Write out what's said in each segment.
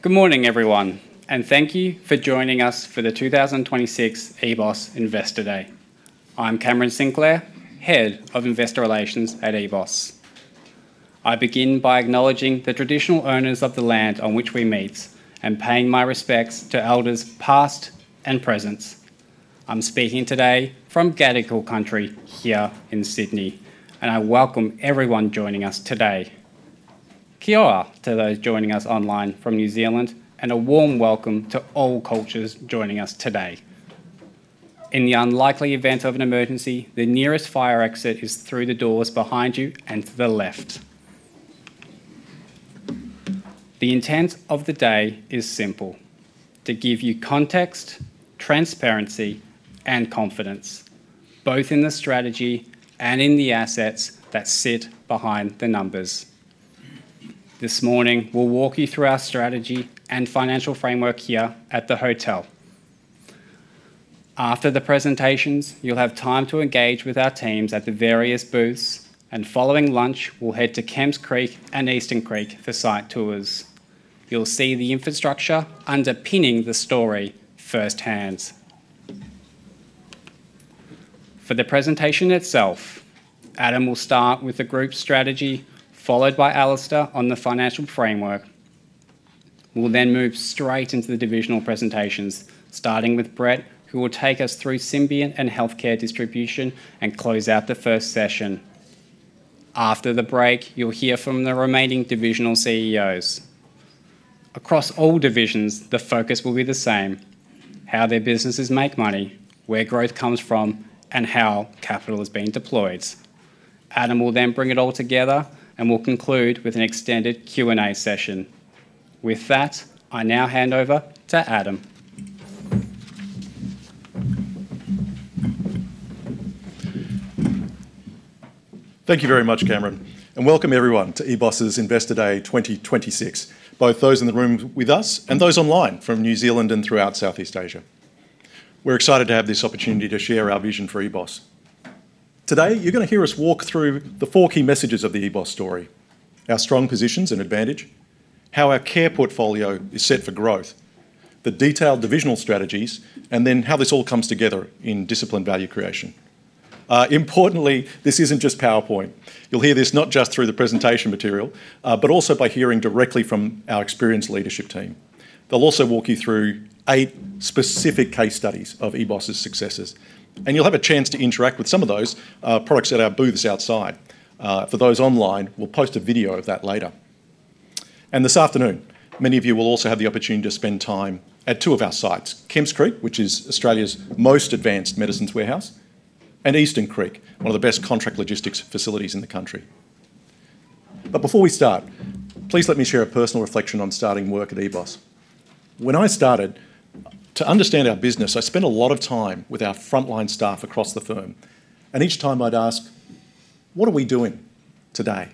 Good morning, everyone. Thank you for joining us for the 2026 EBOS Investor Day. I'm Cameron Sinclair, head of investor relations at EBOS. I begin by acknowledging the traditional owners of the land on which we meet, paying my respects to elders past and present. I'm speaking today from Gadigal country here in Sydney. I welcome everyone joining us today. Kia ora to those joining us online from New Zealand, a warm welcome to all cultures joining us today. In the unlikely event of an emergency, the nearest fire exit is through the doors behind you and to the left. The intent of the day is simple: to give you context, transparency, and confidence both in the strategy and in the assets that sit behind the numbers. This morning, we'll walk you through our strategy and financial framework here at the hotel. After the presentations, you'll have time to engage with our teams at the various booths, and following lunch, we'll head to Kemps Creek and Eastern Creek for site tours. You'll see the infrastructure underpinning the story firsthand. For the presentation itself, Adam will start with the group strategy, followed by Alistair on the financial framework. We'll move straight into the divisional presentations, starting with Brett, who will take us through Symbion and Healthcare Distribution, and close out the first session. After the break, you'll hear from the remaining divisional CEOs. Across all divisions, the focus will be the same: how their businesses make money, where growth comes from, and how capital is being deployed. Adam will then bring it all together, and we'll conclude with an extended Q&A session. With that, I now hand over to Adam. Thank you very much, Cameron. Welcome, everyone, to EBOS's Investor Day 2026, both those in the room with us and those online from New Zealand and throughout Southeast Asia. We're excited to have this opportunity to share our vision for EBOS. Today, you're gonna hear us walk through the four key messages of the EBOS story: our strong positions and advantage, how our care portfolio is set for growth, the detailed divisional strategies, and then how this all comes together in disciplined value creation. Importantly, this isn't just PowerPoint. You'll hear this not just through the presentation material, but also by hearing directly from our experienced leadership team. They'll also walk you through eight specific case studies of EBOS's successes, and you'll have a chance to interact with some of those products at our booths outside. For those online, we'll post a video of that later. This afternoon, many of you will also have the opportunity to spend time at two of our sites, Kemps Creek, which is Australia's most advanced medicines warehouse, and Eastern Creek, one of the best contract logistics facilities in the country. Before we start, please let me share a personal reflection on starting work at EBOS. When I started, to understand our business, I spent a lot of time with our frontline staff across the firm, and each time I'd ask, "What are we doing today?"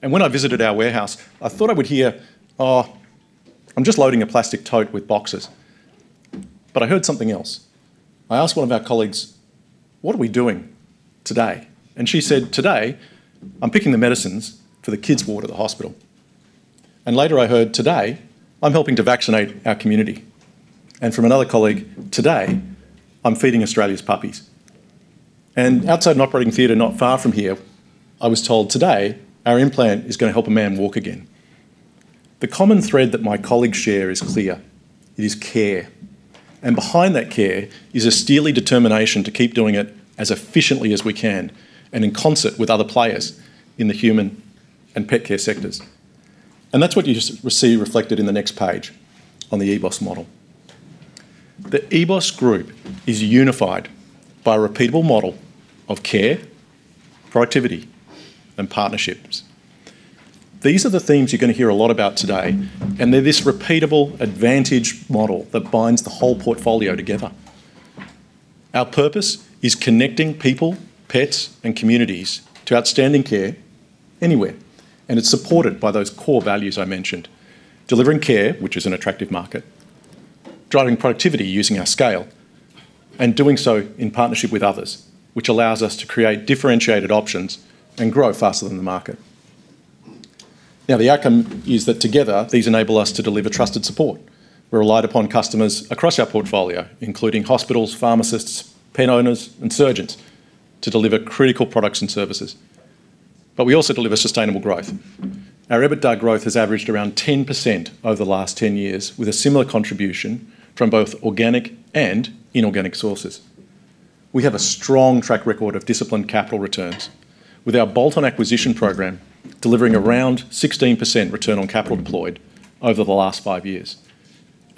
When I visited our warehouse, I thought I would hear, "Oh, I'm just loading a plastic tote with boxes." I heard something else. I asked one of our colleagues, "What are we doing today?" She said, "Today, I'm picking the medicines for the kids' ward at the hospital." Later I heard, "Today, I'm helping to vaccinate our community." From another colleague, "Today, I'm feeding Australia's puppies." Outside an operating theater not far from here, I was told, "Today, our implant is gonna help a man walk again." The common thread that my colleagues share is clear. It is care. Behind that care is a steely determination to keep doing it as efficiently as we can, and in concert with other players in the human and pet care sectors. That's what you receive reflected in the next page on the EBOS model. The EBOS Group is unified by a repeatable model of care, productivity, and partnerships. These are the themes you're gonna hear a lot about today, and they're this repeatable advantage model that binds the whole portfolio together. Our purpose is connecting people, pets, and communities to outstanding care anywhere, and it's supported by those core values I mentioned. Delivering care, which is an attractive market, driving productivity using our scale, and doing so in partnership with others, which allows us to create differentiated options and grow faster than the market. The outcome is that together these enable us to deliver trusted support. We're relied upon customers across our portfolio, including hospitals, pharmacists, pet owners, and surgeons, to deliver critical products and services, but we also deliver sustainable growth. Our EBITDA growth has averaged around 10% over the last 10 years, with a similar contribution from both organic and inorganic sources. We have a strong track record of disciplined capital returns, with our bolt-on acquisition program delivering around 16% return on capital employed over the last five years.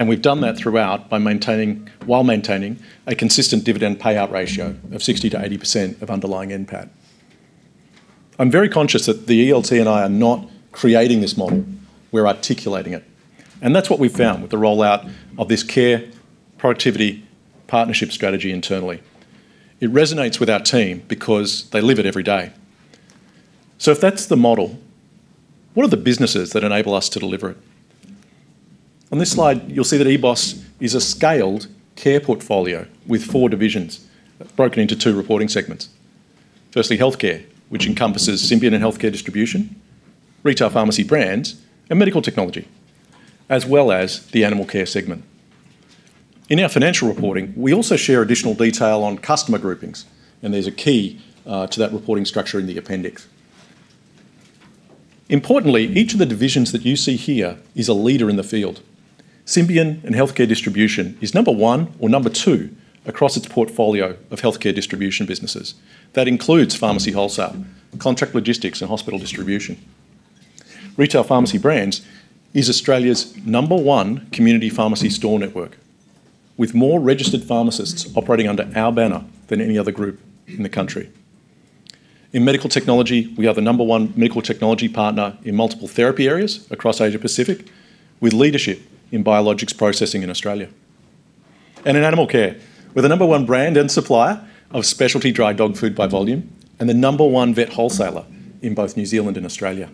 We've done that throughout by maintaining, while maintaining a consistent dividend payout ratio of 60%-80% of underlying NPAT. I'm very conscious that the ELT and I are not creating this model. We're articulating it. That's what we've found with the rollout of this Care, Productivity, Partnership Strategy internally. It resonates with our team because they live it every day. If that's the model, what are the businesses that enable us to deliver it? On this slide, you'll see that EBOS is a scaled care portfolio with four divisions broken into two reporting segments. Firstly, Healthcare, which encompasses Symbion Healthcare Distribution, Retail Pharmacy Brands, and Medical Technology, as well as the Animal Care segment. In our financial reporting, we also share additional detail on customer groupings, and there's a key to that reporting structure in the appendix. Importantly, each of the divisions that you see here is a leader in the field. Symbion and Healthcare Distribution is number one or number two across its portfolio of healthcare distribution businesses. That includes pharmacy wholesale, contract logistics, and hospital distribution. Retail Pharmacy Brands is Australia's number one community pharmacy store network, with more registered pharmacists operating under our banner than any other group in the country. In medical technology, we are the number one medical technology partner in multiple therapy areas across Asia Pacific, with leadership in biologics processing in Australia. In animal care, we're the number one brand and supplier of specialty dry dog food by volume, and the number one vet wholesaler in both New Zealand and Australia.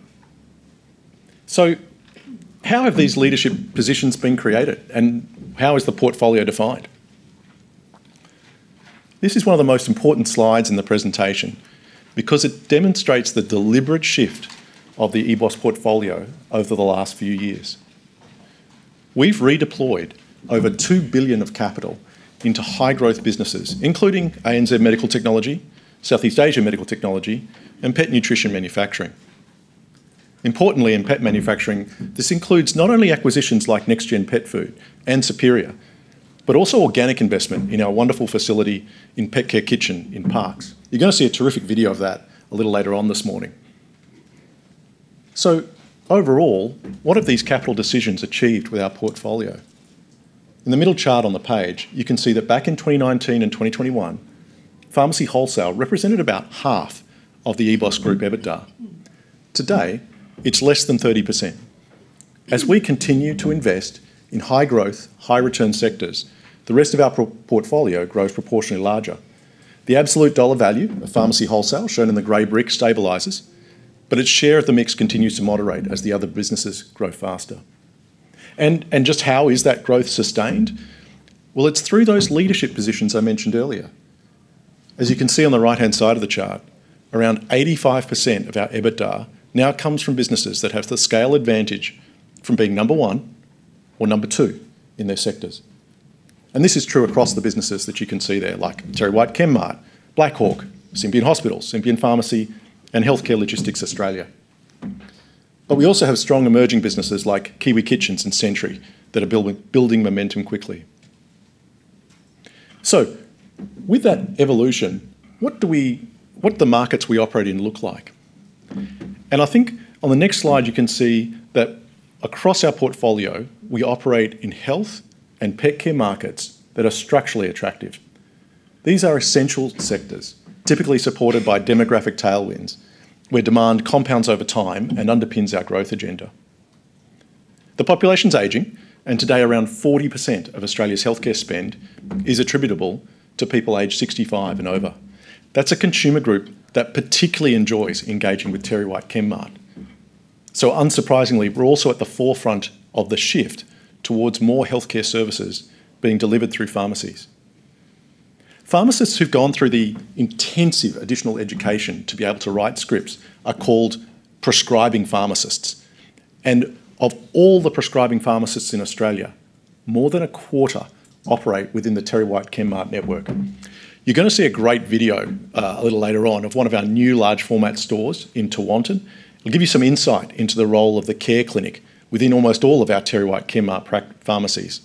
How have these leadership positions been created, and how is the portfolio defined? This is one of the most important slides in the presentation, because it demonstrates the deliberate shift of the EBOS portfolio over the last few years. We've redeployed over 2 billion of capital into high-growth businesses, including ANZ Medical Technology, Southeast Asia Medical Technology, and Pet Nutrition Manufacturing. Importantly, in pet manufacturing, this includes not only acquisitions like NextGEN Pet Food and Superior, but also organic investment in our wonderful facility in Pet Care Kitchen in Parkes. You're going to see a terrific video of that a little later on this morning. Overall, what have these capital decisions achieved with our portfolio? In the middle chart on the page, you can see that back in 2019 and 2021, pharmacy wholesale represented about half of the EBOS Group EBITDA. Today, it's less than 30%. As we continue to invest in high-growth, high-return sectors, the rest of our portfolio grows proportionally larger. The absolute dollar value of pharmacy wholesale, shown in the gray brick, stabilizes, but its share of the mix continues to moderate as the other businesses grow faster. Just how is that growth sustained? Well, it's through those leadership positions I mentioned earlier. As you can see on the right-hand side of the chart, around 85% of our EBITDA now comes from businesses that have the scale advantage from being number one or number two in their sectors. This is true across the businesses that you can see there, like TerryWhite Chemmart, Black Hawk, Symbion Hospitals, Symbion Pharmacy, and Healthcare Logistics Australia. We also have strong emerging businesses like Kiwi Kitchens and Sentry that are building momentum quickly. With that evolution, what the markets we operate in look like? I think on the next slide you can see that across our portfolio, we operate in health and pet care markets that are structurally attractive. These are essential sectors, typically supported by demographic tailwinds, where demand compounds over time and underpins our growth agenda. The population's aging, and today around 40% of Australia's healthcare spend is attributable to people aged 65 and over. That's a consumer group that particularly enjoys engaging with TerryWhite Chemmart. Unsurprisingly, we're also at the forefront of the shift towards more healthcare services being delivered through pharmacies. Pharmacists who've gone through the intensive additional education to be able to write scripts are called prescribing pharmacists. Of all the prescribing pharmacists in Australia, more than a quarter operate within the TerryWhite Chemmart network. You're gonna see a great video, a little later on, of one of our new large format stores in Tewantin. It'll give you some insight into the role of the care clinic within almost all of our TerryWhite Chemmart pharmacies.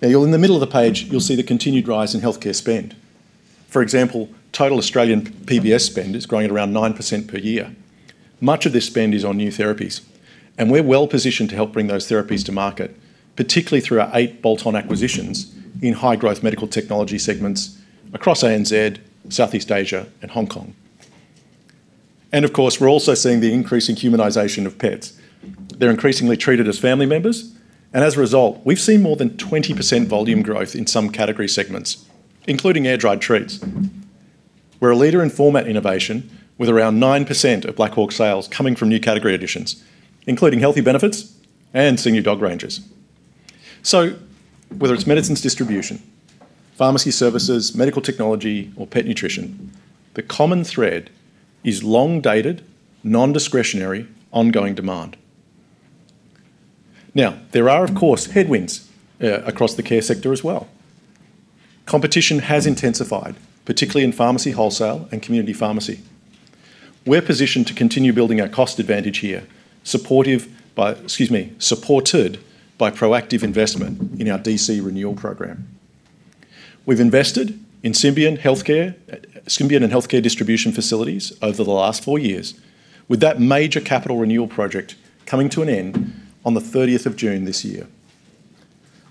In the middle of the page, you'll see the continued rise in healthcare spend. For example, total Australian PBS spend is growing at around 9% per year. Much of this spend is on new therapies, we're well-positioned to help bring those therapies to market, particularly through our eight bolt-on acquisitions in high-growth medical technology segments across ANZ, Southeast Asia, and Hong Kong. Of course, we're also seeing the increasing humanization of pets. They're increasingly treated as family members, as a result, we've seen more than 20% volume growth in some category segments, including air-dried treats. We're a leader in format innovation, with around 9% of Black Hawk sales coming from new category additions, including Healthy Benefits and senior dog ranges. Whether it's medicines distribution, pharmacy services, medical technology, or pet nutrition, the common thread is long-dated, non-discretionary, ongoing demand. There are of course headwinds across the care sector as well. Competition has intensified, particularly in pharmacy wholesale and community pharmacy. We're positioned to continue building our cost advantage here, supported by proactive investment in our DC renewal program. We've invested in Symbion and Healthcare Distribution facilities over the last four years, with that major capital renewal project coming to an end on the 30th of June this year.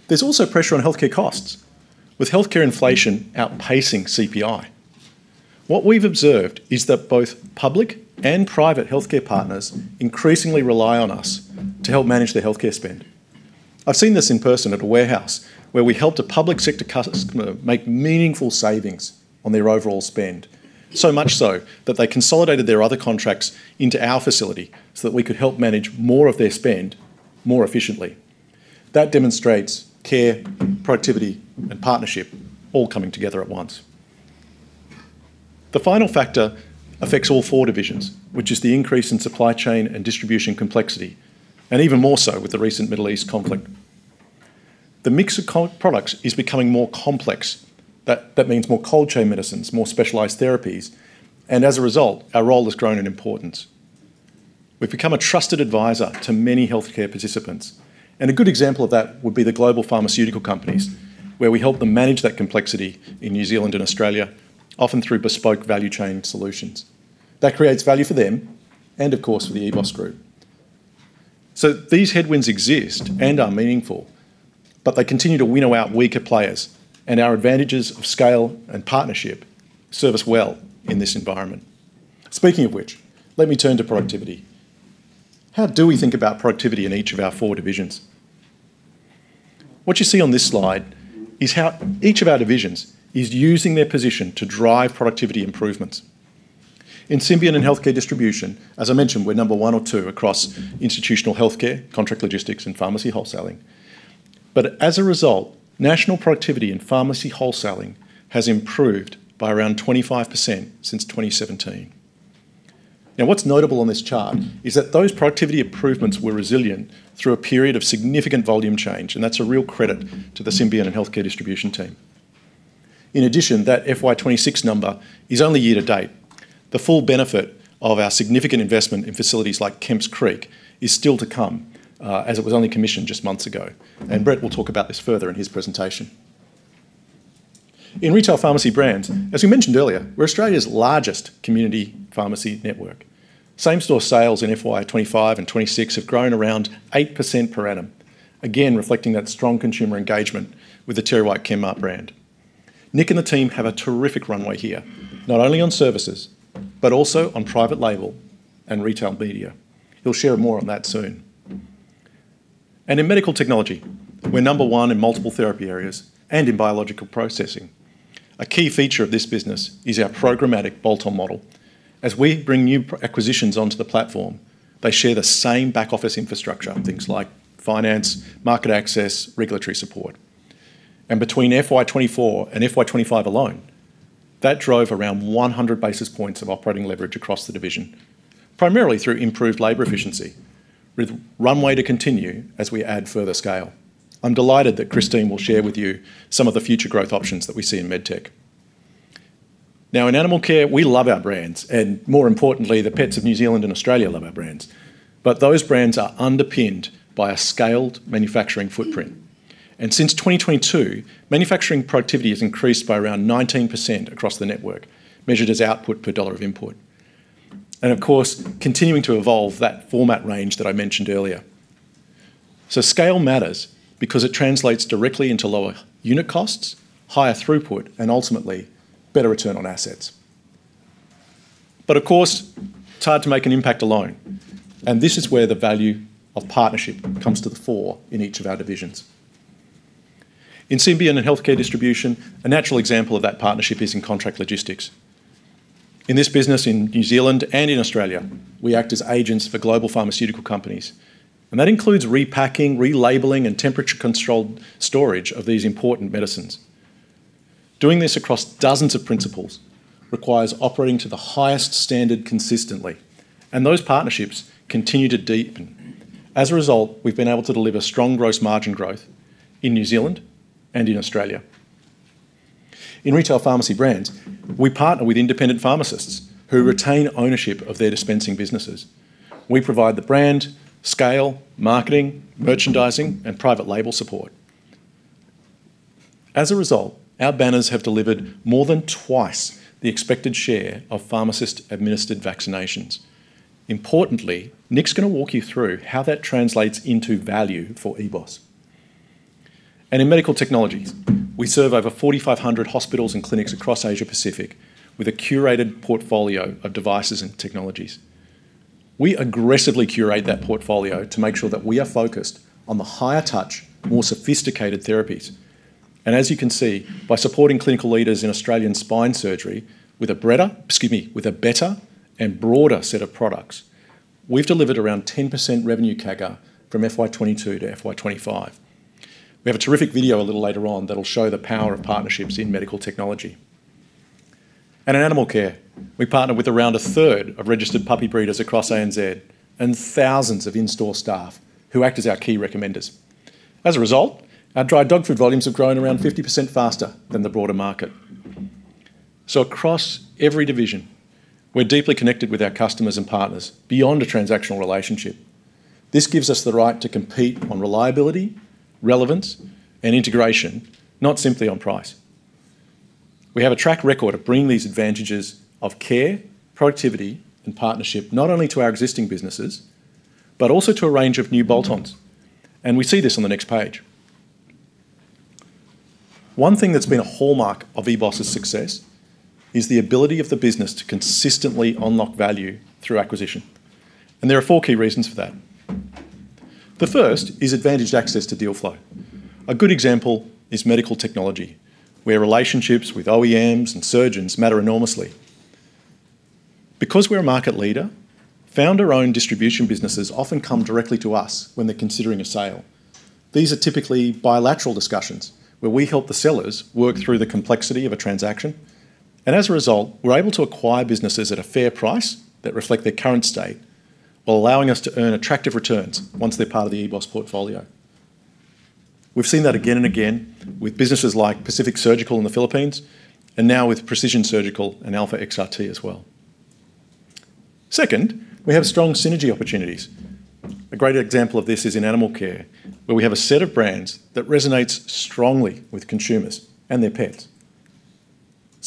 There's also pressure on healthcare costs, with healthcare inflation outpacing CPI. What we've observed is that both public and private healthcare partners increasingly rely on us to help manage their healthcare spend. I've seen this in person at a warehouse where we helped a public sector customer make meaningful savings on their overall spend. So much so that they consolidated their other contracts into our facility so that we could help manage more of their spend more efficiently. That demonstrates care, productivity, and partnership all coming together at once. The final factor affects all four divisions, which is the increase in supply chain and distribution complexity, and even more so with the recent Middle East conflict. The mix of co-products is becoming more complex. That means more cold chain medicines, more specialized therapies, and as a result, our role has grown in importance. We've become a trusted advisor to many healthcare participants, a good example of that would be the global pharmaceutical companies, where we help them manage that complexity in New Zealand and Australia, often through bespoke value chain solutions. That creates value for them and, of course, for the EBOS Group. These headwinds exist and are meaningful, but they continue to winnow out weaker players, and our advantages of scale and partnership serve us well in this environment. Speaking of which, let me turn to productivity. How do we think about productivity in each of our four divisions? What you see on this slide is how each of our divisions is using their position to drive productivity improvements. In Symbion and Healthcare Distribution, as I mentioned, we're number one or two across institutional healthcare, contract logistics, and pharmacy wholesaling. As a result, national productivity and pharmacy wholesaling has improved by around 25% since 2017. What's notable on this chart is that those productivity improvements were resilient through a period of significant volume change, and that's a real credit to the Symbion and Healthcare Distribution team. In addition, that FY 2026 number is only year to date. The full benefit of our significant investment in facilities like Kemps Creek is still to come, as it was only commissioned just months ago, and Brett will talk about this further in his presentation. In Retail Pharmacy Brands, as we mentioned earlier, we're Australia's largest community pharmacy network. Same-store sales in FY 2025 and 2026 have grown around 8% per annum, again reflecting that strong consumer engagement with the TerryWhite Chemmart brand. Nick and the team have a terrific runway here, not only on services, but also on private label and retail media. He'll share more on that soon. In Medical Technology, we're number one in multiple therapy areas and in biological processing. A key feature of this business is our programmatic bolt-on model. As we bring new acquisitions onto the platform, they share the same back office infrastructure, things like finance, market access, regulatory support. Between FY 2024 and FY 2025 alone, that drove around 100 basis points of operating leverage across the division, primarily through improved labor efficiency, with runway to continue as we add further scale. I'm delighted that Kristine will share with you some of the future growth options that we see in MedTech. Now, in Animal Care, we love our brands, and more importantly, the pets of New Zealand and Australia love our brands. Those brands are underpinned by a scaled manufacturing footprint. Since 2022, manufacturing productivity has increased by around 19% across the network, measured as output per dollar of input. Of course, continuing to evolve that format range that I mentioned earlier. Scale matters because it translates directly into lower unit costs, higher throughput, and ultimately better return on assets. Of course, it's hard to make an impact alone, and this is where the value of partnership comes to the fore in each of our divisions. In Symbion and Healthcare Distribution, a natural example of that partnership is in contract logistics. In this business in New Zealand and in Australia, we act as agents for global pharmaceutical companies, and that includes repacking, relabeling, and temperature-controlled storage of these important medicines. Doing this across dozens of principals requires operating to the highest standard consistently, and those partnerships continue to deepen. As a result, we've been able to deliver strong gross margin growth in New Zealand and in Australia. In Retail Pharmacy Brands, we partner with independent pharmacists who retain ownership of their dispensing businesses. We provide the brand, scale, marketing, merchandising, and private label support. As a result, our banners have delivered more than twice the expected share of pharmacist-administered vaccinations. Importantly, Nick is going to walk you through how that translates into value for EBOS. In Medical Technologies, we serve over 4,500 hospitals and clinics across Asia Pacific with a curated portfolio of devices and technologies. We aggressively curate that portfolio to make sure that we are focused on the higher touch, more sophisticated therapies. As you can see, by supporting clinical leaders in Australian spine surgery with a better and broader set of products, we've delivered around 10% revenue CAGR from FY 2022 to FY 2025. We have a terrific video a little later on that'll show the power of partnerships in Medical Technology. In Animal Care, we partner with around a third of registered puppy breeders across ANZ and thousands of in-store staff who act as our key recommenders. As a result, our dry dog food volumes have grown around 50% faster than the broader market. Across every division, we're deeply connected with our customers and partners beyond a transactional relationship. This gives us the right to compete on reliability, relevance, and integration, not simply on price. We have a track record of bringing these advantages of care, productivity, and partnership not only to our existing businesses, but also to a range of new bolt-ons. We see this on the next page. One thing that's been a hallmark of EBOS's success is the ability of the business to consistently unlock value through acquisition. There are four key reasons for that. The first is advantaged access to deal flow. A good example is Medical Technology, where relationships with OEMs and surgeons matter enormously. Because we're a market leader, founder-owned distribution businesses often come directly to us when they're considering a sale. These are typically bilateral discussions, where we help the sellers work through the complexity of a transaction, and as a result, we're able to acquire businesses at a fair price that reflect their current state, while allowing us to earn attractive returns once they're part of the EBOS portfolio. We've seen that again and again with businesses like Pacific Surgical in the Philippines, and now with Precision Surgical and alphaXRT as well. Second, we have strong synergy opportunities. A great example of this is in Animal Care, where we have a set of brands that resonates strongly with consumers and their pets.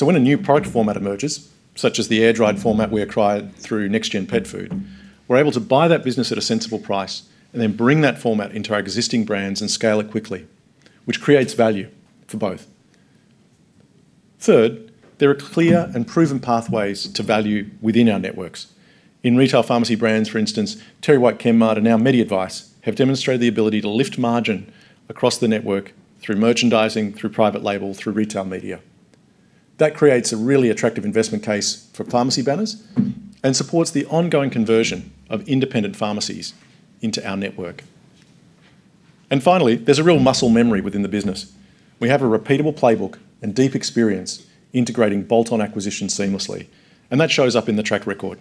When a new product format emerges, such as the air-dried format we acquired through Next Generation Pet Foods, we're able to buy that business at a sensible price and then bring that format into our existing brands and scale it quickly, which creates value for both. Third, there are clear and proven pathways to value within our networks. In Retail Pharmacy Brands, for instance, TerryWhite Chemmart and now MediADVICE have demonstrated the ability to lift margin across the network through merchandising, through private label, through retail media. That creates a really attractive investment case for pharmacy banners and supports the ongoing conversion of independent pharmacies into our network. Finally, there's a real muscle memory within the business. We have a repeatable playbook and deep experience integrating bolt-on acquisitions seamlessly, and that shows up in the track record.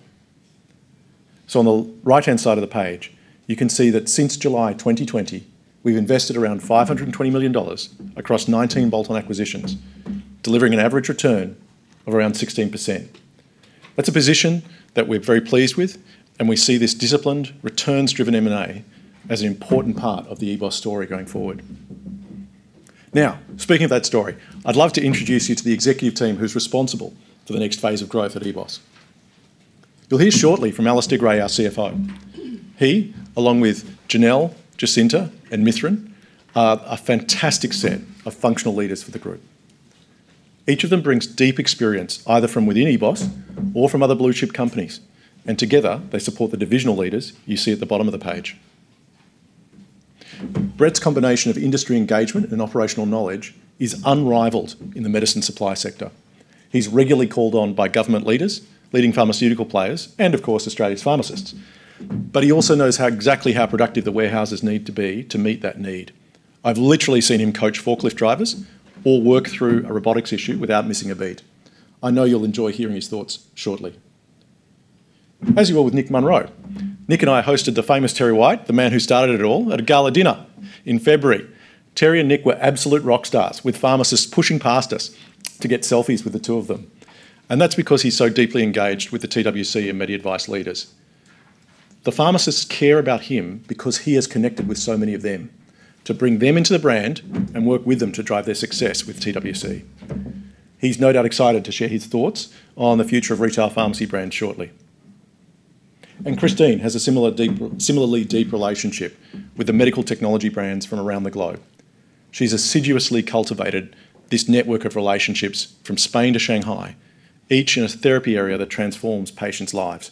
On the right-hand side of the page, you can see that since July 2020, we've invested around 520 million dollars across 19 bolt-on acquisitions, delivering an average return of around 16%. That's a position that we're very pleased with. We see this disciplined, returns-driven M&A as an important part of the EBOS story going forward. Speaking of that story, I'd love to introduce you to the executive team who's responsible for the next phase of growth at EBOS. You'll hear shortly from Alistair Gray, our CFO. He, along with Janelle, Jacinta, and Mithran, are a fantastic set of functional leaders for the group. Each of them brings deep experience, either from within EBOS or from other blue-chip companies. Together they support the divisional leaders you see at the bottom of the page. Brett's combination of industry engagement and operational knowledge is unrivaled in the medicine supply sector. He's regularly called on by government leaders, leading pharmaceutical players, and of course, Australia's pharmacists. He also knows how exactly how productive the warehouses need to be to meet that need. I've literally seen him coach forklift drivers or work through a robotics issue without missing a beat. I know you'll enjoy hearing his thoughts shortly. As you will with Nick Munroe. Nick Munroe and I hosted the famous Terry White, the man who started it all, at a gala dinner in February. Terry and Nick Munroe were absolute rock stars, with pharmacists pushing past us to get selfies with the two of them. That's because he's so deeply engaged with the TWC and MediADVICE leaders. The pharmacists care about him because he has connected with so many of them to bring them into the brand and work with them to drive their success with TWC. He's no doubt excited to share his thoughts on the future of Retail Pharmacy Brands shortly. Kristine has a similarly deep relationship with the medical technology brands from around the globe. She's assiduously cultivated this network of relationships from Spain to Shanghai, each in a therapy area that transforms patients' lives.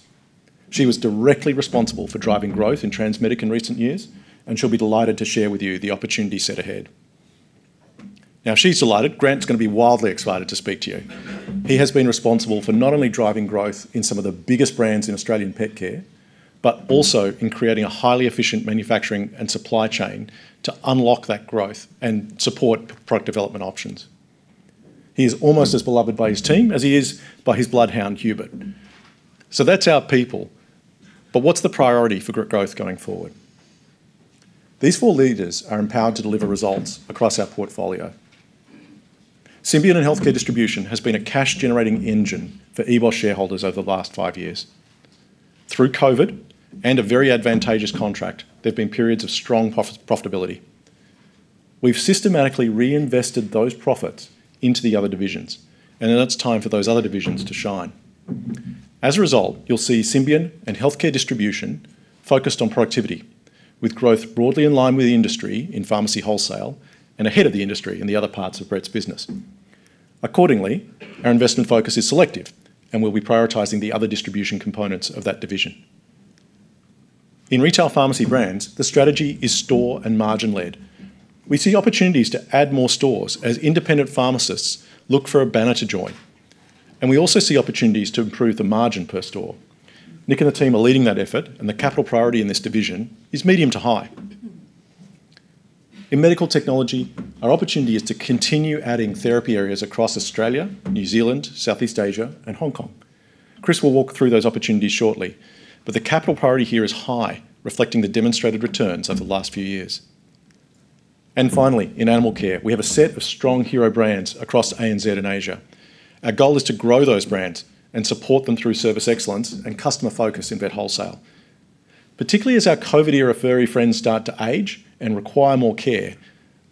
She was directly responsible for driving growth in Transmedic in recent years, and she'll be delighted to share with you the opportunity set ahead. She's delighted, Grant's gonna be wildly excited to speak to you. He has been responsible for not only driving growth in some of the biggest brands in Australian pet care, but also in creating a highly efficient manufacturing and supply chain to unlock that growth and support product development options. He is almost as beloved by his team as he is by his bloodhound, Hubert. That's our people, but what's the priority for growth going forward? These four leaders are empowered to deliver results across our portfolio. Symbion and Healthcare Distribution has been a cash-generating engine for EBOS shareholders over the last five years. Through COVID and a very advantageous contract, there've been periods of strong profitability. We've systematically reinvested those profits into the other divisions, and now it's time for those other divisions to shine. As a result, you'll see Symbion and Healthcare Distribution focused on productivity, with growth broadly in line with the industry in pharmacy wholesale and ahead of the industry in the other parts of Brett's business. Our investment focus is selective, and we'll be prioritizing the other distribution components of that division. In Retail Pharmacy Brands, the strategy is store and margin-led. We see opportunities to add more stores as independent pharmacists look for a banner to join, and we also see opportunities to improve the margin per store. Nick and the team are leading that effort, and the capital priority in this division is medium to high. In Medical Technology, our opportunity is to continue adding therapy areas across Australia, New Zealand, Southeast Asia, and Hong Kong. Kris will walk through those opportunities shortly, but the capital priority here is high, reflecting the demonstrated returns over the last few years. Finally, in Animal Care, we have a set of strong hero brands across ANZ and Asia. Our goal is to grow those brands and support them through service excellence and customer focus in pet wholesale, particularly as our COVID-era furry friends start to age and require more care,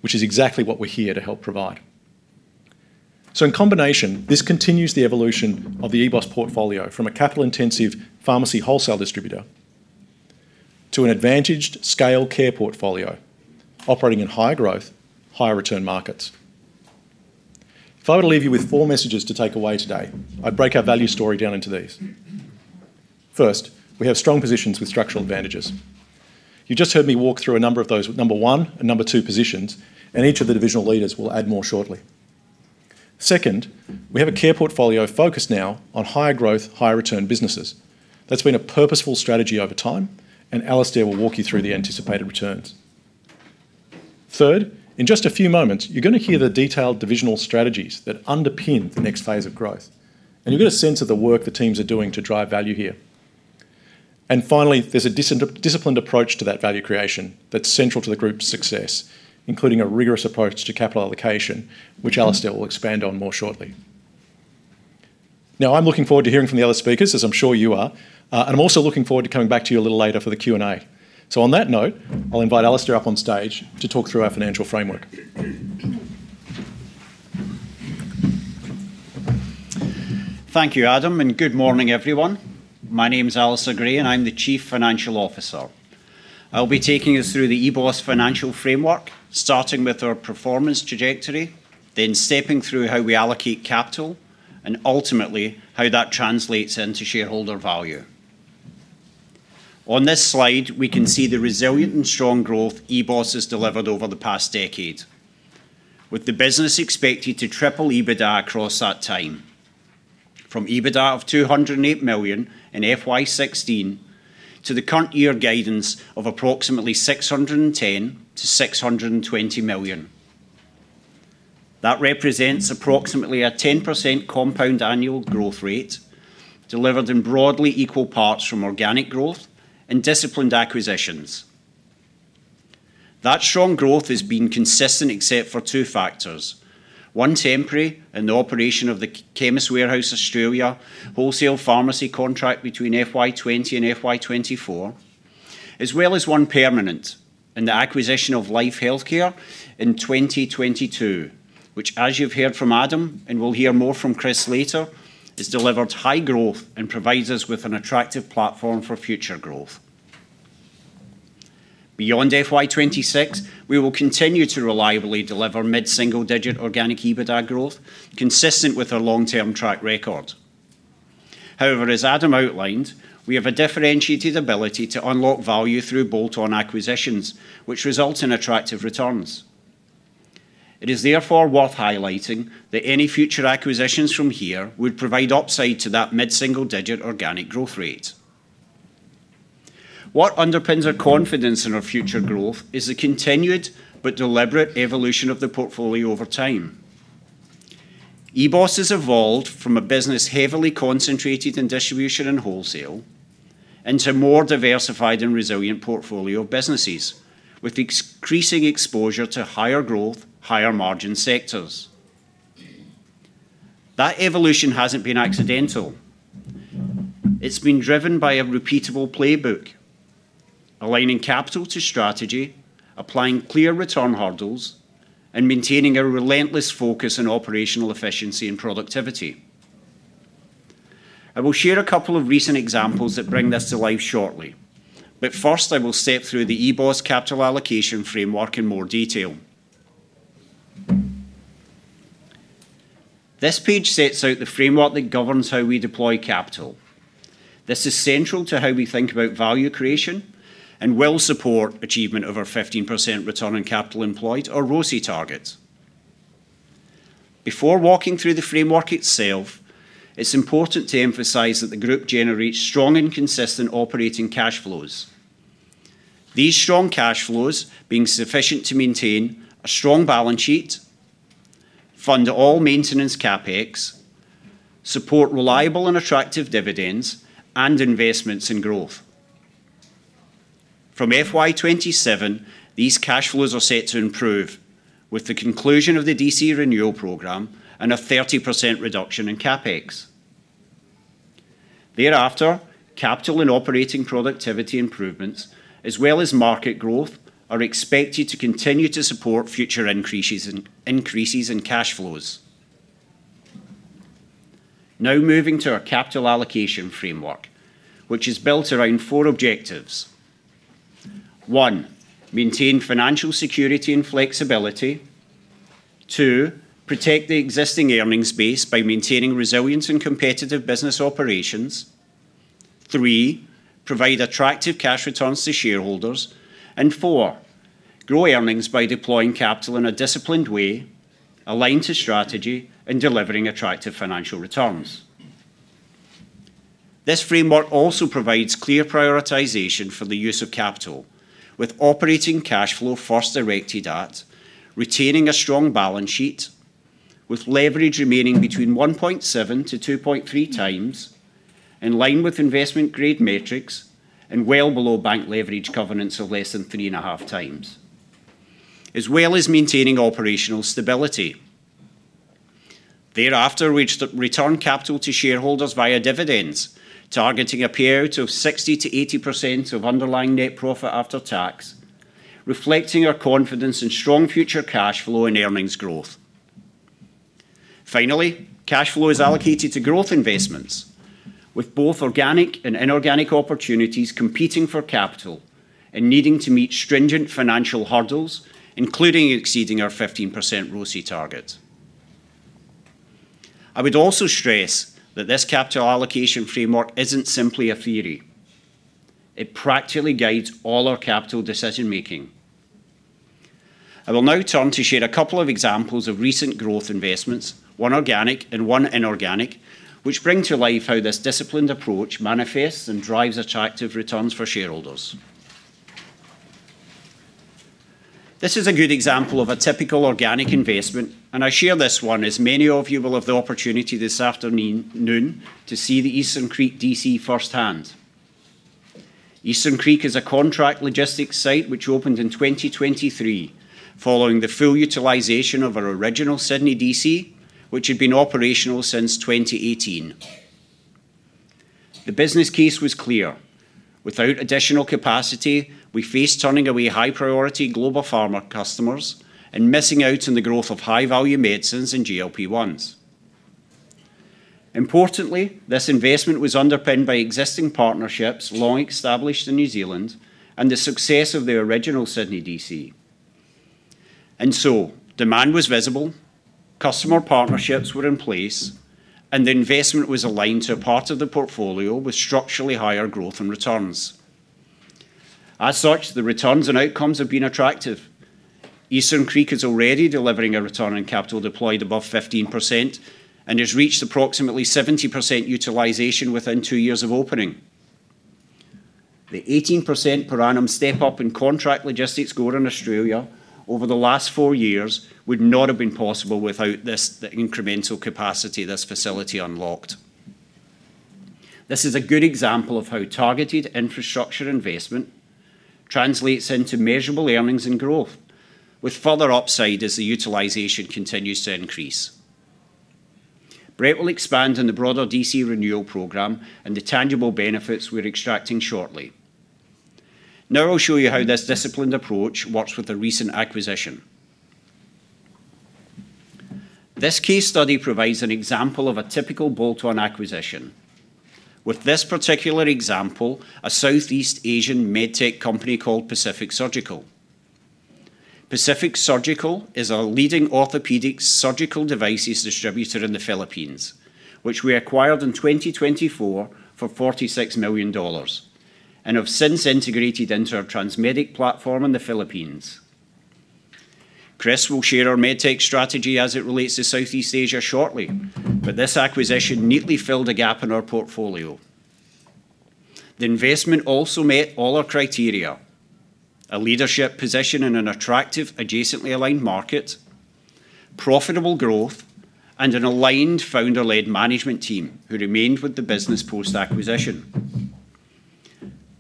which is exactly what we're here to help provide. In combination, this continues the evolution of the EBOS portfolio from a capital-intensive pharmacy wholesale distributor to an advantaged scale care portfolio operating in higher growth, higher return markets. If I were to leave you with four messages to take away today, I'd break our value story down into these. First, we have strong positions with structural advantages. You just heard me walk through a number of those number one and number two positions, and each of the divisional leaders will add more shortly. Second, we have a care portfolio focus now on higher growth, higher return businesses. That's been a purposeful strategy over time, and Alistair will walk you through the anticipated returns. Third, in just a few moments, you're gonna hear the detailed divisional strategies that underpin the next phase of growth, and you'll get a sense of the work the teams are doing to drive value here. Finally, there's a disciplined approach to that value creation that's central to the group's success, including a rigorous approach to capital allocation, which Alistair will expand on more shortly. I'm looking forward to hearing from the other speakers, as I'm sure you are. I'm also looking forward to coming back to you a little later for the Q&A. On that note, I'll invite Alistair up on stage to talk through our financial framework. Thank you, Adam. Good morning, everyone. My name's Alistair Gray. I'm the Chief Financial Officer. I'll be taking us through the EBOS financial framework, starting with our performance trajectory, stepping through how we allocate capital, ultimately how that translates into shareholder value. On this slide, we can see the resilient and strong growth EBOS has delivered over the past decade, with the business expected to triple EBITDA across that time. From EBITDA of 208 million in FY 2016 to the current year guidance of approximately 610 million-620 million. That represents approximately a 10% compound annual growth rate delivered in broadly equal parts from organic growth and disciplined acquisitions. That strong growth has been consistent except for two factors. One temporary in the operation of the Chemist Warehouse Australia wholesale pharmacy contract between FY 2020 and FY 2024, as well as one permanent in the acquisition of LifeHealthcare in 2022, which, as you've heard from Adam and we'll hear more from Kris later, has delivered high growth and provides us with an attractive platform for future growth. Beyond FY 2026, we will continue to reliably deliver mid-single-digit organic EBITDA growth, consistent with our long-term track record. As Adam outlined, we have a differentiated ability to unlock value through bolt-on acquisitions, which result in attractive returns. It is worth highlighting that any future acquisitions from here would provide upside to that mid-single-digit organic growth rate. What underpins our confidence in our future growth is the continued but deliberate evolution of the portfolio over time. EBOS has evolved from a business heavily concentrated in distribution and wholesale into more diversified and resilient portfolio of businesses, with increasing exposure to higher growth, higher margin sectors. That evolution hasn't been accidental. It's been driven by a repeatable playbook, aligning capital to strategy, applying clear return hurdles, and maintaining a relentless focus on operational efficiency and productivity. I will share a couple of recent examples that bring this to life shortly, but first I will step through the EBOS capital allocation framework in more detail. This page sets out the framework that governs how we deploy capital. This is central to how we think about value creation and will support achievement of our 15% return on capital employed, our ROCE target. Before walking through the framework itself, it's important to emphasize that the group generates strong and consistent operating cash flows. These strong cash flows being sufficient to maintain a strong balance sheet, fund all maintenance CapEx, support reliable and attractive dividends, and investments in growth. From FY 2027, these cash flows are set to improve with the conclusion of the DC renewal program and a 30% reduction in CapEx. Thereafter, capital and operating productivity improvements, as well as market growth, are expected to continue to support future increases in cash flows. Now moving to our capital allocation framework, which is built around four objectives. One, maintain financial security and flexibility. Two, protect the existing earnings base by maintaining resilience and competitive business operations. Three, provide attractive cash returns to shareholders. Four, grow earnings by deploying capital in a disciplined way, aligned to strategy and delivering attractive financial returns. This framework also provides clear prioritization for the use of capital with operating cash flow first directed at retaining a strong balance sheet with leverage remaining between 1.7-2.3 times, in line with investment grade metrics, and well below bank leverage covenants of less than 3.5 times, as well as maintaining operational stability. Thereafter, we return capital to shareholders via dividends, targeting a payout of 60%-80% of underlying NPAT, reflecting our confidence in strong future cash flow and earnings growth. Finally, cash flow is allocated to growth investments with both organic and inorganic opportunities competing for capital and needing to meet stringent financial hurdles, including exceeding our 15% ROCE target. I would also stress that this capital allocation framework isn't simply a theory. It practically guides all our capital decision-making. I will now turn to share a couple of examples of recent growth investments, one organic and one inorganic, which bring to life how this disciplined approach manifests and drives attractive returns for shareholders. This is a good example of a typical organic investment, and I share this one as many of you will have the opportunity this afternoon to see the Eastern Creek DC firsthand. Eastern Creek is a contract logistics site which opened in 2023 following the full utilization of our original Sydney DC, which had been operational since 2018. The business case was clear. Without additional capacity, we faced turning away high priority global pharma customers and missing out on the growth of high value medicines in GLP-1s. Importantly, this investment was underpinned by existing partnerships long established in New Zealand and the success of the original Sydney DC. Demand was visible, customer partnerships were in place, and the investment was aligned to a part of the portfolio with structurally higher growth and returns. As such, the returns and outcomes have been attractive. Eastern Creek is already delivering a return on capital deployed above 15% and has reached approximately 70% utilization within two years of opening. The 18% per annum step-up in contract logistics growth in Australia over the last four years would not have been possible without this, the incremental capacity this facility unlocked. This is a good example of how targeted infrastructure investment translates into measurable earnings and growth with further upside as the utilization continues to increase. Brett will expand on the broader DC renewal program and the tangible benefits we're extracting shortly. Now I'll show you how this disciplined approach works with a recent acquisition. This case study provides an example of a typical bolt-on acquisition. With this particular example, a Southeast Asian med tech company called Pacific Surgical. Pacific Surgical is a leading orthopedic surgical devices distributor in the Philippines, which we acquired in 2024 for 46 million dollars and have since integrated into our Transmedic platform in the Philippines. Kris will share our med tech strategy as it relates to Southeast Asia shortly, this acquisition neatly filled a gap in our portfolio. The investment also met all our criteria, a leadership position in an attractive adjacently aligned market, profitable growth, and an aligned founder-led management team who remained with the business post-acquisition.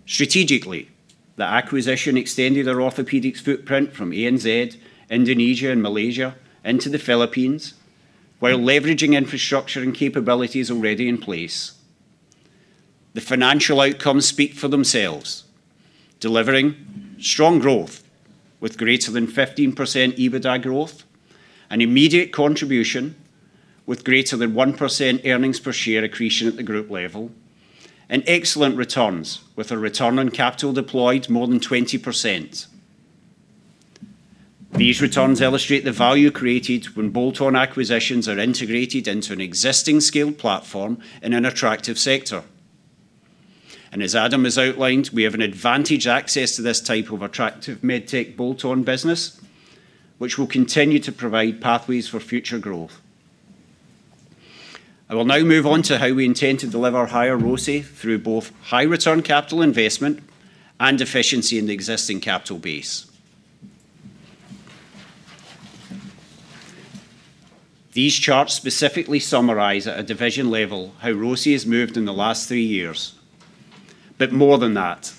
Strategically, the acquisition extended our orthopedics footprint from ANZ, Indonesia and Malaysia into the Philippines while leveraging infrastructure and capabilities already in place. The financial outcomes speak for themselves, delivering strong growth with greater than 15% EBITDA growth and immediate contribution with greater than 1% EPS accretion at the group level and excellent returns with a return on capital deployed more than 20%. These returns illustrate the value created when bolt-on acquisitions are integrated into an existing scaled platform in an attractive sector. As Adam has outlined, we have an advantaged access to this type of attractive MedTech bolt-on business which will continue to provide pathways for future growth. I will now move on to how we intend to deliver higher ROCE through both high return capital investment and efficiency in the existing capital base. These charts specifically summarize at a division level how ROCE has moved in the last three years. More than that,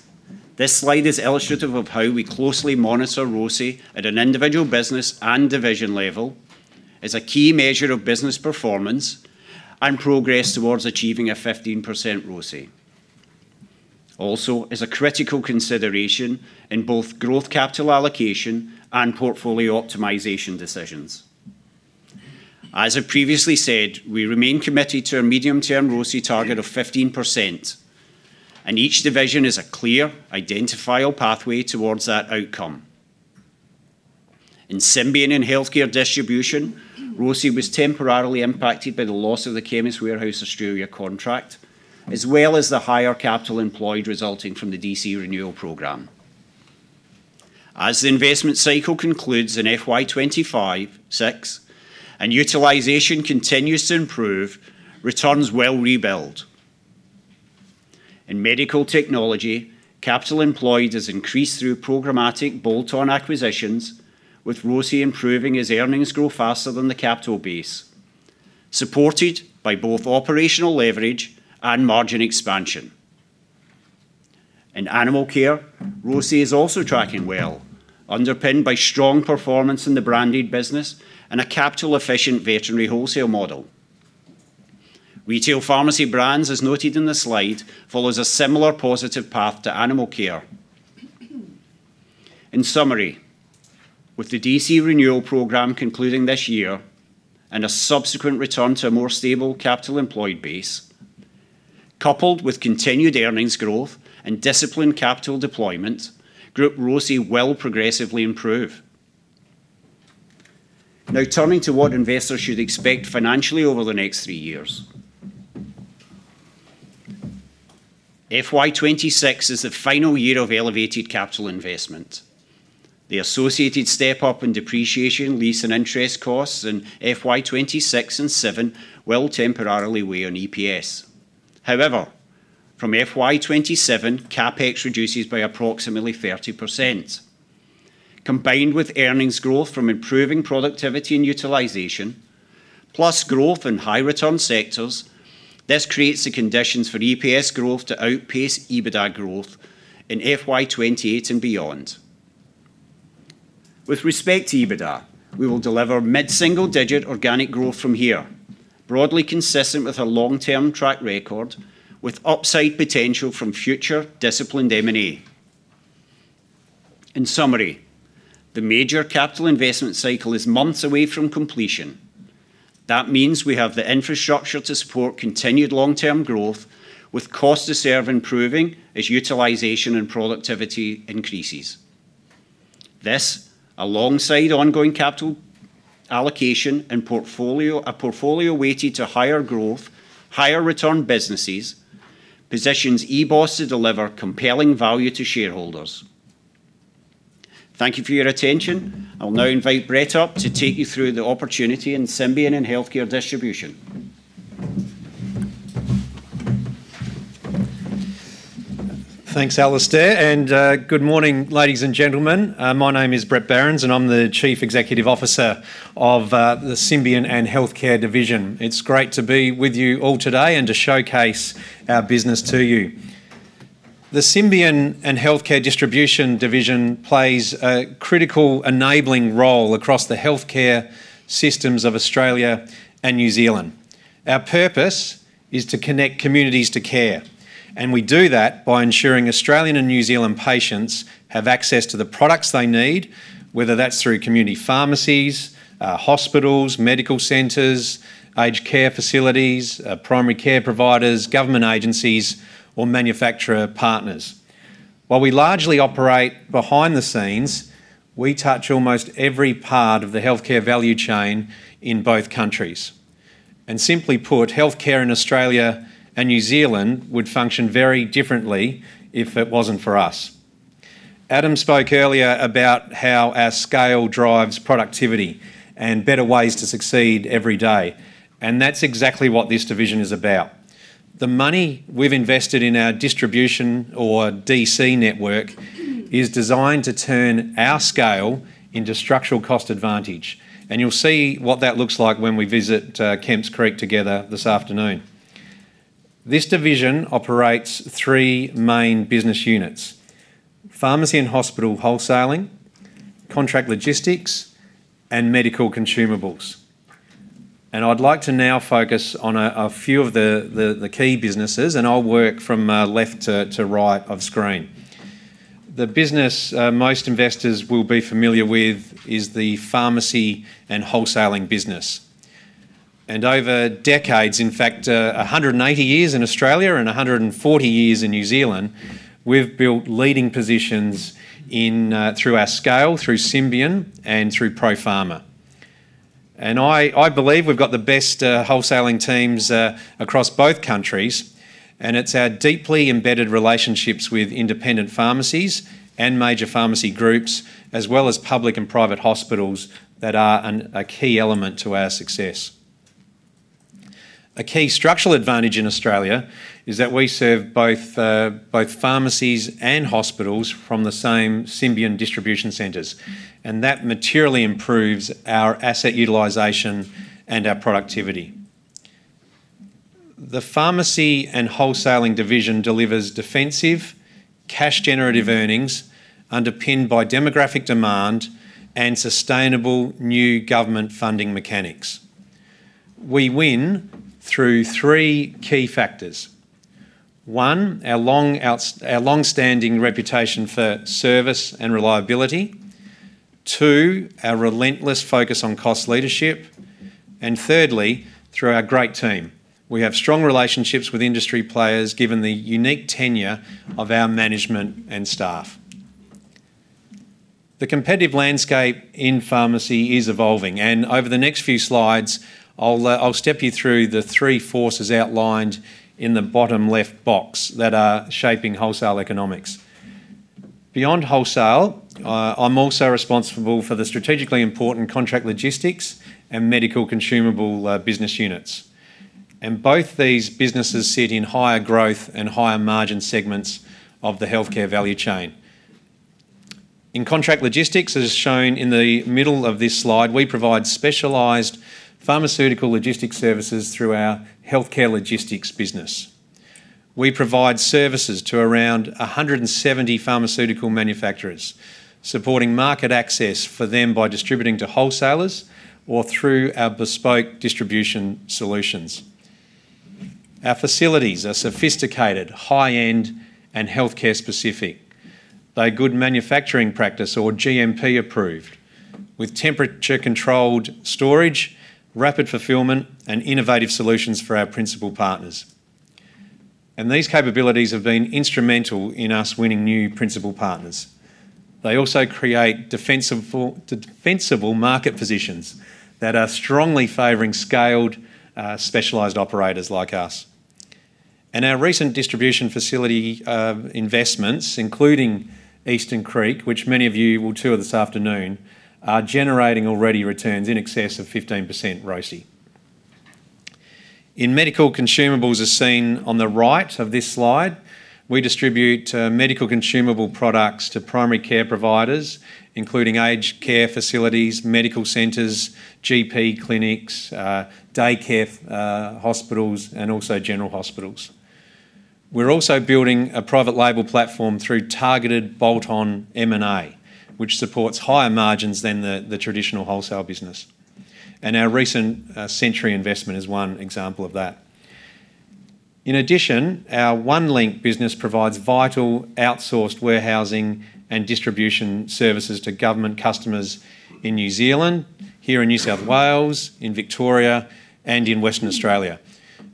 this slide is illustrative of how we closely monitor ROCE at an individual business and division level as a key measure of business performance and progress towards achieving a 15% ROCE. Also, as a critical consideration in both growth capital allocation and portfolio optimization decisions. As I previously said, we remain committed to a medium-term ROCE target of 15%, and each division is a clear identifiable pathway towards that outcome. In Symbion and Healthcare Distribution, ROCE was temporarily impacted by the loss of the Chemist Warehouse contract, as well as the higher capital employed resulting from the DC renewal program. As the investment cycle concludes in FY 2025-2026 and utilization continues to improve, returns will rebuild. In medical technology, capital employed has increased through programmatic bolt-on acquisitions, with ROCE improving as earnings grow faster than the capital base, supported by both operational leverage and margin expansion. In animal care, ROCE is also tracking well, underpinned by strong performance in the branded business and a capital efficient veterinary wholesale model. Retail Pharmacy Brands, as noted in the slide, follows a similar positive path to animal care. In summary, with the DC renewal program concluding this year and a subsequent return to a more stable capital employed base coupled with continued earnings growth and disciplined capital deployment, group ROCE will progressively improve. Turning to what investors should expect financially over the next three years. FY 2026 is the final year of elevated capital investment. The associated step-up in depreciation, lease, and interest costs in FY 2026 and FY 2027 will temporarily weigh on EPS. However, from FY 2027, CapEx reduces by approximately 30%. Combined with earnings growth from improving productivity and utilization, plus growth in high return sectors, this creates the conditions for EPS growth to outpace EBITDA growth in FY 2028 and beyond. With respect to EBITDA, we will deliver mid-single digit organic growth from here, broadly consistent with our long-term track record, with upside potential from future disciplined M&A. In summary, the major capital investment cycle is months away from completion. That means we have the infrastructure to support continued long-term growth with cost to serve improving as utilization and productivity increases. This, alongside ongoing capital allocation and portfolio, a portfolio weighted to higher growth, higher return businesses, positions EBOS to deliver compelling value to shareholders. Thank you for your attention. I'll now invite Brett up to take you through the opportunity in Symbion and Healthcare Distribution. Thanks, Alistair. Good morning, ladies and gentlemen. My name is Brett Barons, and I'm the Chief Executive Officer of the Symbion and Healthcare Distribution. It's great to be with you all today and to showcase our business to you. The Symbion and Healthcare Distribution Division plays a critical enabling role across the healthcare systems of Australia and New Zealand. Our purpose is to connect communities to care, and we do that by ensuring Australian and New Zealand patients have access to the products they need, whether that's through community pharmacies, hospitals, medical centers, aged care facilities, primary care providers, government agencies, or manufacturer partners. While we largely operate behind the scenes, we touch almost every part of the healthcare value chain in both countries. Simply put, healthcare in Australia and New Zealand would function very differently if it wasn't for us. Adam spoke earlier about how our scale drives productivity and better ways to succeed every day, that's exactly what this division is about. The money we've invested in our distribution or DC network is designed to turn our scale into structural cost advantage, you'll see what that looks like when we visit Kemps Creek together this afternoon. This division operates three main business units: pharmacy and hospital wholesaling, contract logistics, and medical consumables. I'd like to now focus on a few of the key businesses, I'll work from left to right of screen. The business most investors will be familiar with is the pharmacy and wholesaling business. Over decades, in fact, 180 years in Australia and 140 years in New Zealand, we've built leading positions in through our scale, through Symbion and through ProPharma. I believe we've got the best wholesaling teams across both countries, and it's our deeply embedded relationships with independent pharmacies and major pharmacy groups, as well as public and private hospitals, that are a key element to our success. A key structural advantage in Australia is that we serve both pharmacies and hospitals from the same Symbion distribution centers, and that materially improves our asset utilization and our productivity. The pharmacy and wholesaling division delivers defensive, cash-generative earnings underpinned by demographic demand and sustainable new government funding mechanics. We win through three key factors. One, our long-standing reputation for service and reliability. Two, our relentless focus on cost leadership. Thirdly, through our great team. We have strong relationships with industry players given the unique tenure of our management and staff. The competitive landscape in pharmacy is evolving. Over the next three slides, I'll step you through the three forces outlined in the bottom left box that are shaping wholesale economics. Beyond wholesale, I'm also responsible for the strategically important contract logistics and medical consumable business units. Both these businesses sit in higher growth and higher margin segments of the healthcare value chain. In contract logistics, as shown in the middle of this slide, we provide specialized pharmaceutical logistics services through our Healthcare Logistics business. We provide services to around 170 pharmaceutical manufacturers, supporting market access for them by distributing to wholesalers or through our bespoke distribution solutions. Our facilities are sophisticated, high-end, and healthcare specific. They're Good Manufacturing Practice or GMP approved. With temperature-controlled storage, rapid fulfillment, and innovative solutions for our principal partners. These capabilities have been instrumental in us winning new principal partners. They also create defensible market positions that are strongly favoring scaled, specialized operators like us. Our recent distribution facility investments, including Eastern Creek, which many of you will tour this afternoon, are generating already returns in excess of 15% ROCE. In Medical Consumables, as seen on the right of this slide, we distribute medical consumable products to primary care providers, including aged care facilities, medical centers, GP clinics, daycare, hospitals, and also general hospitals. We're also building a private label platform through targeted bolt-on M&A, which supports higher margins than the traditional wholesale business, and our recent Sentry investment is one example of that. In addition, our Onelink business provides vital outsourced warehousing and distribution services to government customers in New Zealand, here in New South Wales, in Victoria, and in Western Australia.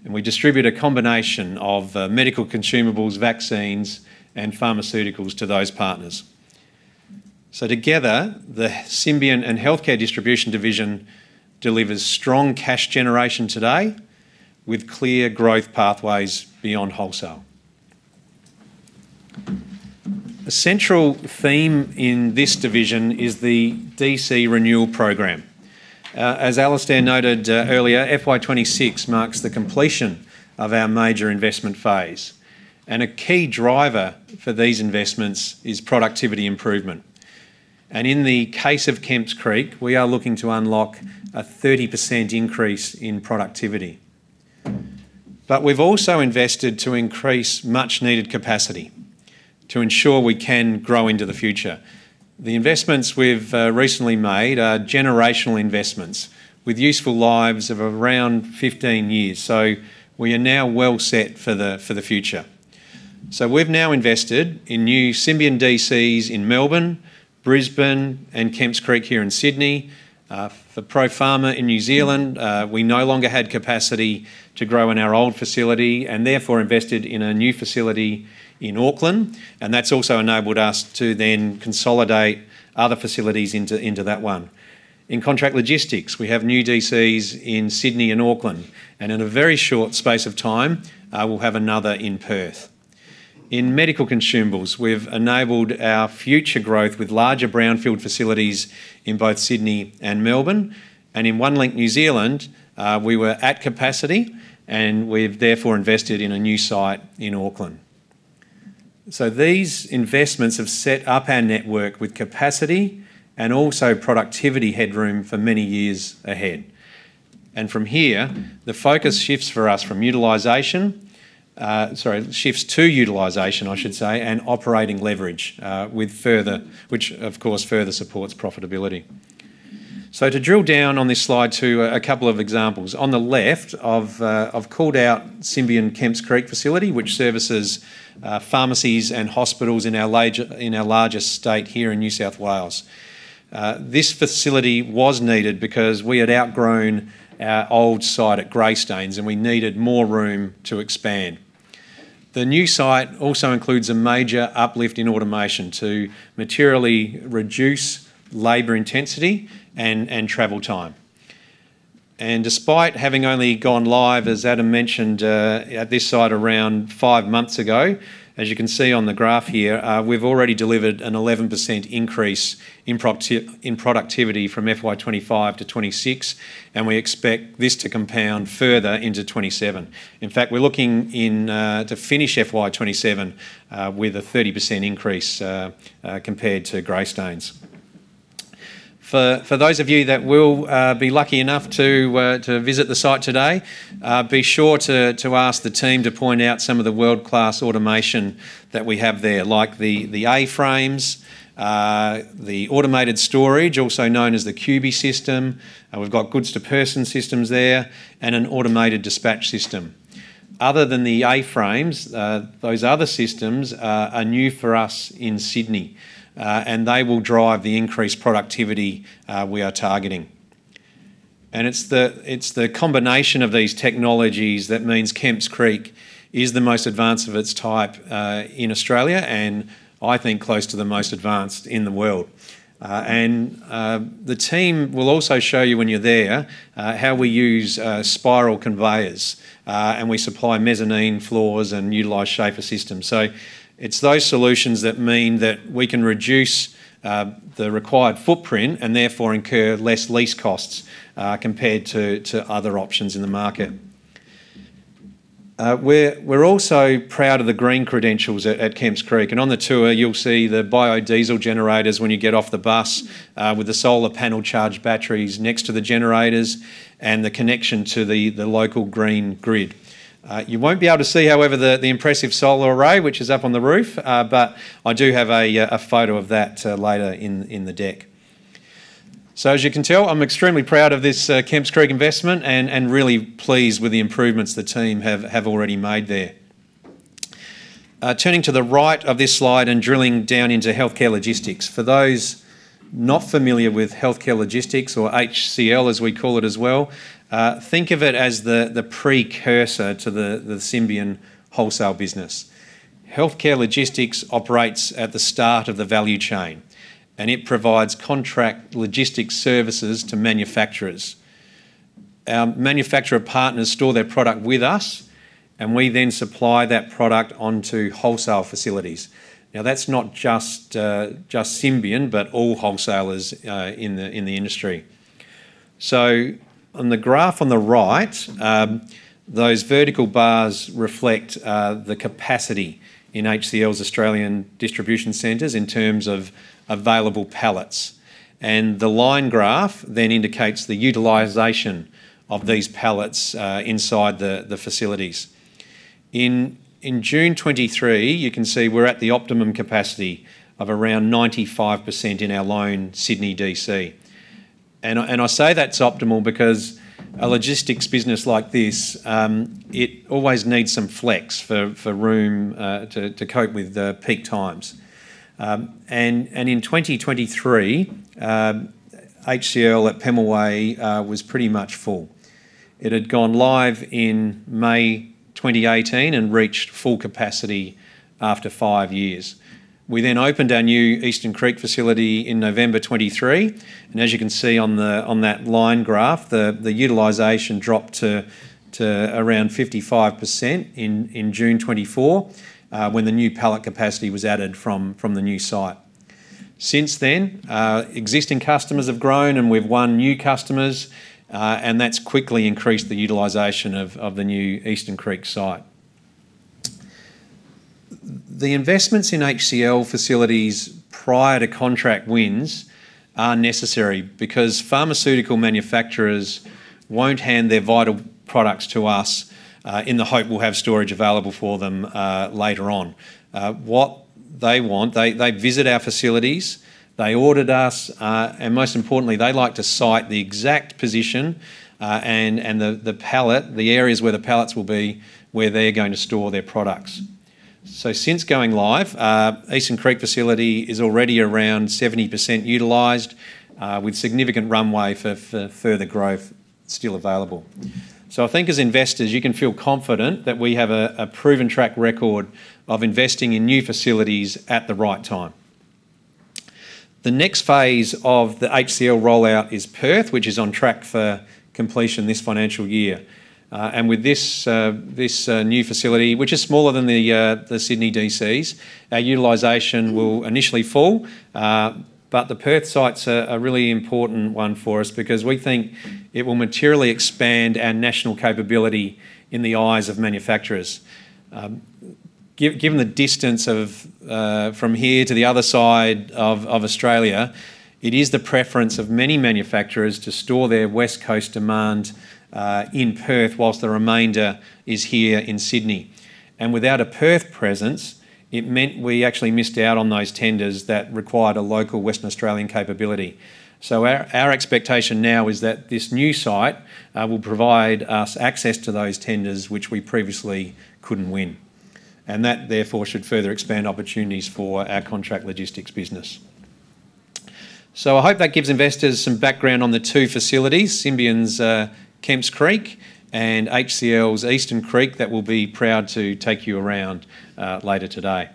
We distribute a combination of medical consumables, vaccines, and pharmaceuticals to those partners. Together, the Symbion and Healthcare Distribution division delivers strong cash generation today with clear growth pathways beyond wholesale. A central theme in this division is the DC renewal program. As Alistair noted earlier, FY 2026 marks the completion of our major investment phase, a key driver for these investments is productivity improvement. In the case of Kemps Creek, we are looking to unlock a 30% increase in productivity. We've also invested to increase much-needed capacity to ensure we can grow into the future. The investments we've recently made are generational investments with useful lives of around 15 years. We are now well set for the future. We've now invested in new Symbion DCs in Melbourne, Brisbane, and Kemps Creek here in Sydney. For ProPharma in New Zealand, we no longer had capacity to grow in our old facility and therefore invested in a new facility in Auckland, and that's also enabled us to then consolidate other facilities into that one. In Contract Logistics, we have new DCs in Sydney and Auckland, and in a very short space of time, we'll have another in Perth. In Medical Consumables, we've enabled our future growth with larger brownfield facilities in both Sydney and Melbourne. In Onelink New Zealand, we were at capacity, and we've therefore invested in a new site in Auckland. These investments have set up our network with capacity and also productivity headroom for many years ahead. From here, the focus shifts for us to utilization, I should say, and operating leverage, which of course further supports profitability. To drill down on this slide to a couple of examples. On the left I've called out Symbion Kemps Creek facility, which services pharmacies and hospitals in our largest state here in New South Wales. This facility was needed because we had outgrown our old site at Greystanes, and we needed more room to expand. The new site also includes a major uplift in automation to materially reduce labor intensity and travel time. Despite having only gone live, as Adam mentioned, at this site around five months ago, as you can see on the graph here, we've already delivered an 11% increase in productivity from FY 2025 to 2026, and we expect this to compound further into 2027. In fact, we're looking to finish FY 2027 with a 30% increase compared to Greystanes. For those of you that will be lucky enough to visit the site today, be sure to ask the team to point out some of the world-class automation that we have there, like the A-frames, the automated storage, also known as the Cuby system, and we've got goods-to-person systems there, and an automated dispatch system. Other than the A-frames, those other systems are new for us in Sydney, and they will drive the increased productivity we are targeting. It's the combination of these technologies that means Kemps Creek is the most advanced of its type in Australia and I think close to the most advanced in the world. The team will also show you when you're there, how we use spiral conveyors. We supply mezzanine floors and utilize Schaefer systems. It's those solutions that mean that we can reduce the required footprint and therefore incur less lease costs compared to other options in the market. We're also proud of the green credentials at Kemps Creek, and on the tour you'll see the biodiesel generators when you get off the bus with the solar panel charged batteries next to the generators and the connection to the local green grid. You won't be able to see, however, the impressive solar array, which is up on the roof, but I do have a photo of that later in the deck. As you can tell, I'm extremely proud of this Kemps Creek investment and really pleased with the improvements the team have already made there. Turning to the right of this slide and drilling down into healthcare logistics. For those not familiar with Healthcare Logistics, or HCL as we call it as well, think of it as the precursor to the Symbion wholesale business. Healthcare Logistics operates at the start of the value chain, and it provides contract logistics services to manufacturers. Our manufacturer partners store their product with us, and we then supply that product onto wholesale facilities. That's not just Symbion, but all wholesalers in the industry. On the graph on the right, those vertical bars reflect the capacity in HCL's Australian distribution centers in terms of available pallets. The line graph then indicates the utilization of these pallets inside the facilities. In June 2023, you can see we're at the optimum capacity of around 95% in our lone Sydney DC. I say that's optimal because a logistics business like this, it always needs some flex for room to cope with the peak times. In 2023, HCL at Pemulwuy was pretty much full. It had gone live in May 2018 and reached full capacity after five years. We opened our new Eastern Creek facility in November 2023, and as you can see on that line graph, the utilization dropped to around 55% in June 2024 when the new pallet capacity was added from the new site. Since then, existing customers have grown, and we've won new customers, and that's quickly increased the utilization of the new Eastern Creek site. The investments in HCL facilities prior to contract wins are necessary because pharmaceutical manufacturers won't hand their vital products to us in the hope we'll have storage available for them later on. What they want, they visit our facilities, they audit us, and most importantly, they like to site the exact position, and the pallet areas where the pallets will be, where they're going to store their products. Since going live, Eastern Creek facility is already around 70% utilized, with significant runway for further growth still available. I think as investors, you can feel confident that we have a proven track record of investing in new facilities at the right time. The next phase of the HCL rollout is Perth, which is on track for completion this financial year. With this new facility, which is smaller than the Sydney DCs, our utilization will initially fall. The Perth site's a really important one for us because we think it will materially expand our national capability in the eyes of manufacturers. Given the distance from here to the other side of Australia, it is the preference of many manufacturers to store their West Coast demand in Perth whilst the remainder is here in Sydney. Without a Perth presence, it meant we actually missed out on those tenders that required a local Western Australian capability. Our expectation now is that this new site will provide us access to those tenders which we previously couldn't win, and that therefore should further expand opportunities for our contract logistics business. I hope that gives investors some background on the two facilities, Symbion's Kemps Creek and Healthcare Logistics Eastern Creek, that we'll be proud to take you around later today.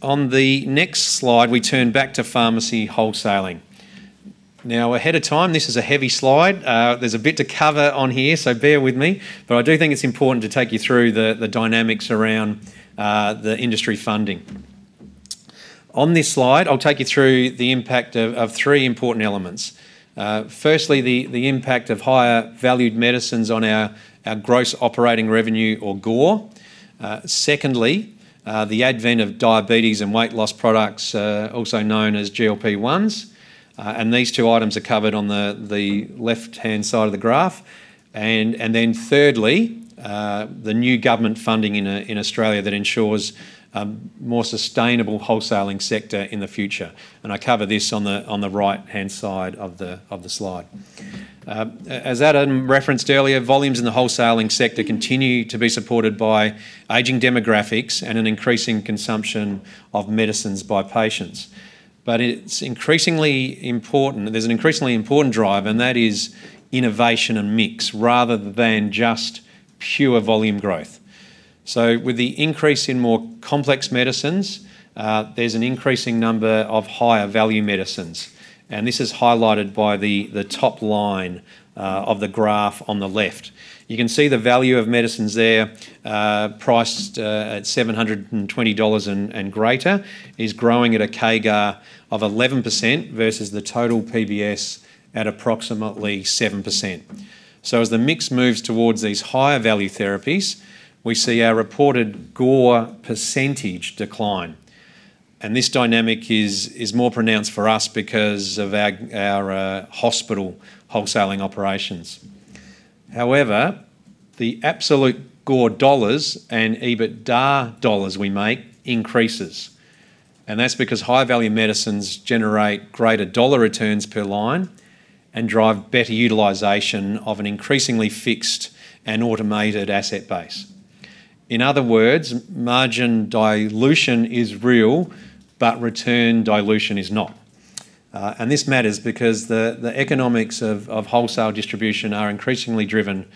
On the next slide, we turn back to pharmacy wholesaling. Ahead of time, this is a heavy slide. There's a bit to cover on here, so bear with me. I do think it's important to take you through the dynamics around the industry funding. On this slide, I'll take you through the impact of three important elements. Firstly, the impact of higher valued medicines on our gross operating revenue, or GOR. Secondly, the advent of diabetes and weight loss products, also known as GLP-1s. These two items are covered on the left-hand side of the graph. Thirdly, the new government funding in Australia that ensures a more sustainable wholesaling sector in the future, and I cover this on the right-hand side of the slide. As Adam referenced earlier, volumes in the wholesaling sector continue to be supported by aging demographics and an increasing consumption of medicines by patients. There's an increasingly important drive, and that is innovation and mix rather than just pure volume growth. With the increase in more complex medicines, there's an increasing number of higher value medicines, and this is highlighted by the top line of the graph on the left. You can see the value of medicines there, priced at 720 dollars and greater, is growing at a CAGR of 11% versus the total PBS at approximately 7%. As the mix moves towards these higher value therapies, we see our reported GOR percentage decline, and this dynamic is more pronounced for us because of our hospital wholesaling operations. However, the absolute GOR NZD and EBITDA NZD we make increases. That's because high-value medicines generate greater NZD returns per line and drive better utilization of an increasingly fixed and automated asset base. In other words, margin dilution is real, but return dilution is not. This matters because the economics of wholesale distribution are increasingly driven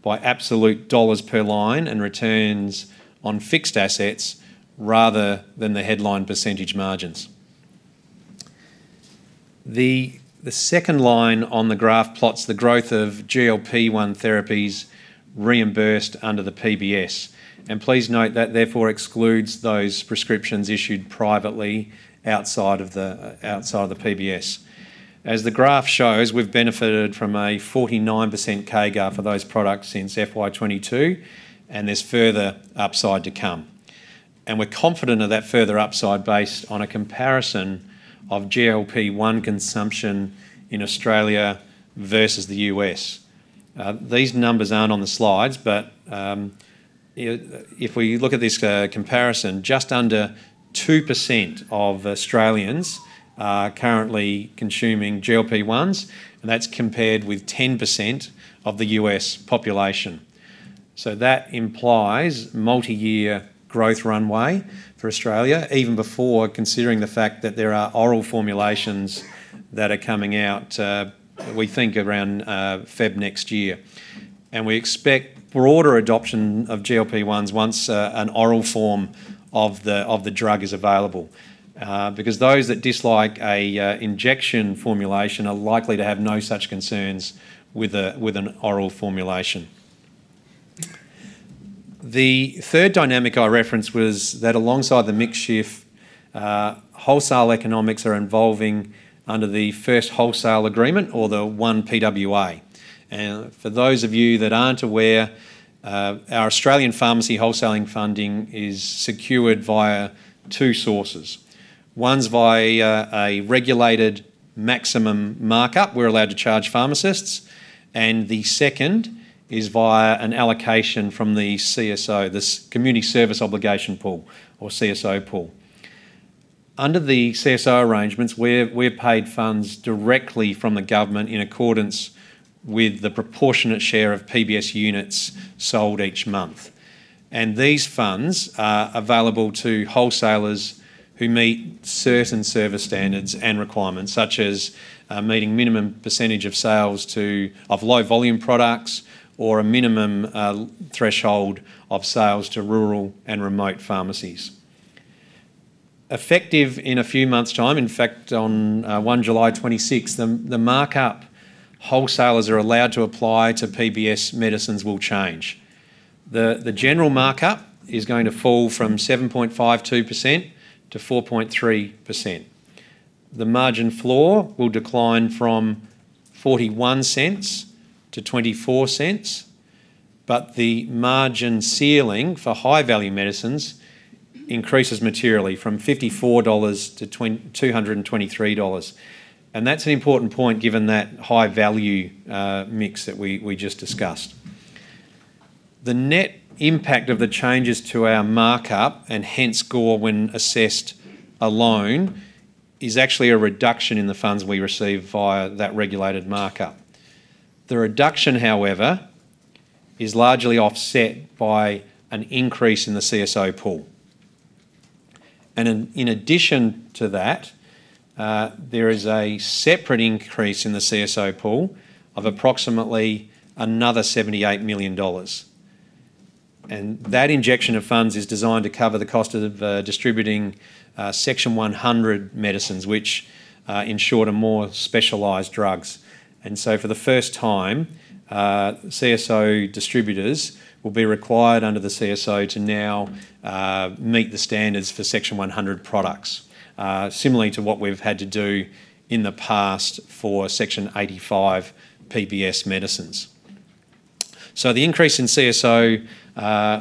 by absolute NZD per line and returns on fixed assets rather than the headline percentage margins. The second line on the graph plots the growth of GLP-1 therapies reimbursed under the PBS. Please note that therefore excludes those prescriptions issued privately outside of the outside the PBS. As the graph shows, we've benefited from a 49% CAGR for those products since FY 2022, and there's further upside to come. We're confident of that further upside based on a comparison of GLP-1 consumption in Australia versus the U.S. These numbers aren't on the slides, but if we look at this comparison, just under 2% of Australians are currently consuming GLP-1s, and that's compared with 10% of the U.S. population. That implies multi-year growth runway for Australia, even before considering the fact that there are oral formulations that are coming out, we think around February next year. We expect broader adoption of GLP-1s once an oral form of the drug is available. Because those that dislike a injection formulation are likely to have no such concerns with an oral formulation. The third dynamic I referenced was that alongside the mix shift, wholesale economics are evolving under the first wholesale agreement or the 1PWA. For those of you that aren't aware, our Australian pharmacy wholesaling funding is secured via two sources. One's via a regulated maximum markup we're allowed to charge pharmacists, and the second is via an allocation from the CSO, the Community Service Obligation pool or CSO pool. Under the CSO arrangements, we're paid funds directly from the government in accordance with the proportionate share of PBS units sold each month. These funds are available to wholesalers who meet certain service standards and requirements, such as meeting minimum percentage of sales of low volume products or a minimum threshold of sales to rural and remote pharmacies. Effective in a few months' time, in fact, on 1 July 26, the markup wholesalers are allowed to apply to PBS medicines will change. The general markup is going to fall from 7.52% to 4.3%. The margin floor will decline from 0.41 to 0.24, but the margin ceiling for high-value medicines increases materially from 54 dollars to 223 dollars. That's an important point given that high value mix that we just discussed. The net impact of the changes to our markup, and hence GOR when assessed alone, is actually a reduction in the funds we receive via that regulated markup. The reduction, however, is largely offset by an increase in the CSO pool. In addition to that, there is a separate increase in the CSO pool of approximately another 78 million dollars. That injection of funds is designed to cover the cost of distributing Section 100 medicines, which, in short, are more specialized drugs. For the first time, CSO distributors will be required under the CSO to now meet the standards for Section 100 products, similarly to what we've had to do in the past for Section 85 PBS medicines. The increase in CSO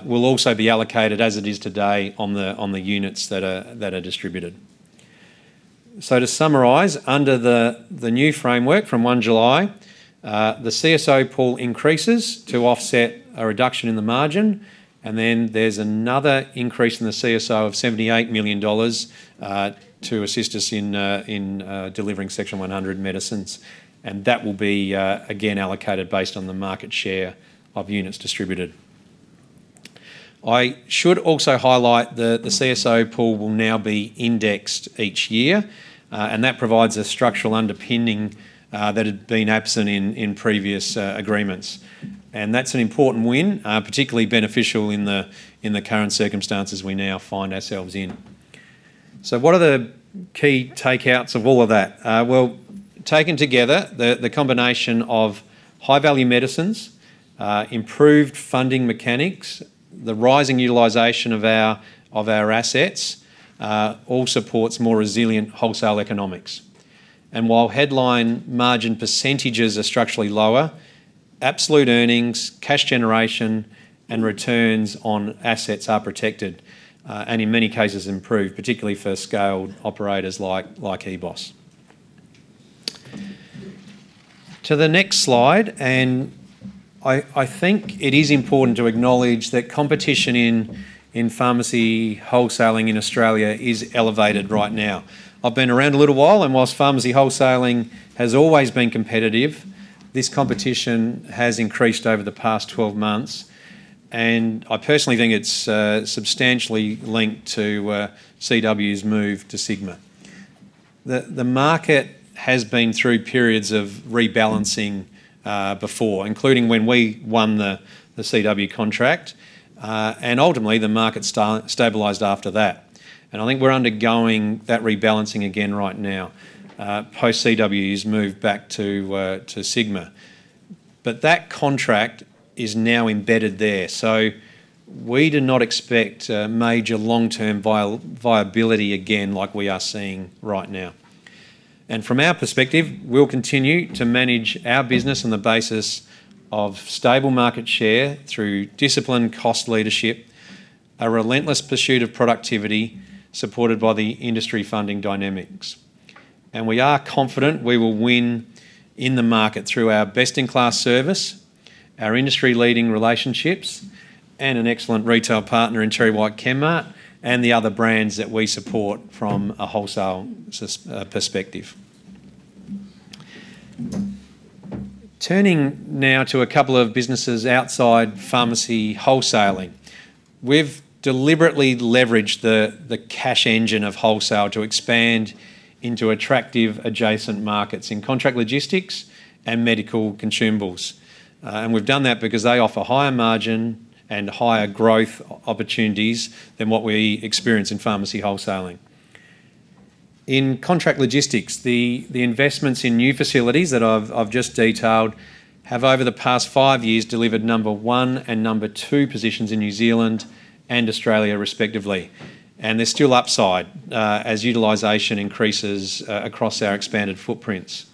will also be allocated as it is today on the units that are distributed. To summarize, under the new framework from 1 July, the CSO pool increases to offset a reduction in the margin, and then there's another increase in the CSO of 78 million dollars, to assist us in delivering Section 100 medicines, and that will be again allocated based on the market share of units distributed. I should also highlight the CSO pool will now be indexed each year, and that provides a structural underpinning, that had been absent in previous agreements. That's an important win, particularly beneficial in the current circumstances we now find ourselves in. What are the key takeouts of all of that? Well, taken together, the combination of high-value medicines, improved funding mechanics, the rising utilization of our assets, all supports more resilient wholesale economics. While headline margin percentages are structurally lower, absolute earnings, cash generation, and returns on assets are protected, and in many cases improved, particularly for scaled operators like EBOS. To the next slide, I think it is important to acknowledge that competition in pharmacy wholesaling in Australia is elevated right now. I've been around a little while, and whilst pharmacy wholesaling has always been competitive, this competition has increased over the past 12 months. I personally think it's substantially linked to CW's move to Sigma. The market has been through periods of rebalancing before, including when we won the CW contract. Ultimately, the market stabilized after that. I think we're undergoing that rebalancing again right now, post CW's move back to Sigma. That contract is now embedded there, so we do not expect a major long-term viability again like we are seeing right now. From our perspective, we'll continue to manage our business on the basis of stable market share through disciplined cost leadership, a relentless pursuit of productivity, supported by the industry funding dynamics. We are confident we will win in the market through our best-in-class service, our industry-leading relationships, and an excellent retail partner in TerryWhite Chemmart, and the other brands that we support from a wholesale perspective. Turning now to a couple of businesses outside pharmacy wholesaling. We've deliberately leveraged the cash engine of wholesale to expand into attractive adjacent markets, in contract logistics and medical consumables. We've done that because they offer higher margin and higher growth opportunities than what we experience in pharmacy wholesaling. In contract logistics, the investments in new facilities that I've just detailed have, over the past five years, delivered number one and number two positions in New Zealand and Australia respectively. There's still upside as utilization increases across our expanded footprints.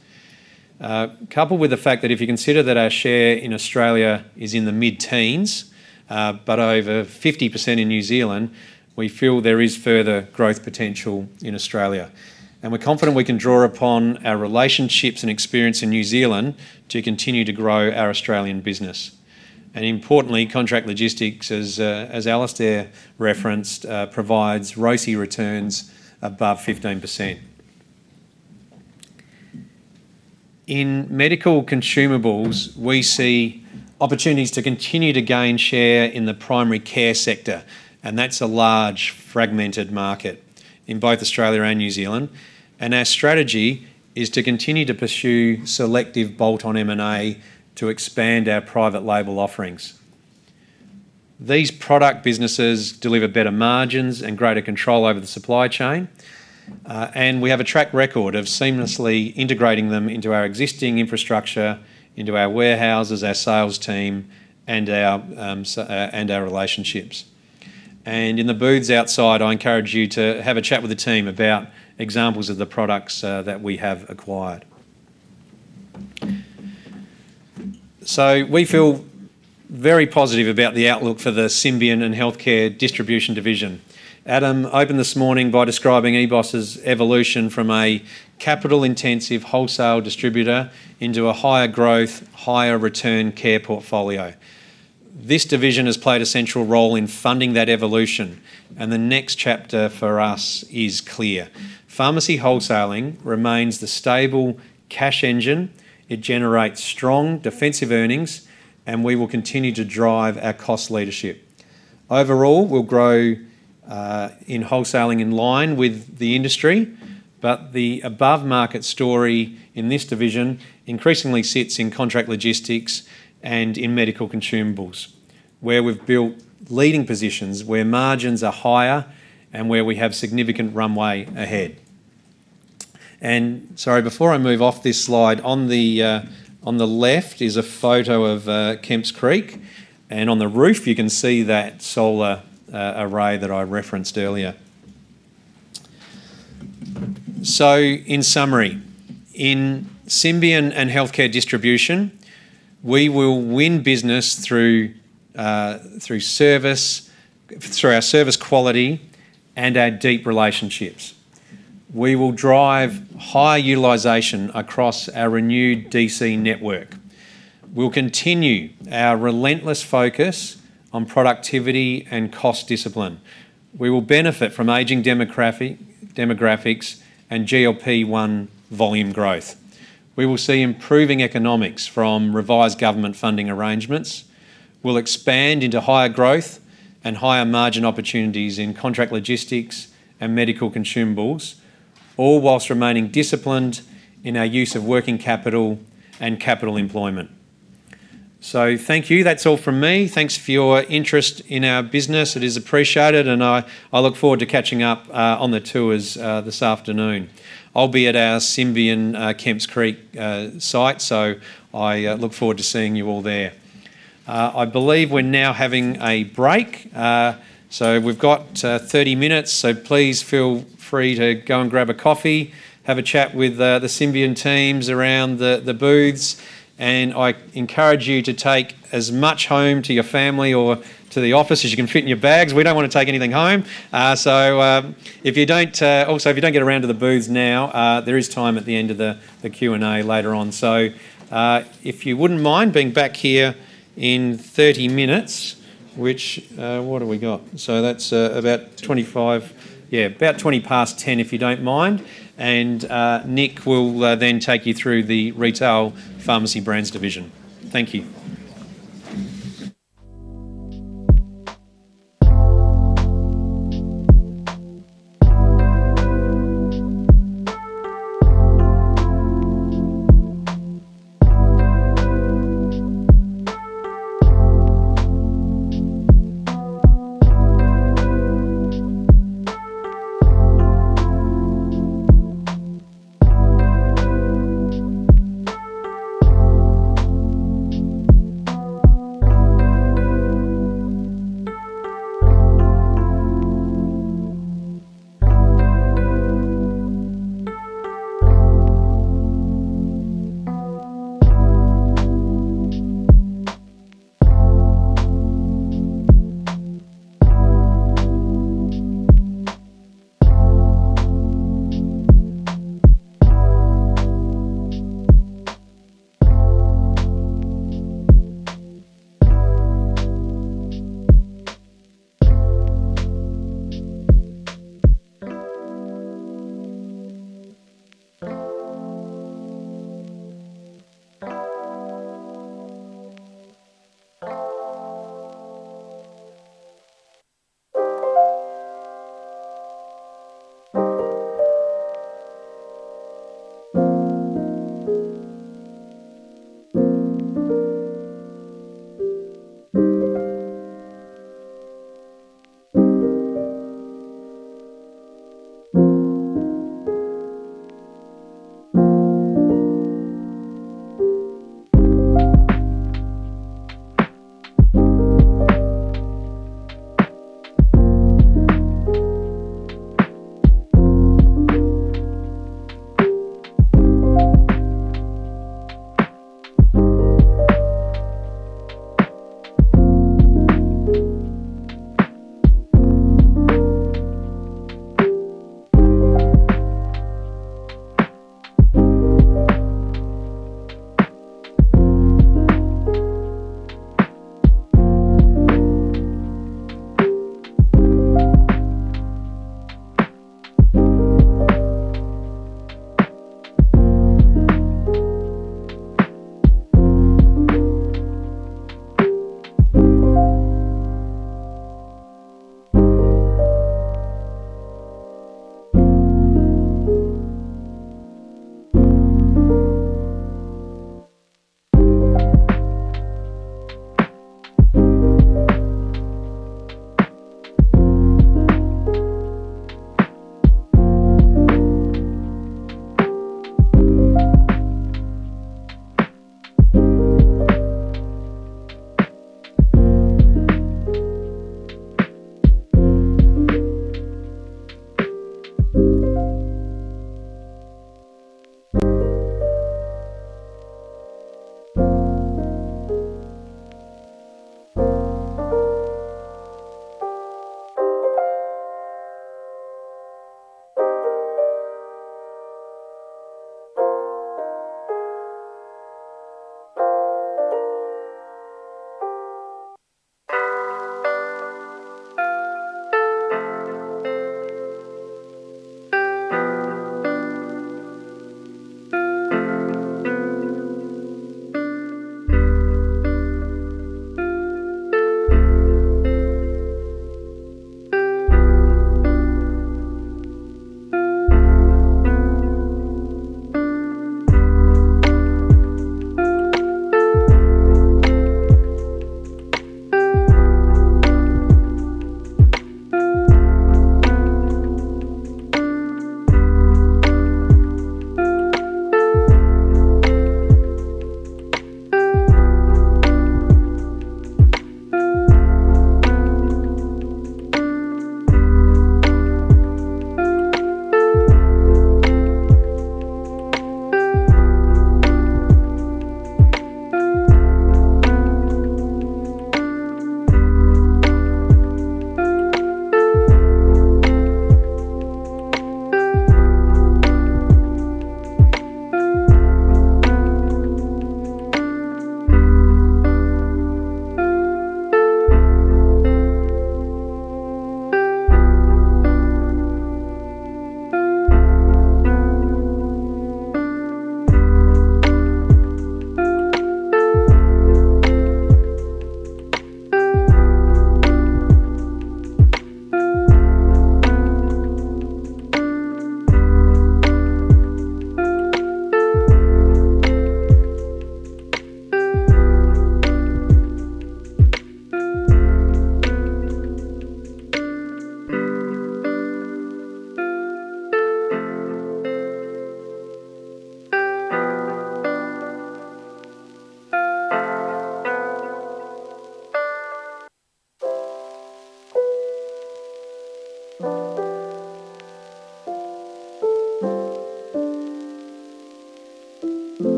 Coupled with the fact that if you consider that our share in Australia is in the mid-teens, but over 50% in New Zealand, we feel there is further growth potential in Australia. We're confident we can draw upon our relationships and experience in New Zealand to continue to grow our Australian business. Importantly, contract logistics as Alistair referenced, provides ROCE returns above 15%. In medical consumables, we see opportunities to continue to gain share in the primary care sector. That is a large fragmented market in both Australia and New Zealand. Our strategy is to continue to pursue selective bolt-on M&A to expand our private label offerings. These product businesses deliver better margins and greater control over the supply chain. We have a track record of seamlessly integrating them into our existing infrastructure, into our warehouses, our sales team, and our relationships. In the booths outside, I encourage you to have a chat with the team about examples of the products that we have acquired. We feel very positive about the outlook for the Symbion and Healthcare Distribution division. Adam opened this morning by describing EBOS' evolution from a capital-intensive wholesale distributor into a higher growth, higher return care portfolio. This division has played a central role in funding that evolution, and the next chapter for us is clear. Pharmacy wholesaling remains the stable cash engine. It generates strong defensive earnings, and we will continue to drive our cost leadership. Overall, we'll grow in wholesaling in line with the industry, but the above-market story in this division increasingly sits in contract logistics and in medical consumables, where we've built leading positions, where margins are higher, and where we have significant runway ahead. Sorry, before I move off this slide, on the on the left is a photo of Kemps Creek, and on the roof you can see that solar array that I referenced earlier. In summary, in Symbion and Healthcare Distribution, we will win business through through service, through our service quality, and our deep relationships. We will drive high utilization across our renewed DC network. We'll continue our relentless focus on productivity and cost discipline. We will benefit from aging demographics and GLP-1 volume growth. We will see improving economics from revised government funding arrangements. We'll expand into higher growth and higher margin opportunities in contract logistics and medical consumables, all whilst remaining disciplined in our use of working capital and capital employment. Thank you. That's all from me. Thanks for your interest in our business. It is appreciated, and I look forward to catching up on the tours this afternoon. I'll be at our Symbion, Kemps Creek site, so I look forward to seeing you all there. I believe we're now having a break. We've got 30 minutes, so please feel free to go and grab a coffee, have a chat with the Symbion teams around the booths, I encourage you to take as much home to your family or to the office as you can fit in your bags. We don't want to take anything home. Also, if you don't get around to the booths now, there is time at the end of the Q&A later on. If you wouldn't mind being back here in 30 minutes, which, what have we got? That's about 25. Yeah, about 10:20 A.M., if you don't mind. Nick will then take you through the Retail Pharmacy Brands division. Thank you.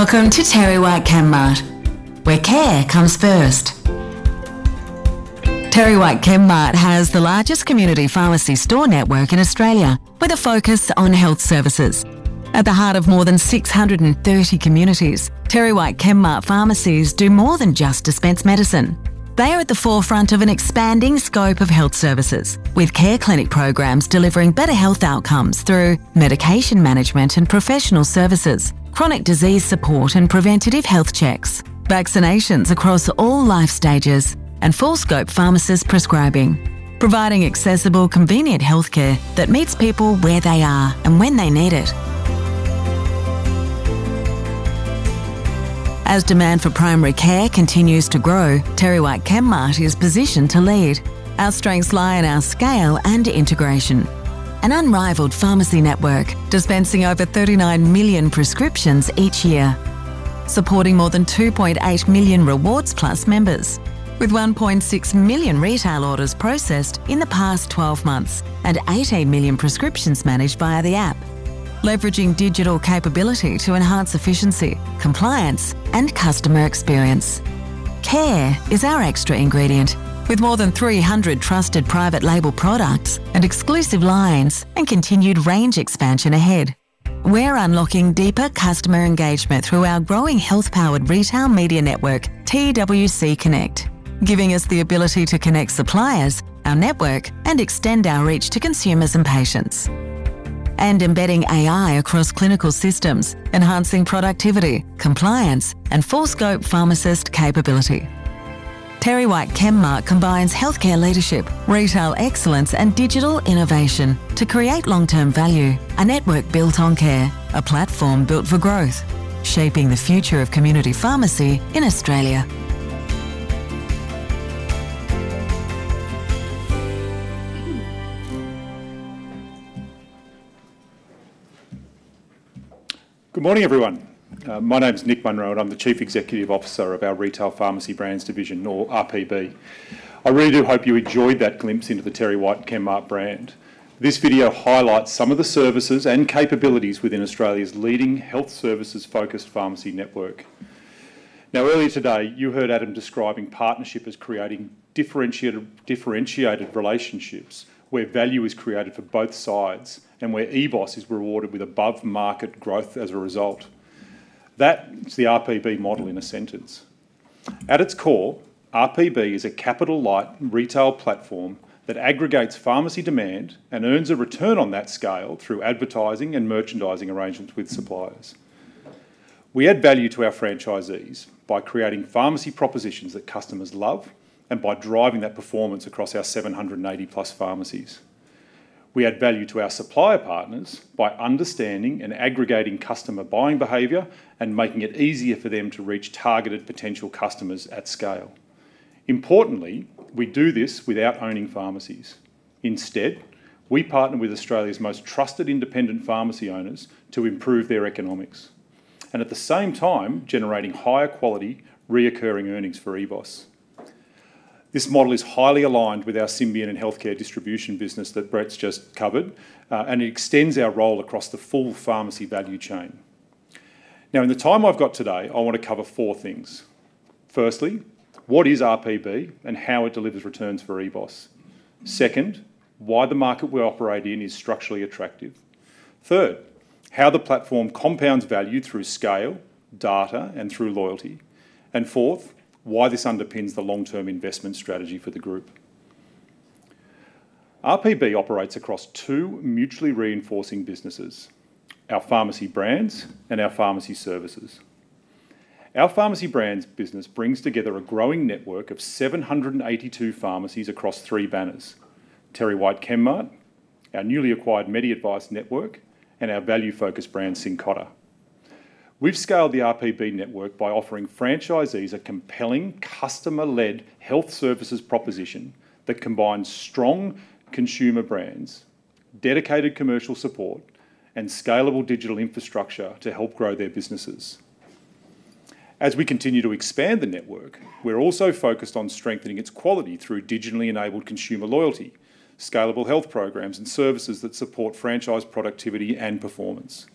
Welcome to TerryWhite Chemmart, where care comes first. TerryWhite Chemmart has the largest community pharmacy store network in Australia, with a focus on health services. At the heart of more than 630 communities, TerryWhite Chemmart pharmacies do more than just dispense medicine. They are at the forefront of an expanding scope of health services, with care clinic programs delivering better health outcomes through medication management and professional services, chronic disease support and preventative health checks, vaccinations across all life stages, and full scope pharmacist prescribing. Providing accessible, convenient healthcare that meets people where they are and when they need it. As demand for primary care continues to grow, TerryWhite Chemmart is positioned to lead. Our strengths lie in our scale and integration. An unrivaled pharmacy network dispensing over 39 million prescriptions each year, supporting more than 2.8 million rewards plus members, with 1.6 million retail orders processed in the past 12 months, and 18 million prescriptions managed via the app. Leveraging digital capability to enhance efficiency, compliance, and customer experience. Care is our extra ingredient, with more than 300 trusted private label products and exclusive lines and continued range expansion ahead. We're unlocking deeper customer engagement through our growing health-powered retail media network, TWC Connect, giving us the ability to connect suppliers, our network, and extend our reach to consumers and patients. Embedding AI across clinical systems, enhancing productivity, compliance, and full scope pharmacist capability. TerryWhite Chemmart combines healthcare leadership, retail excellence, and digital innovation to create long-term value. A network built on care. A platform built for growth. Shaping the future of community pharmacy in Australia. Good morning, everyone. My name's Nick Munroe, and I'm the Chief Executive Officer of our Retail Pharmacy Brands division, or RPB. I really do hope you enjoyed that glimpse into the TerryWhite Chemmart brand. This video highlights some of the services and capabilities within Australia's leading health services-focused pharmacy network. Earlier today, you heard Adam describing partnership as creating differentiated relationships where value is created for both sides, and where EBOS is rewarded with above-market growth as a result. That is the RPB model in a sentence. At its core, RPB is a capital-light retail platform that aggregates pharmacy demand and earns a return on that scale through advertising and merchandising arrangements with suppliers. We add value to our franchisees by creating pharmacy propositions that customers love, and by driving that performance across our 780+ pharmacies. We add value to our supplier partners by understanding and aggregating customer buying behavior and making it easier for them to reach targeted potential customers at scale. Importantly, we do this without owning pharmacies. Instead, we partner with Australia's most trusted independent pharmacy owners to improve their economics, and at the same time, generating higher quality recurring earnings for EBOS. This model is highly aligned with our Symbion and Healthcare Distribution business that Brett's just covered, and it extends our role across the full pharmacy value chain. In the time I've got today, I want to cover four things. Firstly, what is RPB and how it delivers returns for EBOS. Second, why the market we operate in is structurally attractive. Third, how the platform compounds value through scale, data, and through loyalty. Fourth, why this underpins the long-term investment strategy for the group. RPB operates across two mutually reinforcing businesses, our pharmacy brands and our pharmacy services. Our pharmacy brands business brings together a growing network of 782 pharmacies across three banners, TerryWhite Chemmart, our newly acquired MediADVICE network, and our value-focused brand, Cincotta. We've scaled the RPB network by offering franchisees a compelling customer-led health services proposition that combines strong consumer brands, dedicated commercial support, and scalable digital infrastructure to help grow their businesses. As we continue to expand the network, we're also focused on strengthening its quality through digitally enabled consumer loyalty, scalable health programs, and services that support franchise productivity and performance.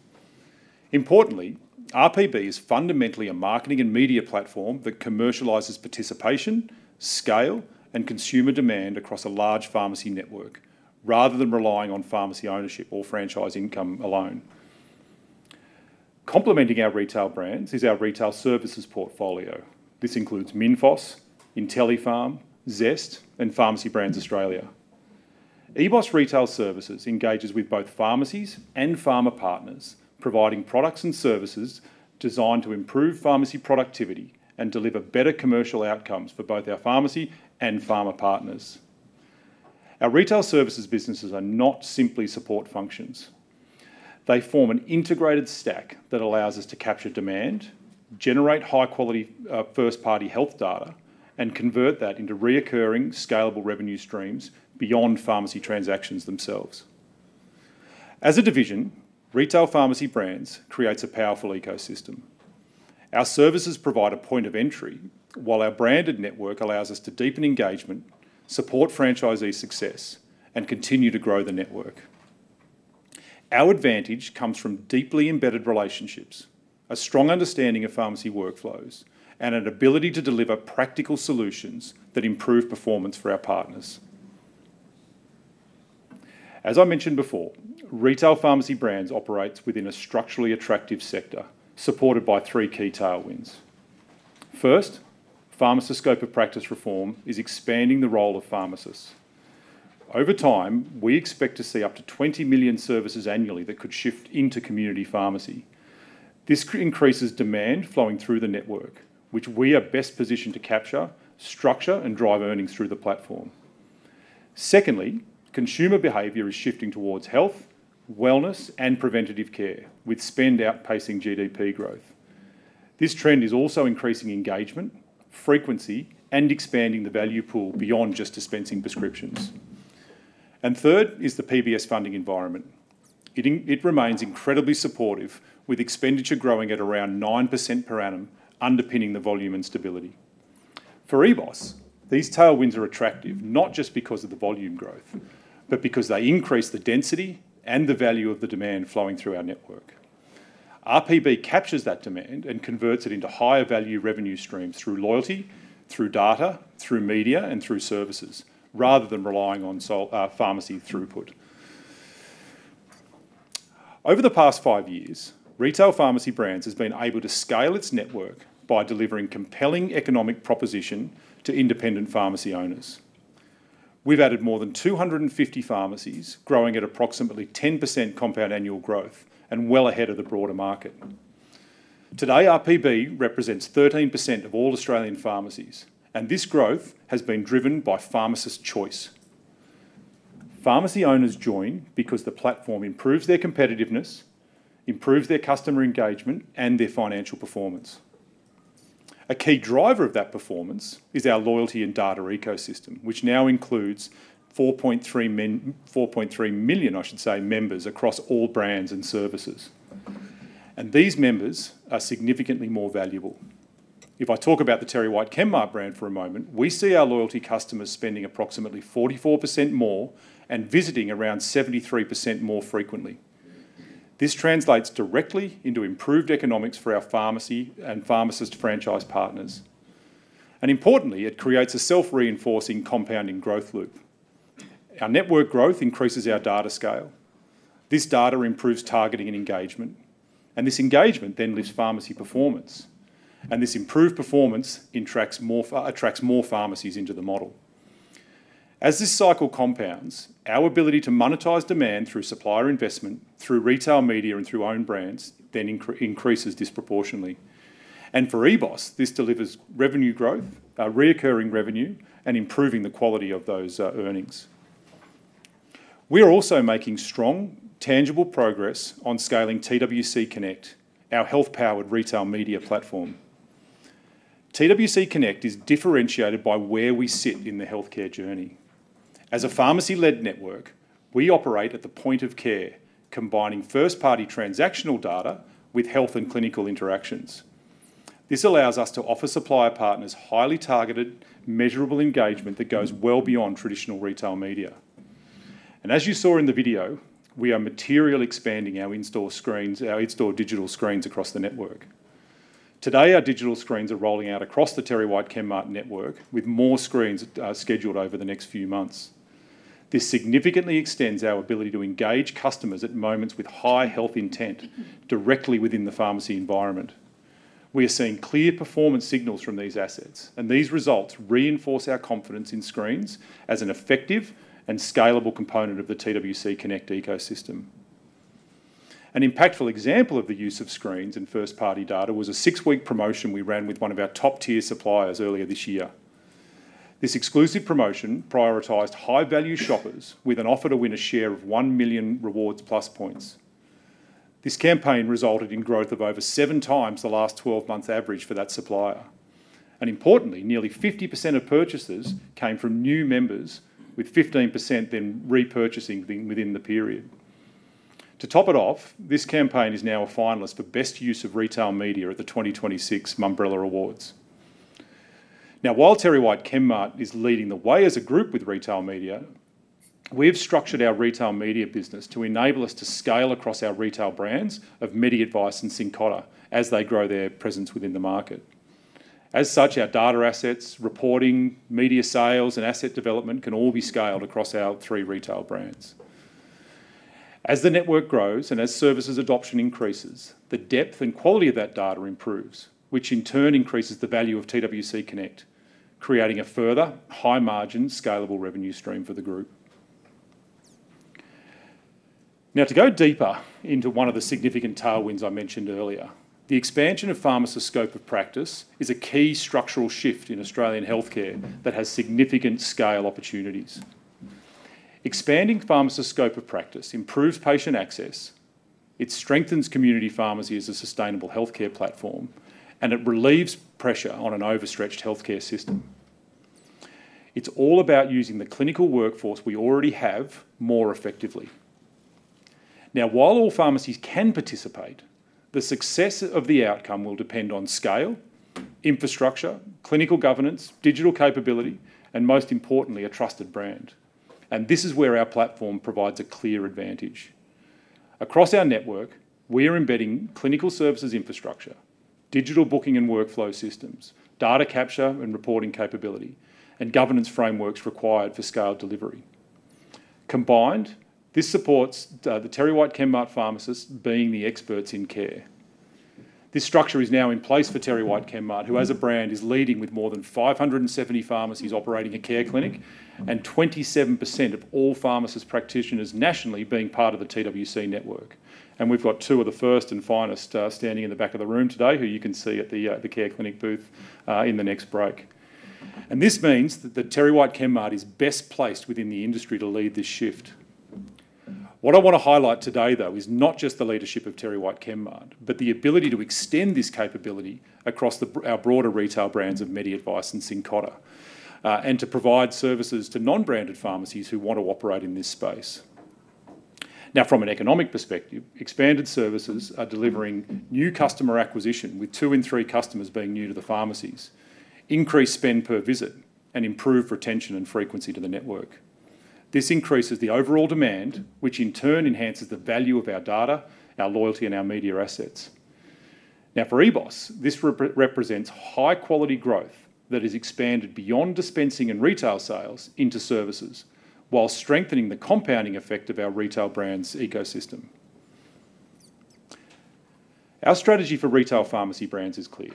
Importantly, RPB is fundamentally a marketing and media platform that commercializes participation, scale, and consumer demand across a large pharmacy network, rather than relying on pharmacy ownership or franchise income alone. Complementing our retail brands is our retail services portfolio. This includes Minfos, Intellipharm, Zest, and Pharmacy Brands Australia. EBOS Retail Services engages with both pharmacies and pharma partners, providing products and services designed to improve pharmacy productivity and deliver better commercial outcomes for both our pharmacy and pharma partners. Our retail services businesses are not simply support functions. They form an integrated stack that allows us to capture demand, generate high-quality, first-party health data, and convert that into recurring scalable revenue streams beyond pharmacy transactions themselves. As a division, Retail Pharmacy Brands creates a powerful ecosystem. Our services provide a point of entry, while our branded network allows us to deepen engagement, support franchisee success, and continue to grow the network. Our advantage comes from deeply embedded relationships, a strong understanding of pharmacy workflows, and an ability to deliver practical solutions that improve performance for our partners. As I mentioned before, Retail Pharmacy Brands operates within a structurally attractive sector, supported by three key tailwinds. First, pharmacist scope of practice reform is expanding the role of pharmacists. Over time, we expect to see up to 20 million services annually that could shift into community pharmacy. This increases demand flowing through the network, which we are best positioned to capture, structure, and drive earnings through the platform. Secondly, consumer behavior is shifting towards health, wellness, and preventative care, with spend outpacing GDP growth. This trend is also increasing engagement, frequency, and expanding the value pool beyond just dispensing prescriptions. Third is the PBS funding environment. It remains incredibly supportive, with expenditure growing at around 9% per annum, underpinning the volume and stability. For EBOS, these tailwinds are attractive, not just because of the volume growth, but because they increase the density and the value of the demand flowing through our network. RPB captures that demand and converts it into higher value revenue streams through loyalty, through data, through media, and through services, rather than relying on pharmacy throughput. Over the past five years, Retail Pharmacy Brands has been able to scale its network by delivering compelling economic proposition to independent pharmacy owners. We've added more than 250 pharmacies, growing at approximately 10% compound annual growth, and well ahead of the broader market. Today, RPB represents 13% of all Australian pharmacies. This growth has been driven by pharmacist choice. Pharmacy owners join because the platform improves their competitiveness, improves their customer engagement, and their financial performance. A key driver of that performance is our loyalty and data ecosystem, which now includes 4.3 million, I should say, members across all brands and services. These members are significantly more valuable. If I talk about the TerryWhite Chemmart brand for a moment, we see our loyalty customers spending approximately 44% more and visiting around 73% more frequently. This translates directly into improved economics for our pharmacy and pharmacist franchise partners. Importantly, it creates a self-reinforcing compounding growth loop. Our network growth increases our data scale. This data improves targeting and engagement. This engagement then lifts pharmacy performance. This improved performance attracts more pharmacies into the model. As this cycle compounds, our ability to monetize demand through supplier investment, through retail media, and through own brands then increases disproportionately. For EBOS, this delivers revenue growth, reoccurring revenue, and improving the quality of those earnings. We are also making strong, tangible progress on scaling TWC Connect, our health-powered retail media platform. TWC Connect is differentiated by where we sit in the healthcare journey. As a pharmacy-led network, we operate at the point of care, combining first-party transactional data with health and clinical interactions. This allows us to offer supplier partners highly targeted, measurable engagement that goes well beyond traditional retail media. As you saw in the video, we are materially expanding our in-store screens, our in-store digital screens across the network. Today, our digital screens are rolling out across the TerryWhite Chemmart network with more screens scheduled over the next few months. This significantly extends our ability to engage customers at moments with high health intent directly within the pharmacy environment. We are seeing clear performance signals from these assets, these results reinforce our confidence in screens as an effective and scalable component of the TWC Connect ecosystem. An impactful example of the use of screens and first-party data was a six week promotion we ran with one of our top-tier suppliers earlier this year. This exclusive promotion prioritized high-value shoppers with an offer to win a share of 1 million rewards plus points. This campaign resulted in growth of over 7x the last 12 months average for that supplier. Importantly, nearly 50% of purchasers came from new members, with 15% then repurchasing within the period. To top it off, this campaign is now a finalist for Best Use of Retail Media at the 2026 Mumbrella Awards. While TerryWhite Chemmart is leading the way as a group with retail media, we've structured our retail media business to enable us to scale across our retail brands of MediADVICE and Cincotta as they grow their presence within the market. Our data assets, reporting, media sales, and asset development can all be scaled across our three retail brands. The network grows and as services adoption increases, the depth and quality of that data improves, which in turn increases the value of TWC Connect, creating a further high margin scalable revenue stream for the group. To go deeper into one of the significant tailwinds I mentioned earlier, the expansion of pharmacist scope of practice is a key structural shift in Australian healthcare that has significant scale opportunities. Expanding pharmacist scope of practice improves patient access, it strengthens community pharmacy as a sustainable healthcare platform, and it relieves pressure on an overstretched healthcare system. It's all about using the clinical workforce we already have more effectively. While all pharmacies can participate, the success of the outcome will depend on scale, infrastructure, clinical governance, digital capability, and most importantly, a trusted brand. This is where our platform provides a clear advantage. Across our network, we are embedding clinical services infrastructure, digital booking and workflow systems, data capture and reporting capability, and governance frameworks required for scaled delivery. Combined, this supports the TerryWhite Chemmart pharmacists being the experts in care. This structure is now in place for TerryWhite Chemmart, who as a brand is leading with more than 570 pharmacies operating a Care Clinic, and 27% of all pharmacist practitioners nationally being part of the TWC network. We've got two of the first and finest standing in the back of the room today, who you can see at the Care Clinic booth in the next break. This means that the TerryWhite Chemmart is best placed within the industry to lead this shift. What I wanna highlight today, though, is not just the leadership of TerryWhite Chemmart, but the ability to extend this capability across our broader retail brands of MediADVICE and Cincotta, and to provide services to non-branded pharmacies who want to operate in this space. From an economic perspective, expanded services are delivering new customer acquisition, with two in three customers being new to the pharmacies, increased spend per visit, and improved retention and frequency to the network. This increases the overall demand, which in turn enhances the value of our data, our loyalty, and our media assets. For EBOS, this represents high-quality growth that has expanded beyond dispensing and retail sales into services, while strengthening the compounding effect of our retail brands ecosystem. Our strategy for Retail Pharmacy Brands is clear.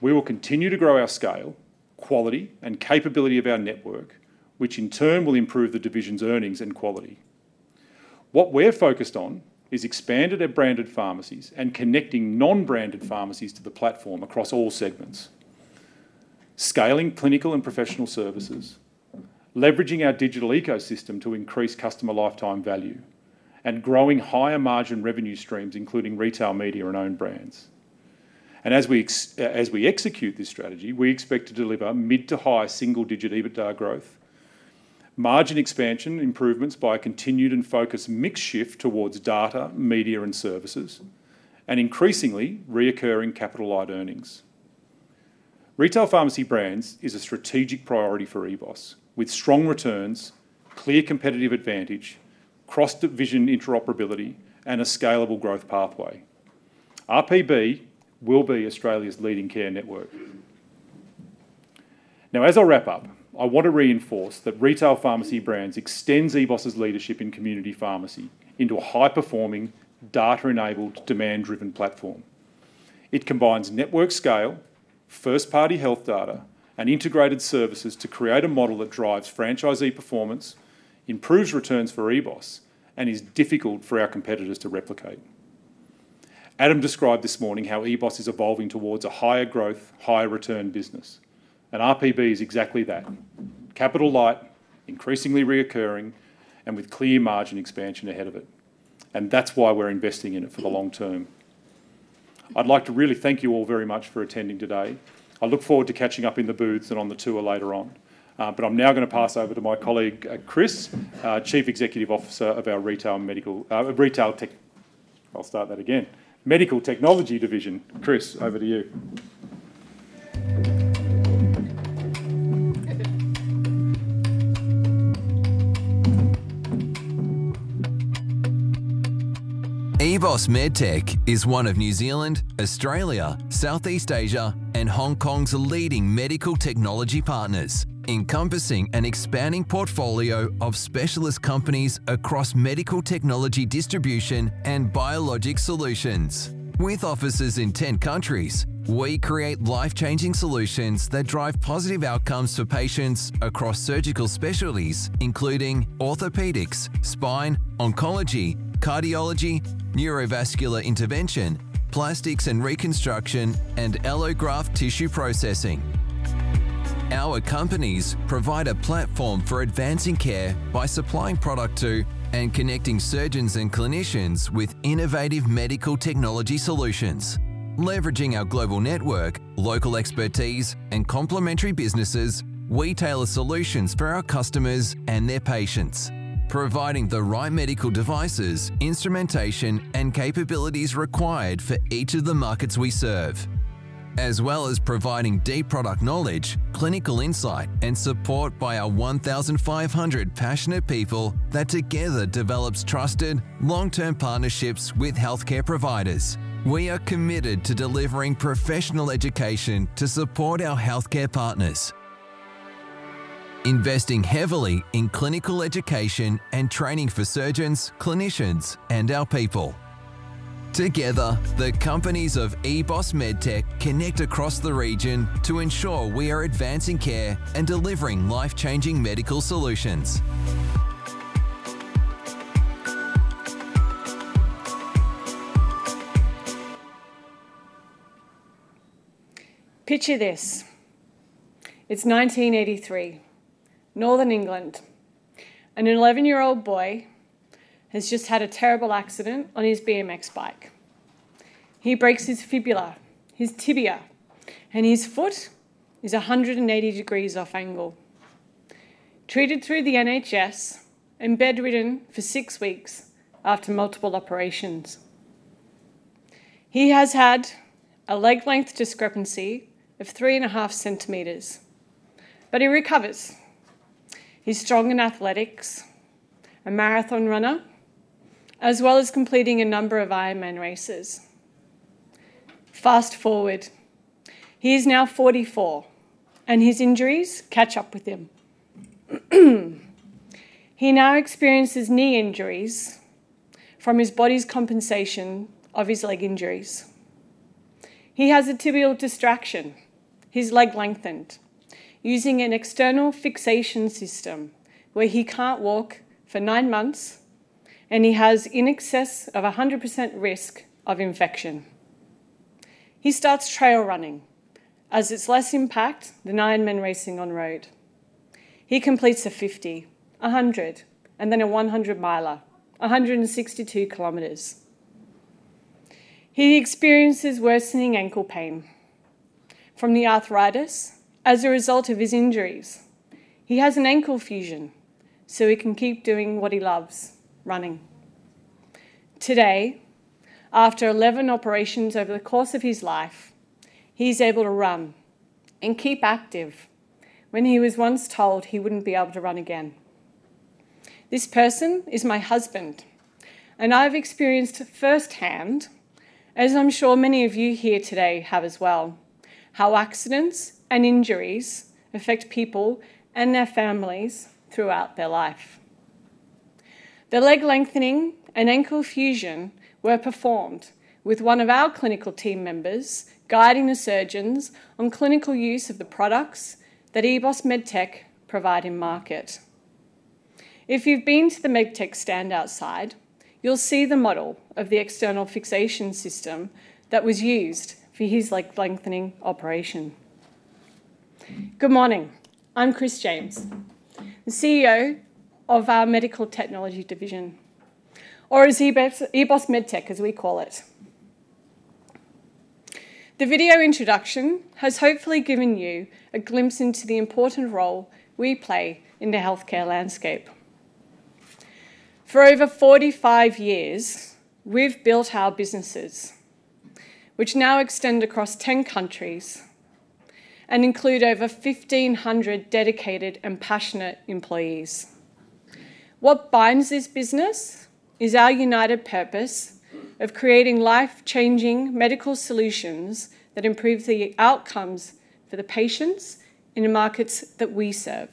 We will continue to grow our scale, quality, and capability of our network, which in turn will improve the division's earnings and quality. What we're focused on is expanded our branded pharmacies and connecting non-branded pharmacies to the platform across all segments, scaling clinical and professional services, leveraging our digital ecosystem to increase customer lifetime value, and growing higher margin revenue streams, including retail, media, and own brands. As we execute this strategy, we expect to deliver mid to high single-digit EBITDA growth, margin expansion improvements by a continued and focused mix shift towards data, media, and services, and increasingly recurring capital light earnings. Retail Pharmacy Brands is a strategic priority for EBOS, with strong returns, clear competitive advantage, cross-divisional interoperability, and a scalable growth pathway. RPB will be Australia's leading care network. Now, as I wrap up, I want to reinforce that Retail Pharmacy Brands extends EBOS' leadership in community pharmacy into a high-performing, data-enabled, demand-driven platform. It combines network scale, first-party health data, and integrated services to create a model that drives franchisee performance, improves returns for EBOS, and is difficult for our competitors to replicate. Adam described this morning how EBOS is evolving towards a higher growth, higher return business. RPB is exactly that. Capital light, increasingly reoccurring, and with clear margin expansion ahead of it. That's why we're investing in it for the long term. I'd like to really thank you all very much for attending today. I look forward to catching up in the booths and on the tour later on. I'm now gonna pass over to my colleague, Kris, Chief Executive Officer of our Medical Technology Division. Kris, over to you. EBOS MedTech is one of New Zealand, Australia, Southeast Asia, and Hong Kong's leading medical technology partners, encompassing an expanding portfolio of specialist companies across medical technology distribution and biologic solutions. With offices in 10 countries, we create life-changing solutions that drive positive outcomes for patients across surgical specialties, including orthopedics, spine, oncology, cardiology, neurovascular intervention, plastics and reconstruction, and allograft tissue processing. Our companies provide a platform for advancing care by supplying product to and connecting surgeons and clinicians with innovative medical technology solutions. Leveraging our global network, local expertise, and complementary businesses, we tailor solutions for our customers and their patients, providing the right medical devices, instrumentation, and capabilities required for each of the markets we serve. As well as providing deep product knowledge, clinical insight, and support by our 1,500 passionate people that together develops trusted, long-term partnerships with healthcare providers. We are committed to delivering professional education to support our healthcare partners, investing heavily in clinical education and training for surgeons, clinicians, and our people. Together, the companies of EBOS MedTech connect across the region to ensure we are advancing care and delivering life-changing medical solutions. Picture this. It's 1983, Northern England. An 11-year-old boy has just had a terrible accident on his BMX bike. He breaks his fibula, his tibia, and his foot is 180 degrees off angle. Treated through the NHS, and bedridden for six weeks after multiple operations. He has had a leg length discrepancy of three and a half centimeters. He recovers. He's strong in athletics, a marathon runner, as well as completing a number of Ironman races. Fast-forward, he is now 44, his injuries catch up with him. He now experiences knee injuries from his body's compensation of his leg injuries. He has a tibial distraction. His leg lengthened using an external fixation system where he can't walk for nine months, he has in excess of 100% risk of infection. He starts trail running, as it's less impact than Ironman racing on road. He completes a 50, a 100, and then a 100 miler, 162 km. He experiences worsening ankle pain from the arthritis as a result of his injuries. He has an ankle fusion so he can keep doing what he loves, running. Today, after 11 operations over the course of his life, he's able to run and keep active when he was once told he wouldn't be able to run again. This person is my husband. I've experienced firsthand, as I'm sure many of you here today have as well, how accidents and injuries affect people and their families throughout their life. The leg lengthening and ankle fusion were performed with one of our clinical team members guiding the surgeons on clinical use of the products that EBOS MedTech provide in market. If you've been to the MedTech stand outside, you'll see the model of the external fixation system that was used for his leg lengthening operation. Good morning. I'm Kris James, the CEO of our Medical Technology division, or as EBOS MedTech as we call it. The video introduction has hopefully given you a glimpse into the important role we play in the healthcare landscape. For over 45 years, we've built our businesses, which now extend across 10 countries and include over 1,500 dedicated and passionate employees. What binds this business is our united purpose of creating life-changing medical solutions that improve the outcomes for the patients in the markets that we serve.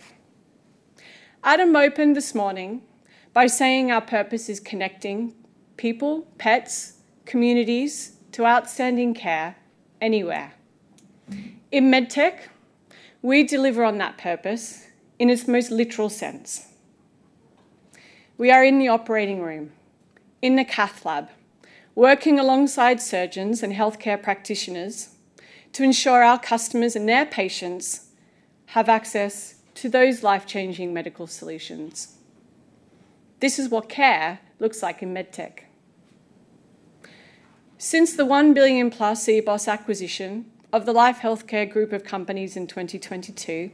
Adam opened this morning by saying our purpose is connecting people, pets, communities to outstanding care anywhere. In MedTech, we deliver on that purpose in its most literal sense. We are in the operating room, in the cath lab, working alongside surgeons and healthcare practitioners to ensure our customers and their patients have access to those life-changing medical solutions. This is what care looks like in MedTech. Since the 1 billion+ EBOS acquisition of the LifeHealthcare Group of companies in 2022,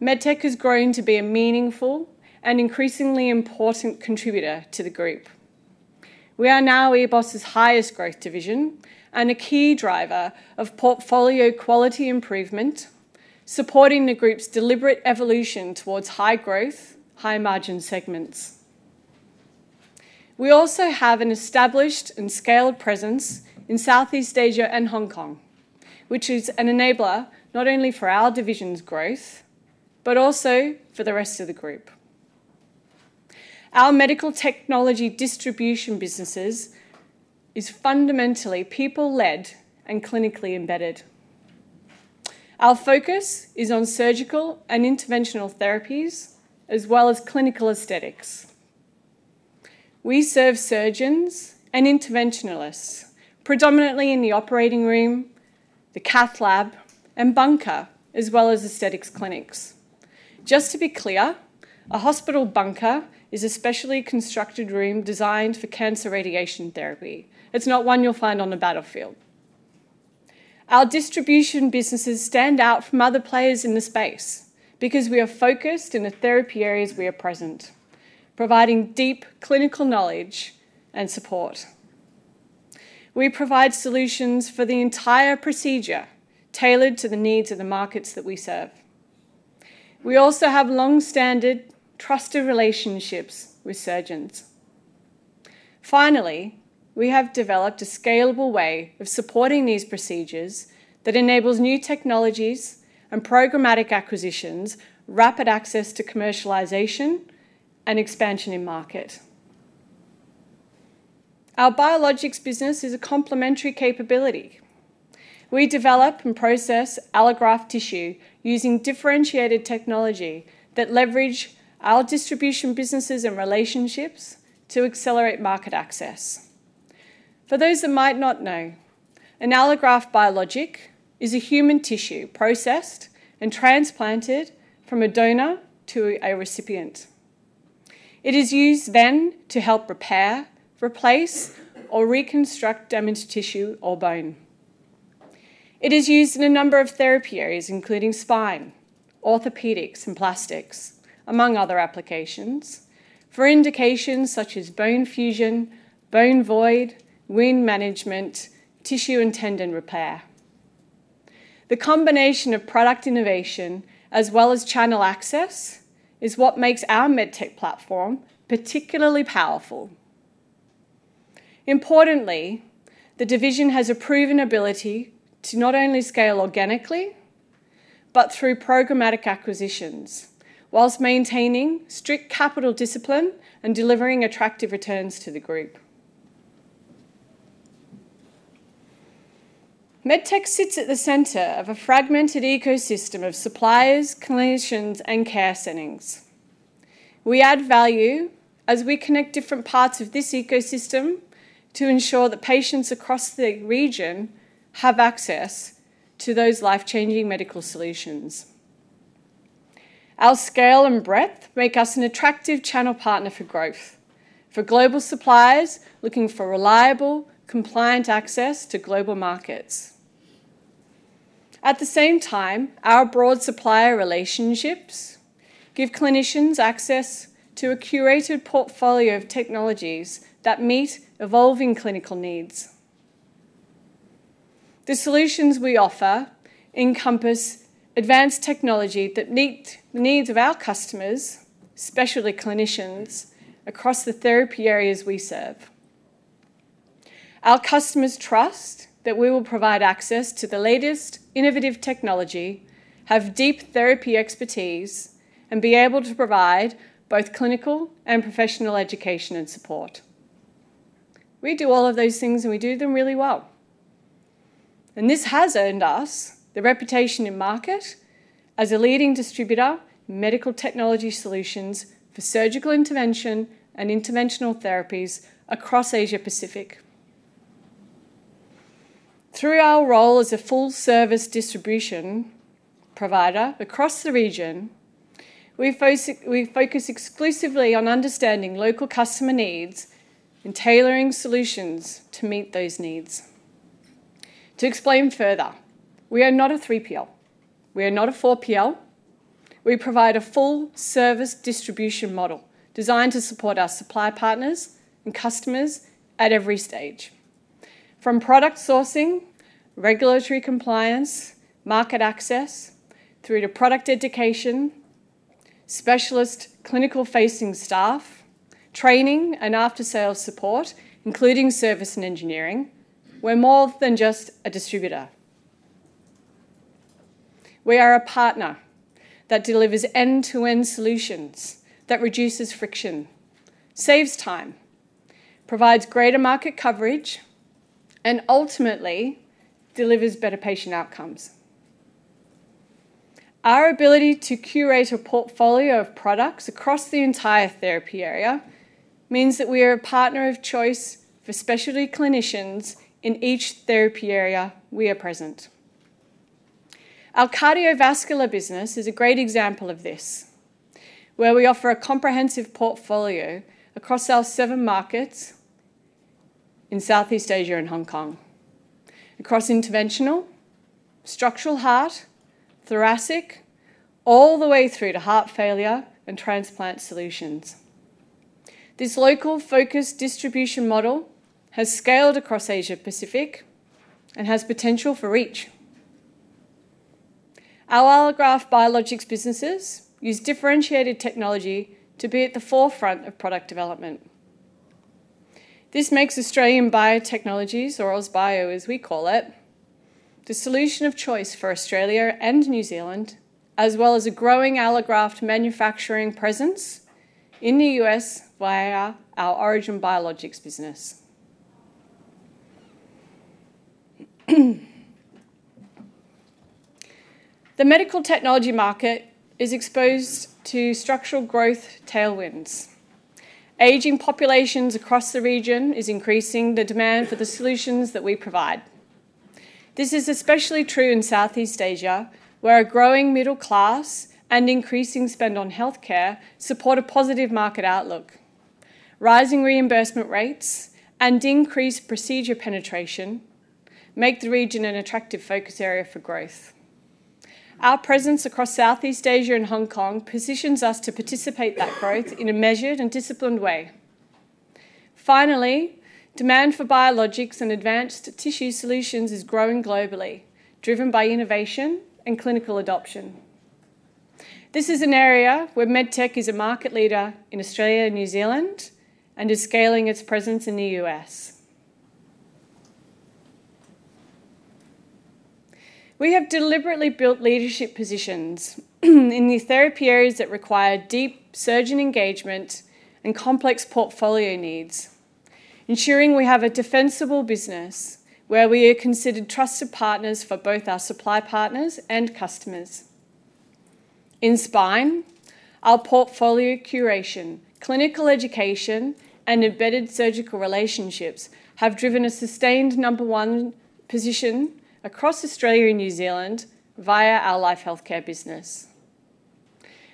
MedTech has grown to be a meaningful and increasingly important contributor to the group. We are now EBOS' highest growth division and a key driver of portfolio quality improvement, supporting the group's deliberate evolution towards high growth, high margin segments. We also have an established and scaled presence in Southeast Asia and Hong Kong, which is an enabler not only for our division's growth, but also for the rest of the group. Our medical technology distribution businesses is fundamentally people-led and clinically embedded. Our focus is on surgical and interventional therapies, as well as clinical aesthetics. We serve surgeons and interventionalists predominantly in the operating room, the cath lab, and bunker, as well as aesthetics clinics. Just to be clear, a hospital bunker is a specially constructed room designed for cancer radiation therapy. It is not one you will find on the battlefield. Our distribution businesses stand out from other players in the space because we are focused in the therapy areas we are present, providing deep clinical knowledge and support. We provide solutions for the entire procedure tailored to the needs of the markets that we serve. We also have long-standing trusted relationships with surgeons. We have developed a scalable way of supporting these procedures that enables new technologies and programmatic acquisitions, rapid access to commercialization, and expansion in market. Our biologics business is a complementary capability. We develop and process allograft tissue using differentiated technology that leverage our distribution businesses and relationships to accelerate market access. For those that might not know, an allograft biologic is a human tissue processed and transplanted from a donor to a recipient. It is used then to help repair, replace, or reconstruct damaged tissue or bone. It is used in a number of therapy areas, including spine, orthopedics, and plastics, among other applications, for indications such as bone fusion, bone void, wound management, tissue and tendon repair. The combination of product innovation as well as channel access is what makes our MedTech platform particularly powerful. Importantly, the division has a proven ability to not only scale organically, but through programmatic acquisitions, whilst maintaining strict capital discipline and delivering attractive returns to the group. MedTech sits at the center of a fragmented ecosystem of suppliers, clinicians, and care settings. We add value as we connect different parts of this ecosystem to ensure that patients across the region have access to those life-changing medical solutions. Our scale and breadth make us an attractive channel partner for growth for global suppliers looking for reliable, compliant access to global markets. At the same time, our broad supplier relationships give clinicians access to a curated portfolio of technologies that meet evolving clinical needs. The solutions we offer encompass advanced technology that meet the needs of our customers, specialty clinicians, across the therapy areas we serve. Our customers trust that we will provide access to the latest innovative technology, have deep therapy expertise, and be able to provide both clinical and professional education and support. We do all of those things, and we do them really well. This has earned us the reputation in market as a leading distributor in medical technology solutions for surgical intervention and interventional therapies across Asia Pacific. Through our role as a full-service distribution provider across the region, we focus exclusively on understanding local customer needs and tailoring solutions to meet those needs. To explain further, we are not a 3PL. We are not a 4PL. We provide a full-service distribution model designed to support our supply partners and customers at every stage. From product sourcing, regulatory compliance, market access, through to product education, specialist clinical-facing staff, training, and after-sales support, including service and engineering, we are more than just a distributor. We are a partner that delivers end-to-end solutions that reduces friction, saves time, provides greater market coverage, and ultimately delivers better patient outcomes. Our ability to curate a portfolio of products across the entire therapy area means that we are a partner of choice for specialty clinicians in each therapy area we are present. Our cardiovascular business is a great example of this, where we offer a comprehensive portfolio across our seven markets in Southeast Asia and Hong Kong, across interventional, structural heart, thoracic, all the way through to heart failure and transplant solutions. This local focused distribution model has scaled across Asia Pacific and has potential for reach. Our allograft biologics businesses use differentiated technology to be at the forefront of product development. This makes Australian Biotechnologies, or AusBio as we call it, the solution of choice for Australia and New Zealand, as well as a growing allograft manufacturing presence in the U.S. via our Origin Biologics business. The medical technology market is exposed to structural growth tailwinds. Aging populations across the region is increasing the demand for the solutions that we provide. This is especially true in Southeast Asia, where a growing middle class and increasing spend on healthcare support a positive market outlook. Rising reimbursement rates and increased procedure penetration make the region an attractive focus area for growth. Our presence across Southeast Asia and Hong Kong positions us to participate that growth in a measured and disciplined way. Finally, demand for biologics and advanced tissue solutions is growing globally, driven by innovation and clinical adoption. This is an area where MedTech is a market leader in Australia and New Zealand and is scaling its presence in the U.S. We have deliberately built leadership positions in the therapy areas that require deep surgeon engagement and complex portfolio needs, ensuring we have a defensible business where we are considered trusted partners for both our supply partners and customers. In spine, our portfolio curation, clinical education, and embedded surgical relationships have driven a sustained number one position across Australia and New Zealand via our LifeHealthcare business.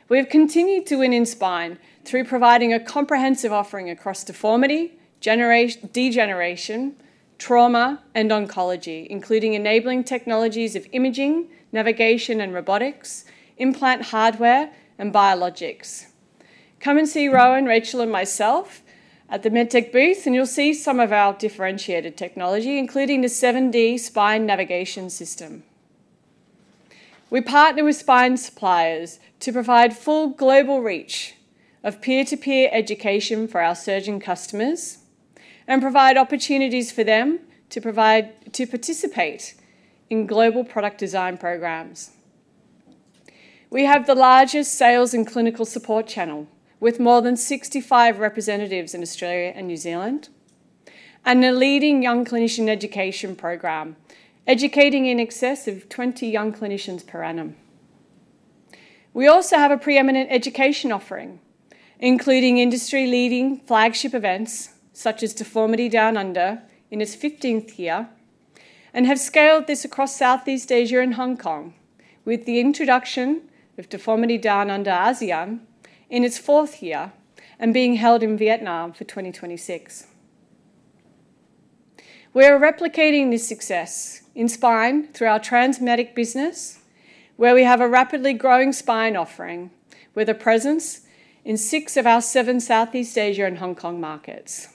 We have continued to win in spine through providing a comprehensive offering across deformity, degeneration, trauma, and oncology, including enabling technologies of imaging, navigation, and robotics, implant hardware, and biologics. Come and see Rowan, Rachel, and myself at the MedTech booth, and you'll see some of our differentiated technology, including the 7D Spine Navigation System. We partner with spine suppliers to provide full global reach of peer-to-peer education for our surgeon customers and provide opportunities for them to participate in global product design programs. We have the largest sales and clinical support channel, with more than 65 representatives in Australia and New Zealand, and a leading young clinician education program, educating in excess of 20 young clinicians per annum. We also have a preeminent education offering, including industry-leading flagship events, such as Deformity Down Under, in its 15th year, and have scaled this across Southeast Asia and Hong Kong with the introduction of Deformity Down Under ASEAN in its fourth year and being held in Vietnam for 2026. We are replicating this success in spine through our Transmedic business, where we have a rapidly growing spine offering, with a presence in six of our seven Southeast Asia and Hong Kong markets.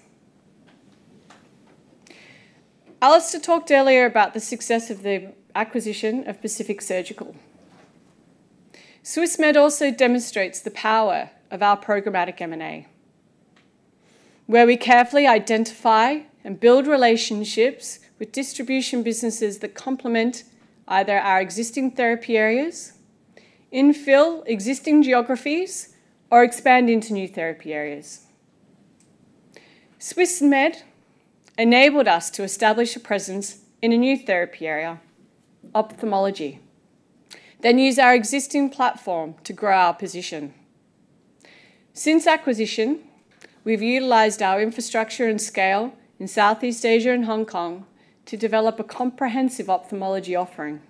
Alistair talked earlier about the success of the acquisition of Pacific Surgical. Swissmed also demonstrates the power of our programmatic M&A, where we carefully identify and build relationships with distribution businesses that complement either our existing therapy areas, infill existing geographies, or expand into new therapy areas. Swissmed enabled us to establish a presence in a new therapy area, ophthalmology, then use our existing platform to grow our position. Since acquisition, we've utilized our infrastructure and scale in Southeast Asia and Hong Kong to develop a comprehensive ophthalmology offering.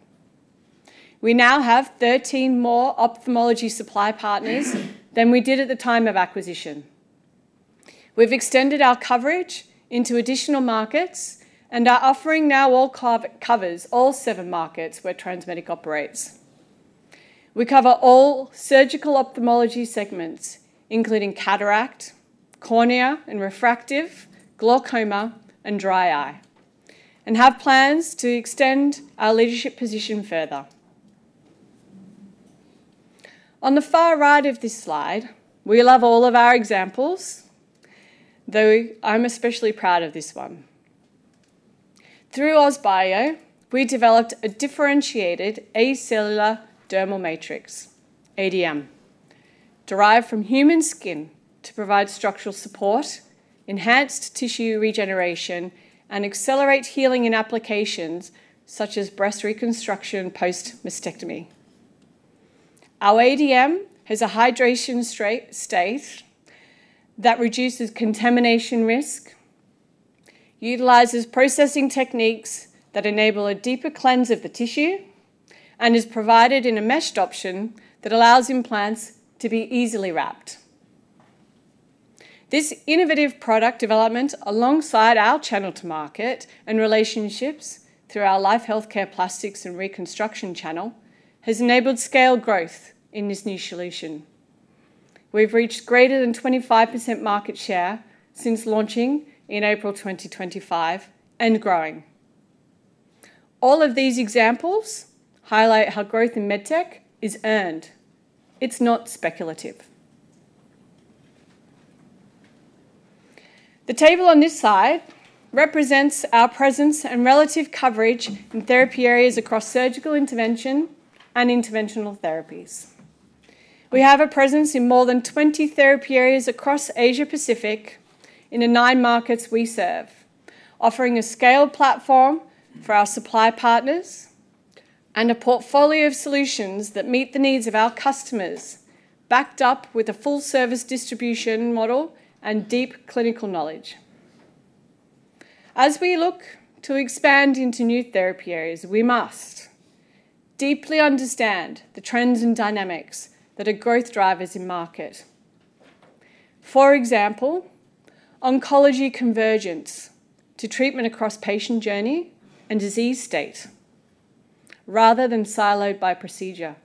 We now have 13 more ophthalmology supply partners than we did at the time of acquisition. We've extended our coverage into additional markets, and our offering now covers all seven markets where Transmedic operates. We cover all surgical ophthalmology segments, including cataract, cornea and refractive, glaucoma, and dry eye, and have plans to extend our leadership position further. On the far right of this slide, we love all of our examples, though I'm especially proud of this one. Through AusBio, we developed a differentiated acellular dermal matrix, ADM, derived from human skin to provide structural support, enhanced tissue regeneration, and accelerate healing in applications such as breast reconstruction post-mastectomy. Our ADM has a hydration state that reduces contamination risk, utilizes processing techniques that enable a deeper cleanse of the tissue, and is provided in a meshed option that allows implants to be easily wrapped. This innovative product development, alongside our channel to market and relationships through our LifeHealthcare plastics and reconstruction channel, has enabled scale growth in this new solution. We've reached greater than 25% market share since launching in April 2025 and growing. All of these examples highlight how growth in MedTech is earned. It's not speculative. The table on this slide represents our presence and relative coverage in therapy areas across surgical intervention and interventional therapies. We have a presence in more than 20 therapy areas across Asia Pacific in the nine markets we serve, offering a scaled platform for our supply partners and a portfolio of solutions that meet the needs of our customers, backed up with a full-service distribution model and deep clinical knowledge. As we look to expand into new therapy areas, we must deeply understand the trends and dynamics that are growth drivers in market. For example, oncology convergence to treatment across patient journey and disease state, rather than siloed by procedure.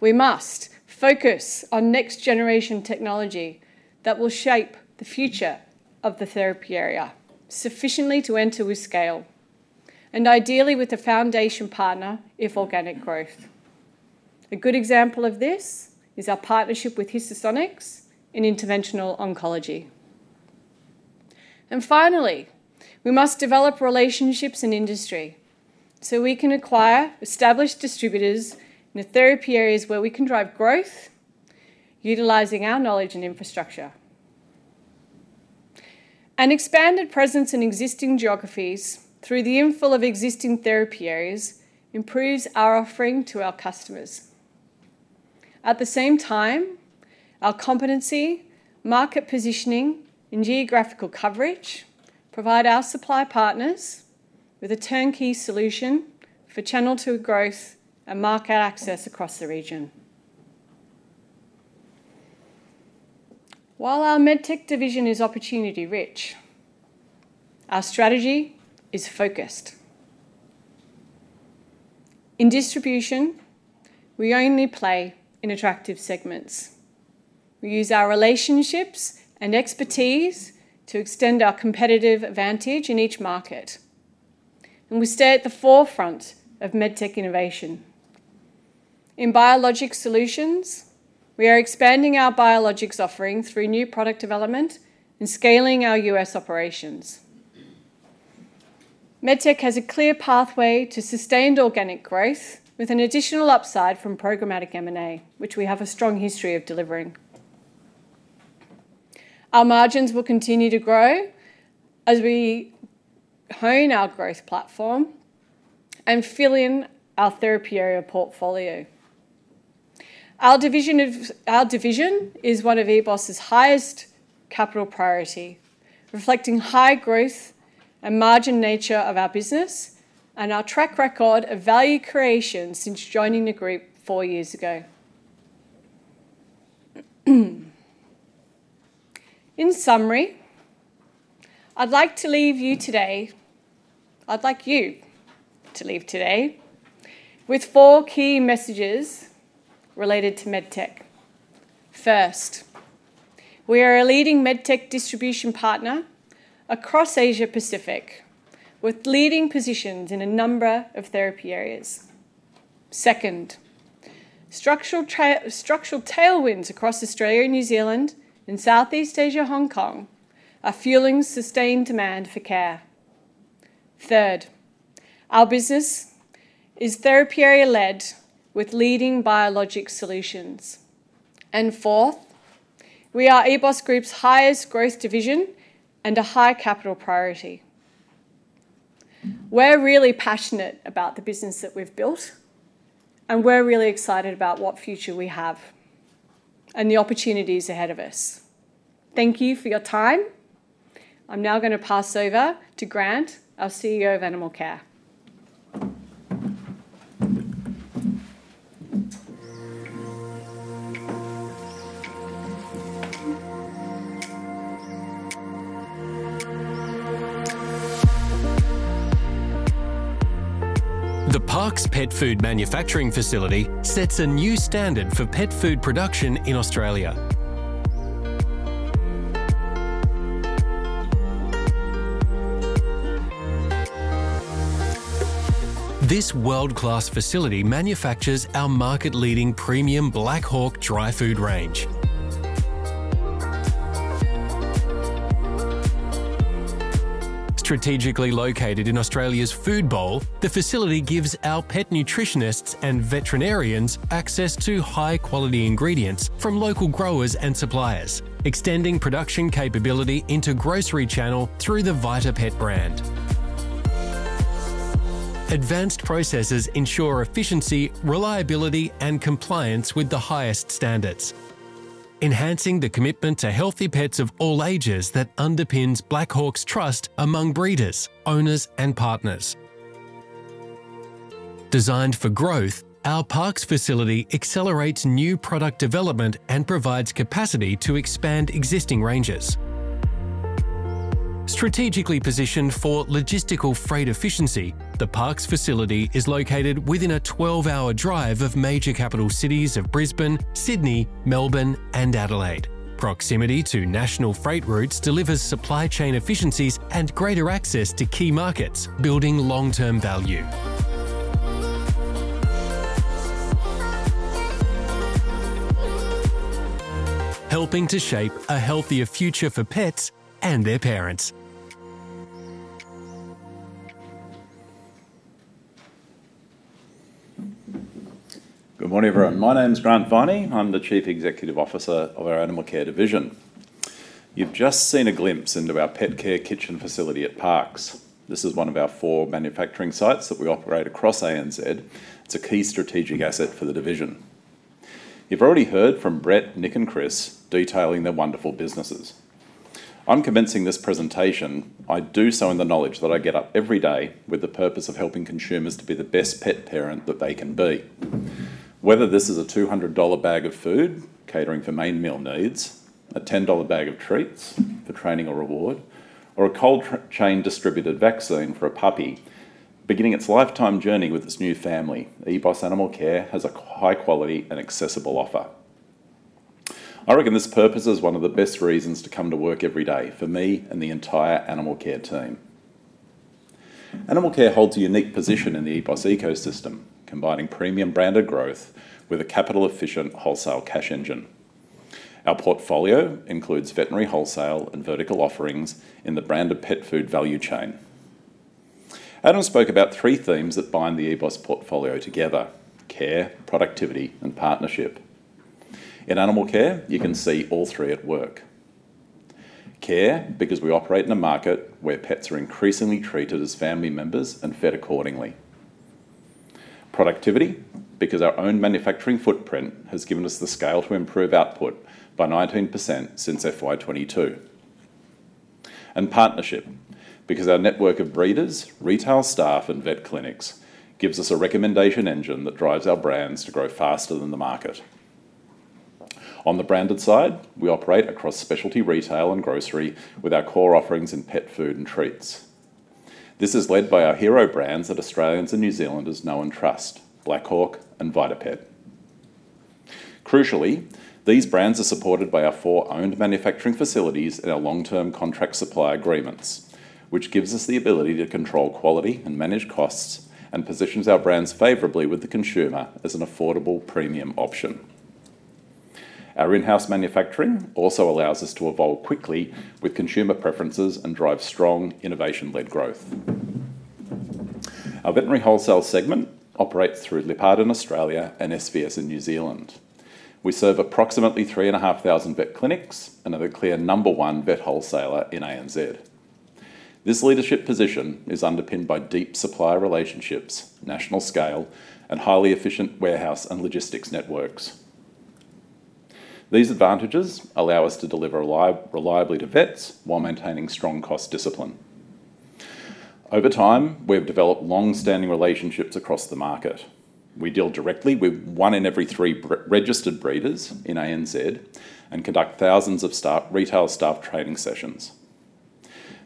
We must focus on next-generation technology that will shape the future of the therapy area sufficiently to enter with scale, and ideally with a foundation partner if organic growth. A good example of this is our partnership with Hysons in interventional oncology. Finally, we must develop relationships in industry so we can acquire established distributors in the therapy areas where we can drive growth, utilizing our knowledge and infrastructure. An expanded presence in existing geographies through the infill of existing therapy areas improves our offering to our customers. At the same time. Our competency, market positioning, and geographical coverage provide our supply partners with a turnkey solution for channel two growth and market access across the region. While our MedTech division is opportunity rich, our strategy is focused. In distribution, we only play in attractive segments. We use our relationships and expertise to extend our competitive advantage in each market, and we stay at the forefront of MedTech innovation. In biologic solutions, we are expanding our biologics offering through new product development and scaling our U.S. operations. MedTech has a clear pathway to sustained organic growth with an additional upside from programmatic M&A, which we have a strong history of delivering. Our margins will continue to grow as we hone our growth platform and fill in our therapy area portfolio. Our division is one of EBOS's highest capital priority, reflecting high growth and margin nature of our business and our track record of value creation since joining the group four years ago. In summary, I'd like you to leave today with four key messages related to MedTech. First, we are a leading MedTech distribution partner across Asia Pacific, with leading positions in a number of therapy areas. Second, structural tailwinds across Australia and New Zealand and Southeast Asia, Hong Kong, are fueling sustained demand for care. Third, our business is therapy area led with leading biologic solutions. Fourth, we are EBOS Group's highest growth division and a high capital priority. We're really passionate about the business that we've built, and we're really excited about what future we have and the opportunities ahead of us. Thank you for your time. I'm now gonna pass over to Grant, our CEO of Animal Care. The Parkes pet food manufacturing facility sets a new standard for pet food production in Australia. This world-class facility manufactures our market-leading premium Black Hawk dry food range. Strategically located in Australia's food bowl, the facility gives our pet nutritionists and veterinarians access to high-quality ingredients from local growers and suppliers, extending production capability into grocery channel through the Vitapet brand. Advanced processes ensure efficiency, reliability, and compliance with the highest standards, enhancing the commitment to healthy pets of all ages that underpins Black Hawk's trust among breeders, owners, and partners. Designed for growth, our Parkes facility accelerates new product development and provides capacity to expand existing ranges. Strategically positioned for logistical freight efficiency, the Parkes facility is located within a 12-hour drive of major capital cities of Brisbane, Sydney, Melbourne, and Adelaide. Proximity to national freight routes delivers supply chain efficiencies and greater access to key markets, building long-term value. Helping to shape a healthier future for pets and their parents. Good morning, everyone. My name's Grant Viney. I'm the Chief Executive Officer of our Animal Care Division. You've just seen a glimpse into our Pet Care Kitchen facility at Parkes. This is one of our four manufacturing sites that we operate across ANZ. It's a key strategic asset for the Division. You've already heard from Brett, Nick, and Kris detailing their wonderful businesses. Commencing this presentation, I do so in the knowledge that I get up every day with the purpose of helping consumers to be the best pet parent that they can be. Whether this is an 200 dollar bag of food catering for main meal needs, an 10 dollar bag of treats for training or reward, or a cold chain distributed vaccine for a puppy beginning its lifetime journey with its new family, EBOS Animal Care has a high quality and accessible offer. I reckon this purpose is one of the best reasons to come to work every day for me and the entire Animal Care team. Animal Care holds a unique position in the EBOS ecosystem, combining premium branded growth with a capital efficient wholesale cash engine. Our portfolio includes veterinary wholesale and vertical offerings in the brand of pet food value chain. Adam spoke about three themes that bind the EBOS portfolio together: care, productivity, and partnership. In Animal Care, you can see all three at work. Care, because we operate in a market where pets are increasingly treated as family members and fed accordingly. Productivity, because our own manufacturing footprint has given the scale to improve output by 19% since FY 2022. Partnership, because our network of breeders, retail staff, and vet clinics gives us a recommendation engine that drives our brands to grow faster than the market. On the branded side, we operate across specialty retail and grocery with our core offerings in pet food and treats. This is led by our hero brands that Australians and New Zealanders know and trust, Black Hawk and Vitapet. Crucially, these brands are supported by our four owned manufacturing facilities and our long-term contract supply agreements, which gives us the ability to control quality and manage costs and positions our brands favorably with the consumer as an affordable premium option. Our in-house manufacturing also allows us to evolve quickly with consumer preferences and drive strong innovation-led growth. Our veterinary wholesale segment operates through Lyppard in Australia and SVS in New Zealand. We serve approximately 3,500 vet clinics and are the clear number one vet wholesaler in ANZ. This leadership position is underpinned by deep supplier relationships, national scale, and highly efficient warehouse and logistics networks. These advantages allow us to deliver reliably to vets while maintaining strong cost discipline. Over time, we have developed long-standing relationships across the market. We deal directly with one in every three registered breeders in ANZ and conduct thousands of retail staff training sessions.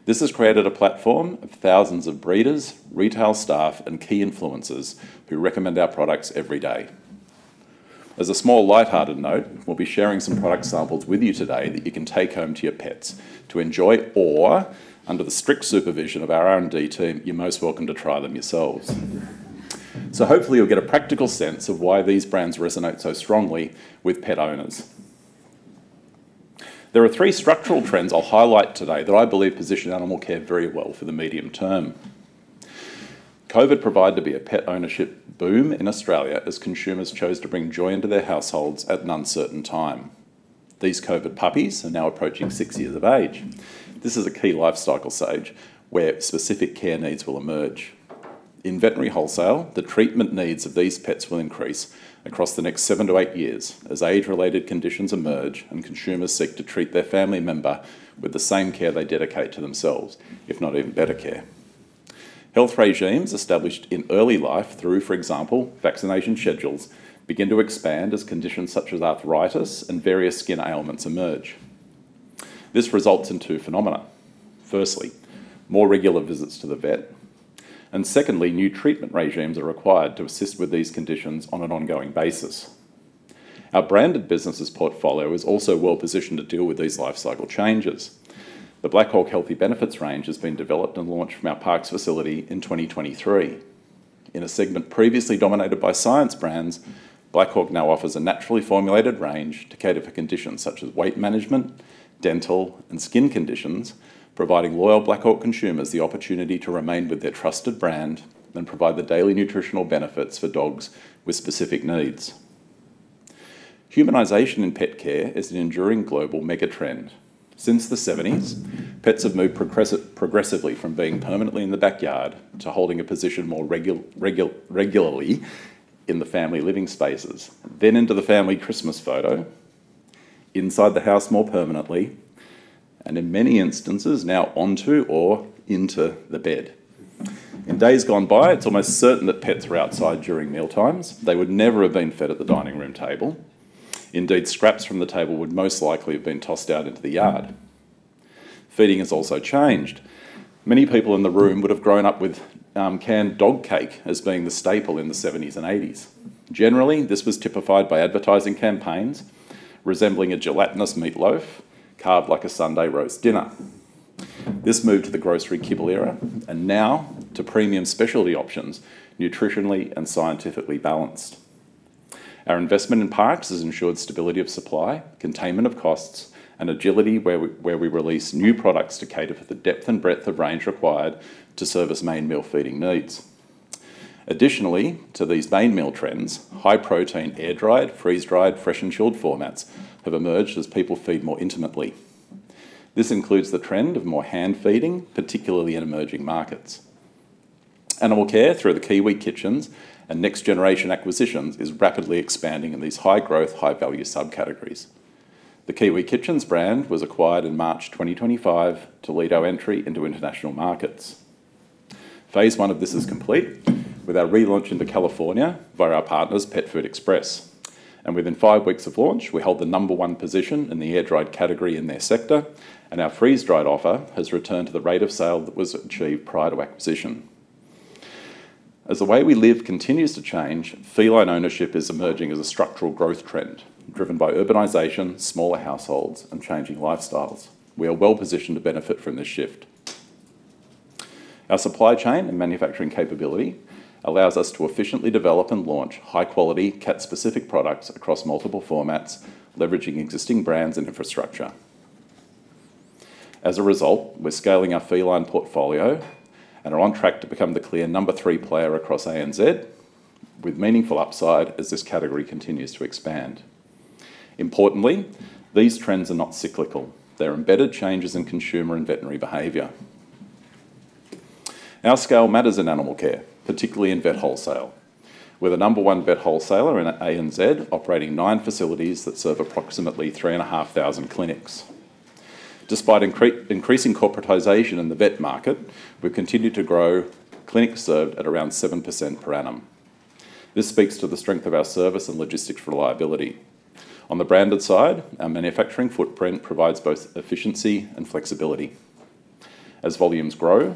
This has created a platform of thousands of breeders, retail staff, and key influencers who recommend our products every day. As a small lighthearted note, we'll be sharing some product samples with you today that you can take home to your pets to enjoy or, under the strict supervision of our R&D team, you're most welcome to try them yourselves. Hopefully you'll get a practical sense of why these brands resonate so strongly with pet owners. There are three structural trends I'll highlight today that I believe position Animal Care very well for the medium term. COVID provided there be a pet ownership boom in Australia as consumers chose to bring joy into their households at an uncertain time. These COVID puppies are now approaching six years of age. This is a key life cycle stage where specific care needs will emerge. In veterinary wholesale, the treatment needs of these pets will increase across the next seven-eight years as age-related conditions emerge and consumers seek to treat their family member with the same care they dedicate to themselves, if not even better care. Health regimes established in early life through, for example, vaccination schedules begin to expand as conditions such as arthritis and various skin ailments emerge. This results in two phenomena. Firstly, more regular visits to the vet, and secondly, new treatment regimes are required to assist with these conditions on an ongoing basis. Our branded businesses portfolio is also well-positioned to deal with these life cycle changes. The Black Hawk Healthy Benefits range has been developed and launched from our Parkes facility in 2023. In a segment previously dominated by science brands, Black Hawk now offers a naturally formulated range to cater for conditions such as weight management, dental, and skin conditions, providing loyal Black Hawk consumers the opportunity to remain with their trusted brand and provide the daily nutritional benefits for dogs with specific needs. Humanization in pet care is an enduring global mega-trend. Since the 70s, pets have moved progressively from being permanently in the backyard to holding a position more regularly in the family living spaces, then into the family Christmas photo, inside the house more permanently, and in many instances now onto or into the bed. In days gone by, it's almost certain that pets were outside during mealtimes. They would never have been fed at the dining room table. Indeed, scraps from the table would most likely have been tossed out into the yard. Feeding has also changed. Many people in the room would have grown up with canned dog cake as being the staple in the seventies and eighties. Generally, this was typified by advertising campaigns resembling a gelatinous meatloaf carved like a Sunday roast dinner. This moved to the grocery kibble era and now to premium specialty options, nutritionally and scientifically balanced. Our investment in Parkes has ensured stability of supply, containment of costs, and agility where we release new products to cater for the depth and breadth of range required to service main meal feeding needs. Additionally to these main meal trends, high protein air-dried, freeze-dried, fresh, and chilled formats have emerged as people feed more intimately. This includes the trend of more hand feeding, particularly in emerging markets. Animal Care, through the Kiwi Kitchens and Next Generation acquisitions, is rapidly expanding in these high-growth, high-value subcategories. The Kiwi Kitchens brand was acquired in March 2025 to lead our entry into international markets. phase I of this is complete with our relaunch into California via our partners Pet Food Express, and within five weeks of launch, we held the number one position in the air-dried category in their sector, and our freeze-dried offer has returned to the rate of sale that was achieved prior to acquisition. As the way we live continues to change, feline ownership is emerging as a structural growth trend driven by urbanization, smaller households, and changing lifestyles. We are well-positioned to benefit from this shift. Our supply chain and manufacturing capability allows us to efficiently develop and launch high-quality cat-specific products across multiple formats, leveraging existing brands and infrastructure. We're scaling our feline portfolio and are on track to become the clear number three player across ANZ with meaningful upside as this category continues to expand. Importantly, these trends are not cyclical. They're embedded changes in consumer and veterinary behavior. Our scale matters in animal care, particularly in vet wholesale. We're the number one vet wholesaler in ANZ, operating nine facilities that serve approximately 3,500 clinics. Despite increasing corporatization in the vet market, we've continued to grow clinics served at around 7% per annum. This speaks to the strength of our service and logistics reliability. On the branded side, our manufacturing footprint provides both efficiency and flexibility. As volumes grow,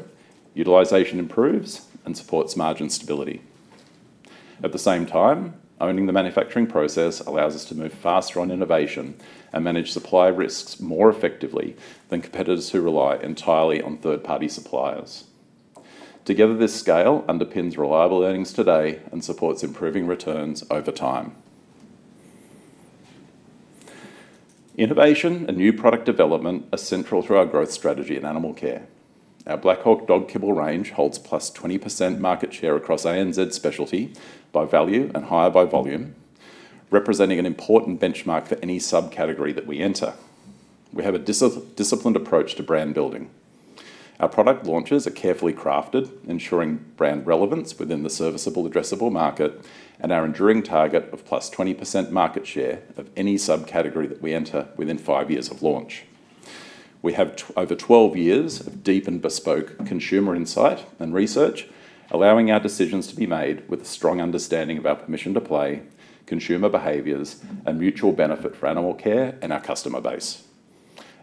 utilization improves and supports margin stability. At the same time, owning the manufacturing process allows us to move faster on innovation and manage supply risks more effectively than competitors who rely entirely on third-party suppliers. Together, this scale underpins reliable earnings today and supports improving returns over time. Innovation and new product development are central to our growth strategy in animal care. Our Black Hawk dog kibble range holds +20% market share across ANZ specialty by value and higher by volume, representing an important benchmark for any sub-category that we enter. We have a disciplined approach to brand-building. Our product launches are carefully crafted, ensuring brand relevance within the serviceable addressable market, and our enduring target of +20% market share of any sub-category that we enter within five years of launch. We have over 12 years of deep and bespoke consumer insight and research, allowing our decisions to be made with a strong understanding of our permission to play, consumer behaviors, and mutual benefit for Animal Care and our customer base.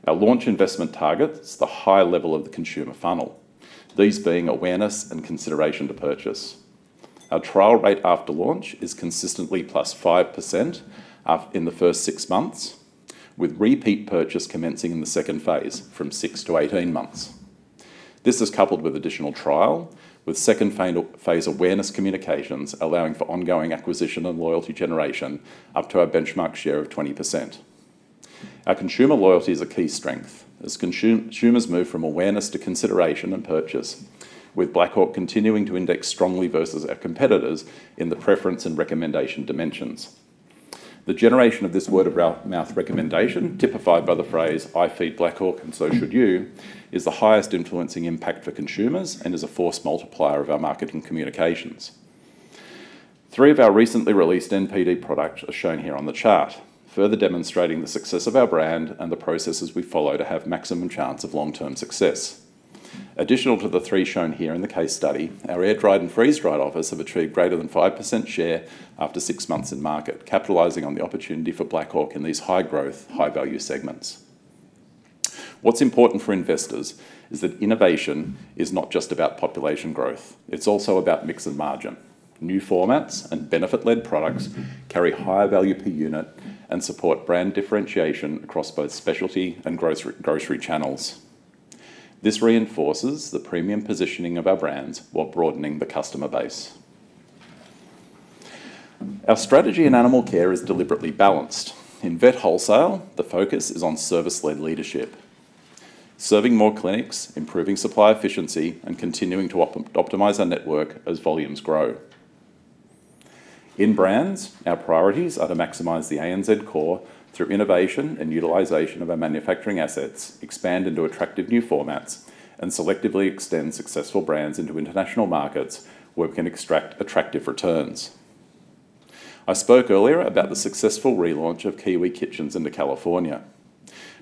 Our launch investment targets the high level of the consumer funnel, these being awareness and consideration to purchase. Our trial rate after launch is consistently +5% in the first six months, with repeat purchase commencing in the second phase from six-18 months. This is coupled with additional trial, with second phase awareness communications allowing for ongoing acquisition and loyalty generation up to our benchmark share of 20%. Our consumer loyalty is a key strength as consumers move from awareness to consideration and purchase, with Black Hawk continuing to index strongly versus our competitors in the preference and recommendation dimensions. The generation of this word-of-mouth recommendation, typified by the phrase, "I feed Black Hawk and so should you," is the highest influencing impact for consumers and is a force multiplier of our marketing communications. Three of our recently released NPD products are shown here on the chart, further demonstrating the success of our brand and the processes we follow to have maximum chance of long-term success. Additional to the three shown here in the case study, our air-dried and freeze-dried offers have achieved greater than 5% share after six months in market, capitalizing on the opportunity for Black Hawk in these high-growth, high-value segments. What's important for investors is that innovation is not just about population growth. It's also about mix and margin. New formats and benefit-led products carry higher value per unit and support brand differentiation across both specialty and grocery channels. This reinforces the premium positioning of our brands while broadening the customer base. Our strategy in animal care is deliberately balanced. In vet wholesale, the focus is on service-led leadership, serving more clinics, improving supply efficiency, and continuing to optimize our network as volumes grow. In brands, our priorities are to maximize the ANZ core through innovation and utilization of our manufacturing assets, expand into attractive new formats, and selectively extend successful brands into international markets where we can extract attractive returns. I spoke earlier about the successful relaunch of Kiwi Kitchens into California.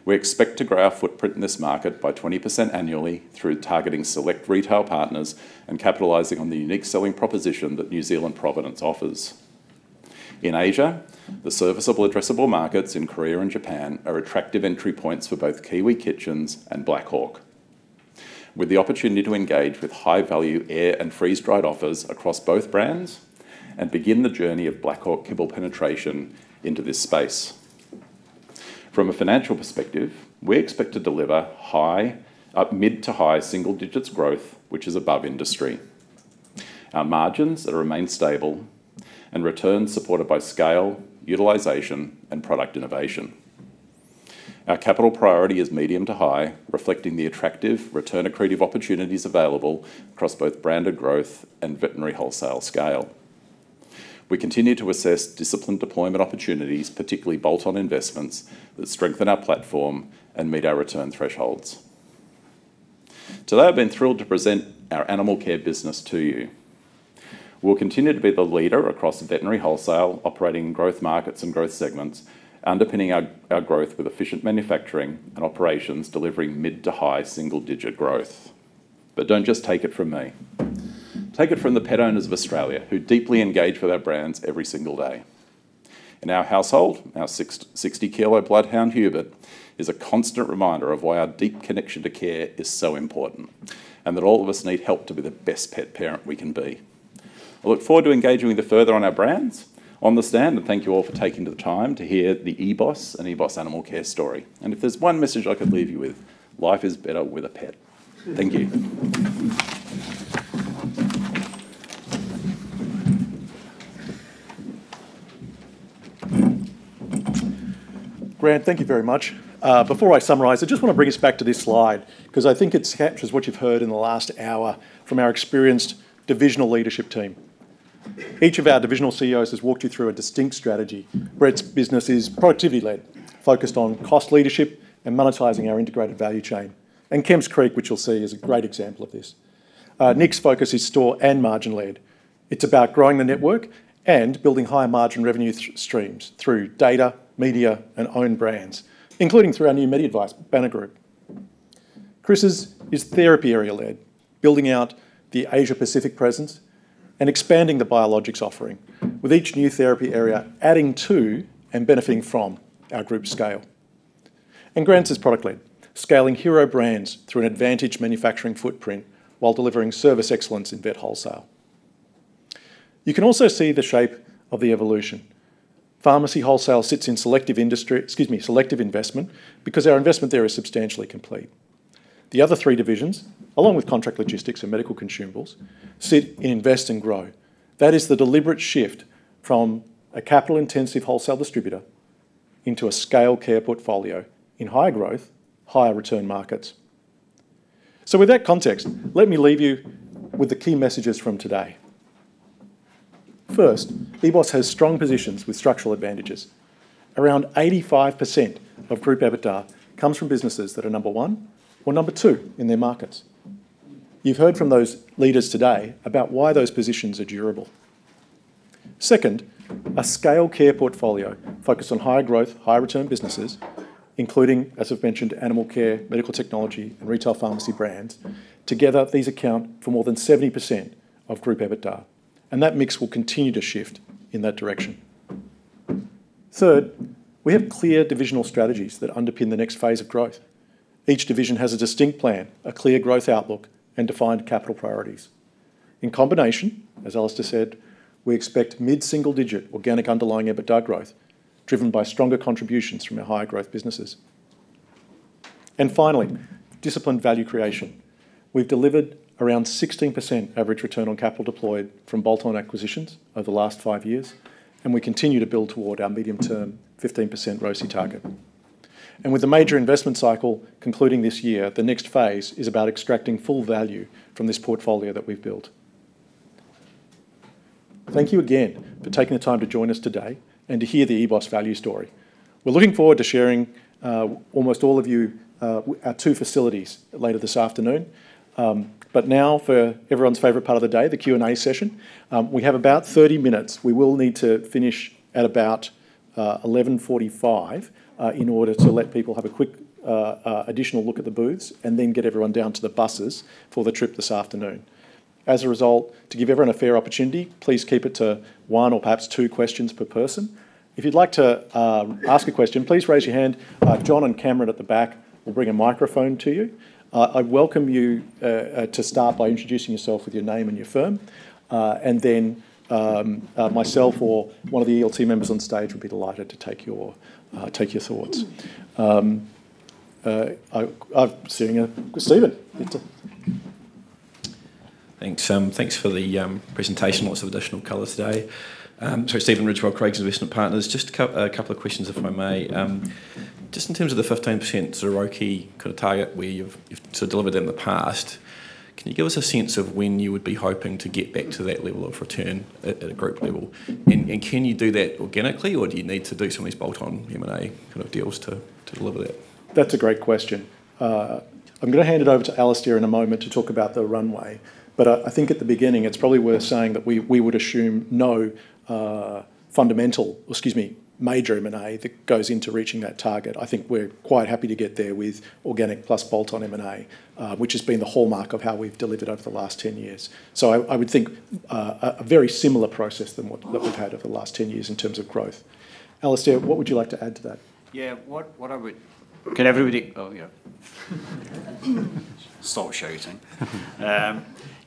We expect to grow our footprint in this market by 20% annually through targeting select retail partners and capitalizing on the unique selling proposition that New Zealand provenance offers. In Asia, the serviceable addressable markets in Korea and Japan are attractive entry points for both Kiwi Kitchens and Black Hawk, with the opportunity to engage with high-value air and freeze-dried offers across both brands and begin the journey of Black Hawk kibble penetration into this space. From a financial perspective, we expect to deliver mid to high single-digit growth, which is above industry. Our margins that remain stable, and returns supported by scale, utilization, and product innovation. Our capital priority is medium to high, reflecting the attractive, return accretive opportunities available across both branded growth and veterinary wholesale scale. We continue to assess disciplined deployment opportunities, particularly bolt-on investments, that strengthen our platform and meet our return thresholds. Today, I've been thrilled to present our Animal Care business to you. We'll continue to be the leader across the veterinary wholesale, operating growth markets and growth segments, underpinning our growth with efficient manufacturing and operations, delivering mid to high single-digit growth. Don't just take it from me. Take it from the pet owners of Australia, who deeply engage with our brands every single day. In our household, our 60-kilo bloodhound, Hubert, is a constant reminder of why our deep connection to care is so important, and that all of us need help to be the best pet parent we can be. I look forward to engaging with you further on our brands on the stand. Thank you all for taking the time to hear the EBOS and EBOS Animal Care story. If there's one message I could leave you with, life is better with a pet. Thank you. Grant, thank you very much. Before I summarize, I just wanna bring us back to this slide, 'cause I think it captures what you've heard in the last hour from our experienced divisional leadership team Each of our divisional CEOs has walked you through a distinct strategy. Brett's business is productivity-led, focused on cost leadership and monetizing our integrated value chain. Kemps Creek, which you'll see, is a great example of this. Nick's focus is store and margin-led. It's about growing the network and building higher margin revenue streams through data, media, and own brands, including through our new MediADVICE banner group. Kris's is therapy area-led, building out the Asia-Pacific presence and expanding the biologics offering, with each new therapy area adding to and benefiting from our group scale. Grant's is product-led. Scaling hero brands through an advantage manufacturing footprint while delivering service excellence in vet wholesale. You can also see the shape of the evolution. Pharmacy wholesale sits in selective industry, excuse me, selective investment, because our investment there is substantially complete. The other three divisions, along with contract logistics and medical consumables, sit in invest and grow. That is the deliberate shift from a capital-intensive wholesale distributor into a scale care portfolio in high growth, higher return markets. With that context, let me leave you with the key messages from today. First, EBOS has strong positions with structural advantages. Around 85% of group EBITDA comes from businesses that are number one or number two in their markets. You've heard from those leaders today about why those positions are durable. Second, a scale care portfolio focused on higher growth, higher return businesses, including, as I've mentioned, Animal Care, Medical Technology, and Retail Pharmacy Brands. Together, these account for more than 70% of group EBITDA, and that mix will continue to shift in that direction. Third, we have clear divisional strategies that underpin the next phase of growth. Each division has a distinct plan, a clear growth outlook, and defined capital priorities. In combination, as Alistair said, we expect mid-single digit organic underlying EBITDA growth driven by stronger contributions from our higher growth businesses. Finally, disciplined value creation. We've delivered around 16% average return on capital deployed from bolt-on acquisitions over the last five years, and we continue to build toward our medium-term 15% ROCE target. With the major investment cycle concluding this year, the next phase is about extracting full value from this portfolio that we've built. Thank you again for taking the time to join us today and to hear the EBOS value story. We're looking forward to sharing almost all of you our two facilities later this afternoon. Now for everyone's favorite part of the day, the Q&A session. We have about 30 minutes. We will need to finish at about 11:45 in order to let people have a quick additional look at the booths and then get everyone down to the buses for the trip this afternoon. As a result, to give everyone a fair opportunity, please keep it to one or perhaps two questions per person. If you'd like to ask a question, please raise your hand. John and Cameron at the back will bring a microphone to you. I welcome you to start by introducing yourself with your name and your firm. Myself or one of the ELT members on stage would be delighted to take your thoughts. I am seeing Stephen. Thanks. Thanks for the presentation. Lots of additional color today. Sorry, Stephen Ridgewell, Craigs Investment Partners. Just a couple of questions, if I may. Just in terms of the 15% sort of ROCE kind of target where you've sort of delivered in the past, can you give us a sense of when you would be hoping to get back to that level of return at a group level? Can you do that organically, or do you need to do some of these bolt-on M&A kind of deals to deliver that? That's a great question. I'm going to hand it over to Alistair in a moment to talk about the runway, but I think at the beginning it's probably worth saying that we would assume no fundamental major M&A that goes into reaching that target. I think we're quite happy to get there with organic plus bolt-on M&A, which has been the hallmark of how we've delivered over the last 10 years. I would think a very similar process than what we've had over the last 10 years in terms of growth. Alistair, what would you like to add to that? Yeah.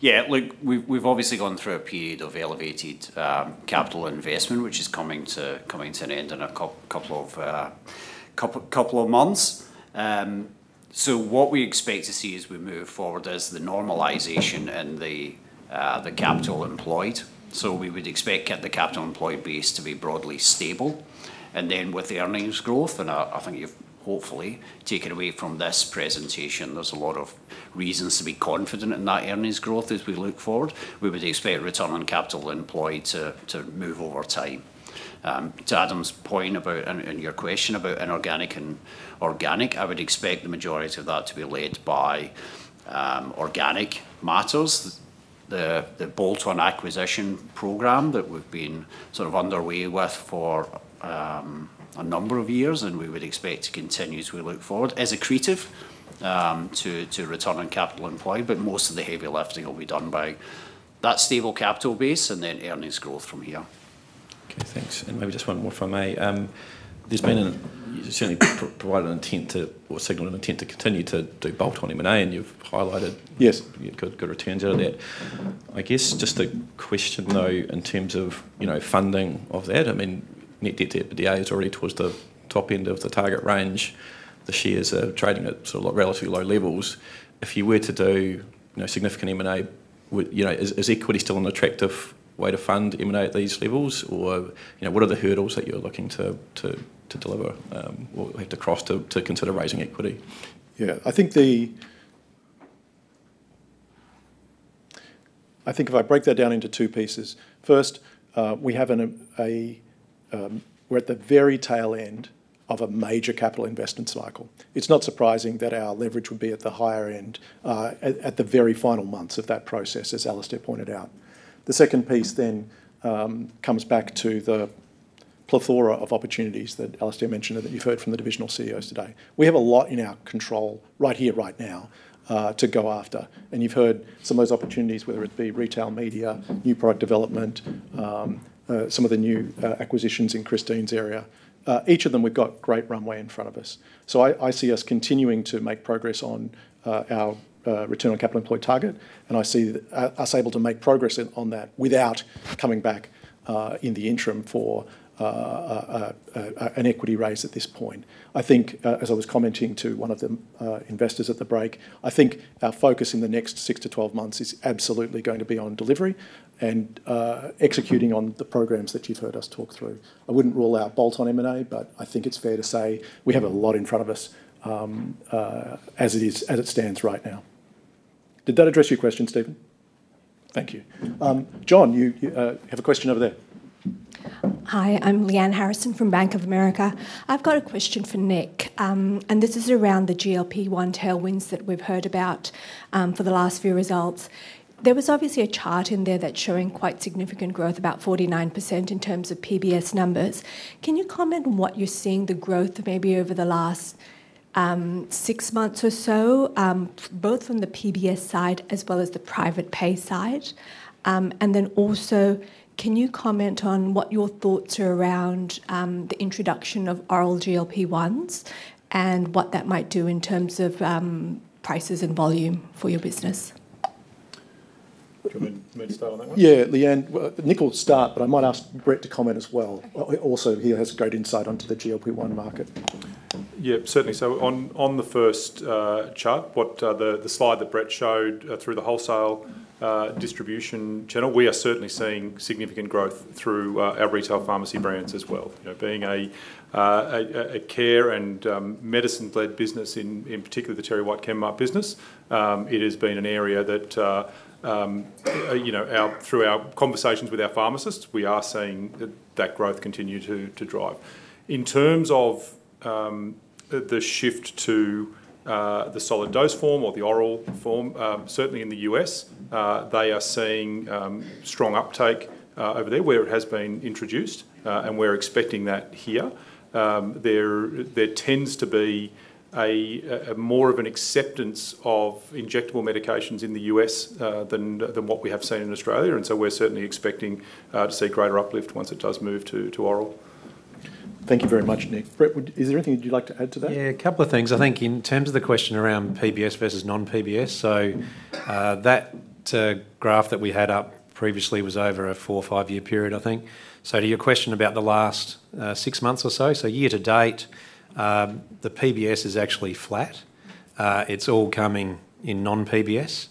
Yeah, look, we've obviously gone through a period of elevated capital investment, which is coming to an end in a couple of months. What we expect to see as we move forward is the normalization in the capital employed. We would expect the capital employed base to be broadly stable. Then with the earnings growth, and I think you've hopefully taken away from this presentation, there's a lot of reasons to be confident in that earnings growth as we look forward. We would expect Return on Capital Employed to move over time. To Adam's point about, and your question about inorganic and organic, I would expect the majority of that to be led by organic matters. The bolt-on acquisition program that we've been sort of underway with for a number of years and we would expect to continue as we look forward, is accretive to return on capital employed, but most of the heavy lifting will be done by that stable capital base and then earnings growth from here. Okay, thanks. Maybe just one more, if I may. There's been you certainly provided an intent to, or signaled an intent to continue to do bolt-on M&A, and you've highlighted. Yes good returns out of that. I guess just a question, though, in terms of, you know, funding of that. I mean, net debt to EBITDA is already towards the top end of the target range. The shares are trading at sort of relatively low levels. If you were to do, you know, significant M&A, would, you know, is equity still an attractive way to fund M&A at these levels? You know, what are the hurdles that you're looking to deliver or have to cross to consider raising equity? Yeah. I think if I break that down into two pieces, first, we're at the very tail end of a major capital investment cycle. It's not surprising that our leverage would be at the higher end at the very final months of that process, as Alistair pointed out. The second piece comes back to the plethora of opportunities that Alistair mentioned and that you've heard from the divisional CEOs today. We have a lot in our control right here, right now to go after. You've heard some of those opportunities, whether it be retail media, new product development, some of the new acquisitions in Kristine's area. Each of them we've got great runway in front of us. I see us continuing to make progress on our return on capital employed target, and I see us able to make progress in, on that without coming back in the interim for an equity raise at this point. I think, as I was commenting to one of the investors at the break, I think our focus in the next 6 to 12 months is absolutely going to be on delivery and executing on the programs that you've heard us talk through. I wouldn't rule out bolt on M&A, but I think it's fair to say we have a lot in front of us as it is, as it stands right now. Did that address your question, Stephen? Thank you. John, you have a question over there. Hi, I'm Lyanne Harrison from Bank of America. I've got a question for Nick. This is around the GLP-1 tailwinds that we've heard about for the last few results. There was obviously a chart in there that's showing quite significant growth, about 49% in terms of PBS numbers. Can you comment on what you're seeing the growth maybe over the last six months or so, both from the PBS side as well as the private pay side? Then also can you comment on what your thoughts are around the introduction of oral GLP-1s and what that might do in terms of prices and volume for your business? Do you want me to start on that one? Yeah. Lyanne, Nick Munroe will start, but I might ask Brett Barons to comment as well. Okay. Also he has great insight onto the GLP-1 market. Yeah, certainly. On the first chart, what the slide that Brett showed, through the wholesale distribution channel, we are certainly seeing significant growth through our Retail Pharmacy Brands as well. You know, being a care and medicine-led business, in particular the TerryWhite Chemmart business, it has been an area that, you know, our, through our conversations with our pharmacists, we are seeing that growth continue to drive. In terms of the shift to the solid dose form or the oral form, certainly in the U.S., they are seeing strong uptake over there where it has been introduced, and we're expecting that here. There tends to be a more of an acceptance of injectable medications in the U.S. than what we have seen in Australia. We're certainly expecting to see greater uplift once it does move to oral. Thank you very much, Nick. Brett, is there anything you'd like to add to that? Yeah, a couple of things. I think in terms of the question around PBS versus non-PBS, that graph that we had up previously was over a four or five year period, I think. To your question about the last six months or so, year to date, the PBS is actually flat. It's all coming in non-PBS.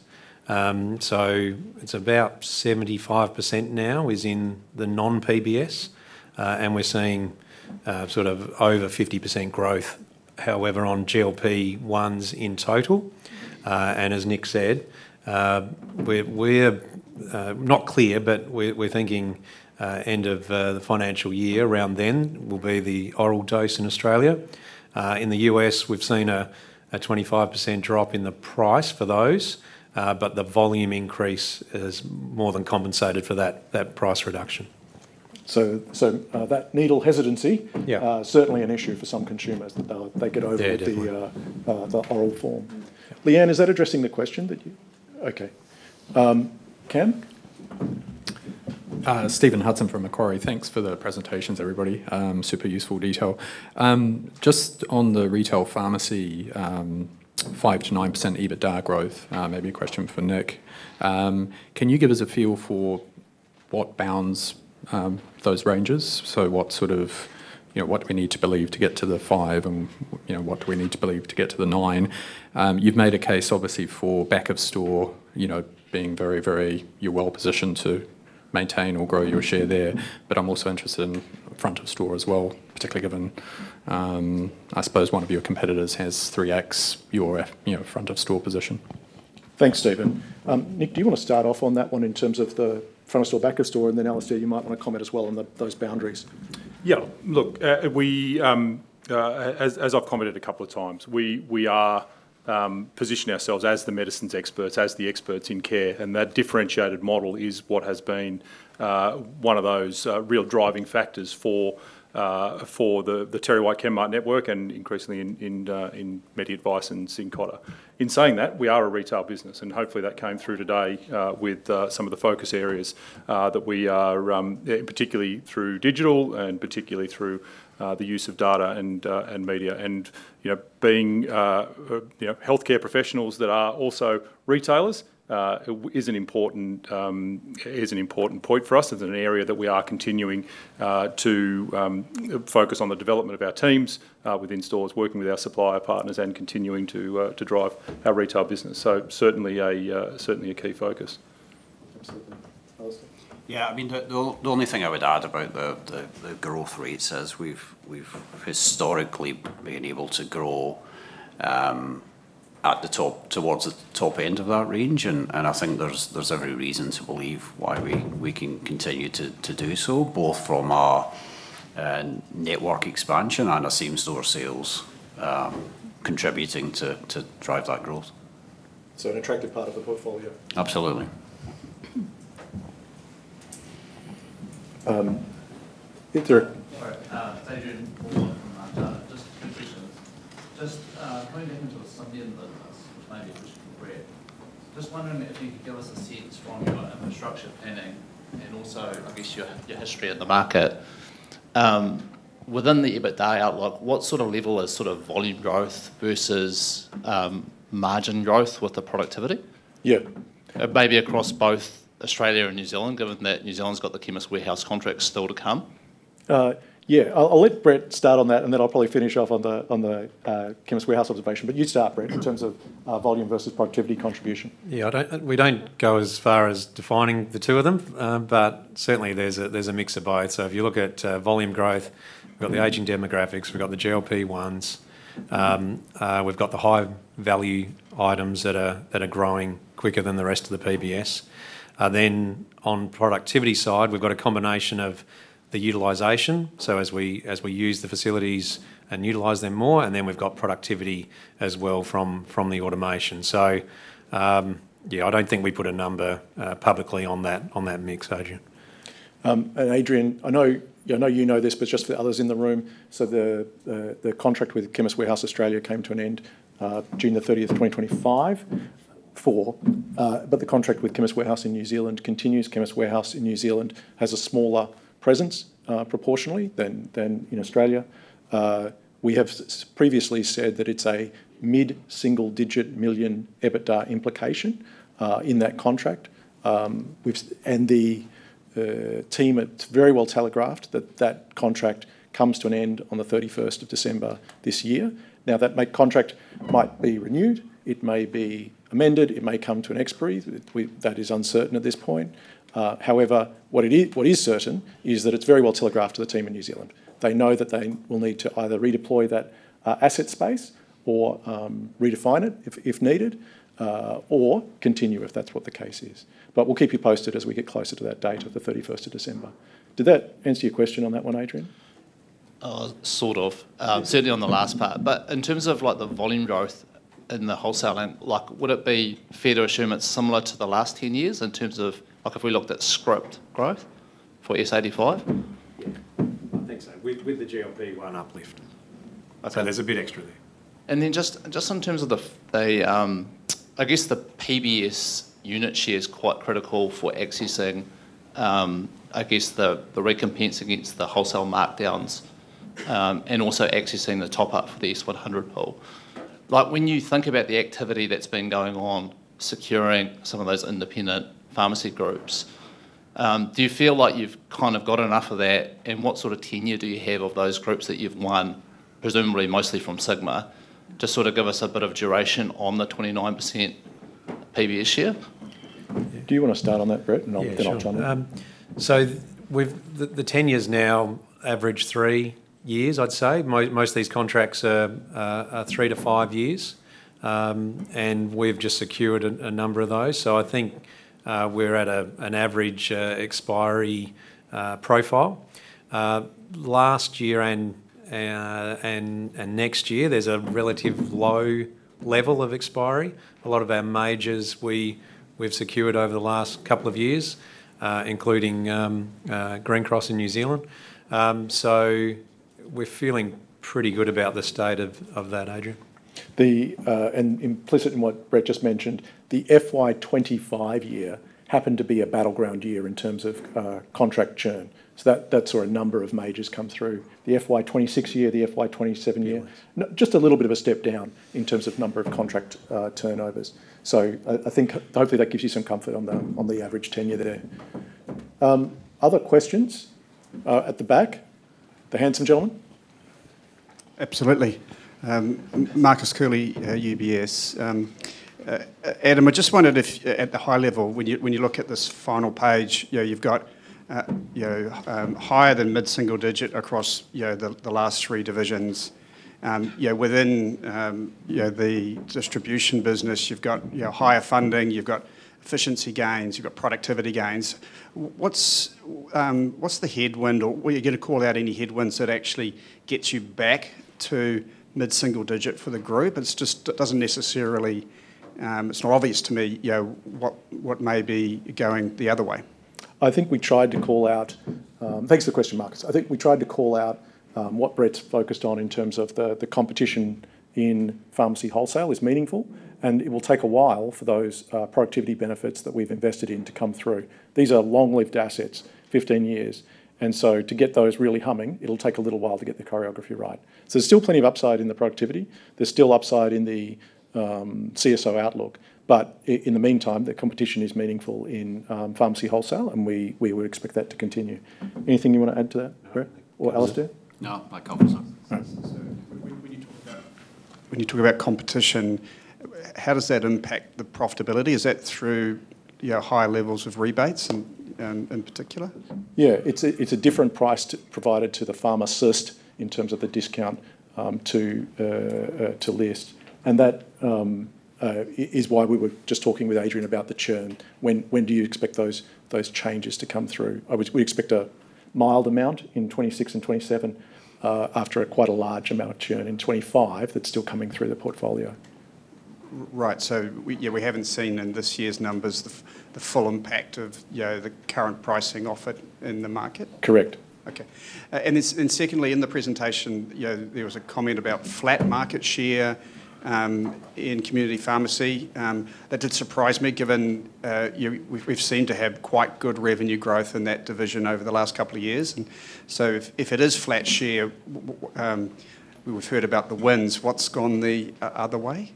It's about 75% now is in the non-PBS. We're seeing sort of over 50% growth, however, on GLP-1s in total. As Nick said, we're not clear, we're thinking end of the financial year, around then, will be the oral dose in Australia. In the U.S. we've seen a 25% drop in the price for those, the volume increase has more than compensated for that price reduction. That needle hesitancy. Yeah... certainly an issue for some consumers that they get over- Yeah, definitely. the oral form. Lyanne, is that addressing the question that you. Okay. Cam? Stephen Hudson from Macquarie. Thanks for the presentations, everybody. Super useful detail. Just on the retail pharmacy, 5%-9% EBITDA growth, maybe a question for Nick. Can you give us a feel for what bounds those ranges? What sort of, you know, what do we need to believe to get to the five and, you know, what do we need to believe to get to the nine? You've made a case obviously for back of store, you know, being very, you're well positioned to maintain or grow your share there. I'm also interested in front of store as well, particularly given, I suppose one of your competitors has 3x your, you know, front of store position. Thanks, Stephen. Nick Munroe, do you want to start off on that one in terms of the front of store, back of store, and then Alistair Gray, you might want to comment as well on the, those boundaries. Yeah. Look, as I've commented a couple of times, we are positioning ourselves as the medicines experts, as the experts in care, and that differentiated model is what has been one of those real driving factors for the TerryWhite Chemmart network and increasingly in MediADVICE and Cincotta. In saying that, we are a retail business, hopefully that came through today with some of the focus areas that we are particularly through digital and particularly through the use of data and media. You know, being, you know, healthcare professionals that are also retailers is an important point for us. It's an area that we are continuing to focus on the development of our teams within stores, working with our supplier partners and continuing to drive our retail business. Certainly a key focus. Yeah, I mean, the only thing I would add about the growth rates is we've historically been able to grow towards the top end of that range. I think there's every reason to believe why we can continue to do so, both from our network expansion and our same-store sales, contributing to drive that growth. An attractive part of the portfolio. Absolutely. Yeah, sure. All right. Ian Paulsen from Macquarie. A few questions. Turning then to the Symbion business, which may be a question for Brett. Wondering if you could give us a sense from your infrastructure planning, and also, I guess your history in the market, within the EBITDA outlook, what sort of level is sort of volume growth versus margin growth with the productivity? Yeah. Maybe across both Australia and New Zealand, given that New Zealand's got the Chemist Warehouse contract still to come. Yeah. I'll let Brett start on that, and then I'll probably finish off on the Chemist Warehouse observation. You start, Brett. in terms of, volume versus productivity contribution. Yeah, I don't, we don't go as far as defining the two of them. Certainly there's a mix of both. If you look at volume growth- Mm we've got the aging demographics, we've got the GLP-1s, we've got the high value items that are growing quicker than the rest of the PBS. Then on productivity side, we've got a combination of the utilization, so as we use the facilities and utilize them more, and then we've got productivity as well from the automation. Yeah, I don't think we put a number publicly on that mix, Ian. Ian Paulsen, I know, I know you know this, but just for others in the room, the contract with Chemist Warehouse Australia came to an end, June 30, 2025, but the contract with Chemist Warehouse in New Zealand continues. Chemist Warehouse in New Zealand has a smaller presence, proportionally than in Australia. We have previously said that it's a mid-single digit million EBITDA implication in that contract. We've and the team at, very well telegraphed that that contract comes to an end on the 31st of December this year. That contract might be renewed, it may be amended, it may come to an expiry. That is uncertain at this point. However, what is certain is that it's very well telegraphed to the team in New Zealand. They know that they will need to either redeploy that, asset space or, redefine it if needed, or continue if that's what the case is. We'll keep you posted as we get closer to that date of the 31st of December. Did that answer your question on that one, Ian Paulsen? Sort of. Certainly on the last part. In terms of, like, the volume growth in the wholesale end, like, would it be fair to assume it's similar to the last 10 years in terms of, like, if we looked at script growth for S85? I think so. With the GLP-1 uplift. Okay. There's a bit extra there. Then just in terms of the, I guess the PBS unit share is quite critical for accessing, I guess the recompense against the wholesale markdowns, and also accessing the top-up for the S100 pool. When you think about the activity that's been going on securing some of those independent pharmacy groups, do you feel like you've kind of got enough of that? What sort of tenure do you have of those groups that you've won, presumably mostly from Sigma? Just give us a bit of duration on the 29% PBS share. Do you wanna start on that, Brett? Yeah, sure. I'll chime in. The tenure's now average three years, I'd say. Most of these contracts are three to five years. We've just secured a number of those. I think we're at an average expiry profile. Last year and next year, there's a relative low level of expiry. A lot of our majors we've secured over the last couple of years, including Greencross in New Zealand. We're feeling pretty good about the state of that, Ian Paulsen. Implicit in what Brett just mentioned, the FY 2025 year happened to be a battleground year in terms of contract churn. That saw a number of majors come through. The FY 2026 year, the FY 2027 year. Yeah Just a little bit of a step down in terms of number of contract turnovers. I think hopefully that gives you some comfort on the average tenure there. Other questions? At the back. The handsome gentleman. Marcus Curley at UBS. Adam, I just wondered if at the high level, when you look at this final page, you've got higher than mid-single digit across the last three divisions. Within the distribution business, you've got higher funding, you've got efficiency gains, you've got productivity gains. What's the headwind or were you going to call out any headwinds that actually gets you back to mid-single digit for the group? It's just, it doesn't necessarily, it's not obvious to me, you know, what may be going the other way. I think we tried to call out. Thanks for the question, Marcus. I think we tried to call out what Brett's focused on in terms of the competition in pharmacy wholesale is meaningful, and it will take a while for those productivity benefits that we've invested in to come through. These are long-lived assets, 15 years. To get those really humming, it will take a little while to get the choreography right. There's still plenty of upside in the productivity. There's still upside in the CSO outlook. In the meantime, the competition is meaningful in pharmacy wholesale, and we would expect that to continue. Anything you want to add to that, Brett? No. Alistair? No, that covers it. All right. When you talk about competition, how does that impact the profitability? Is that through, you know, higher levels of rebates in particular? Yeah. It's a different price to provided to the pharmacist in terms of the discount to list. That is why we were just talking with Ian Paulsen about the churn. When do you expect those changes to come through? We expect a mild amount in 2026 and 2027 after a quite a large amount of churn in 2025 that's still coming through the portfolio. Right. We, yeah, we haven't seen in this year's numbers the full impact of, you know, the current pricing offered in the market? Correct. Okay. Secondly in the presentation, you know, there was a comment about flat market share in community pharmacy. That did surprise me given we've seen to have quite good revenue growth in that division over the last couple of years. If it is flat share, we've heard about the wins. What's gone the other way?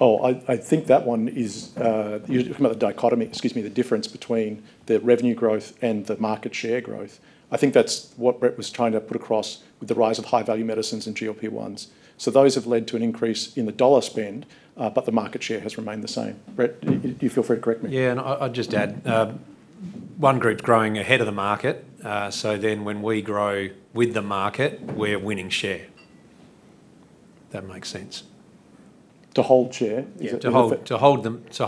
I think that one is, from the dichotomy, excuse me, the difference between the revenue growth and the market share growth. I think that's what Brett was trying to put across with the rise of high-value medicines and GLP-1s. Those have led to an increase in the dollar spend, but the market share has remained the same. Brett, do you feel free to correct me? I'd just add, one group growing ahead of the market, when we grow with the market, we're winning share. If that makes sense. To hold share? Is that- To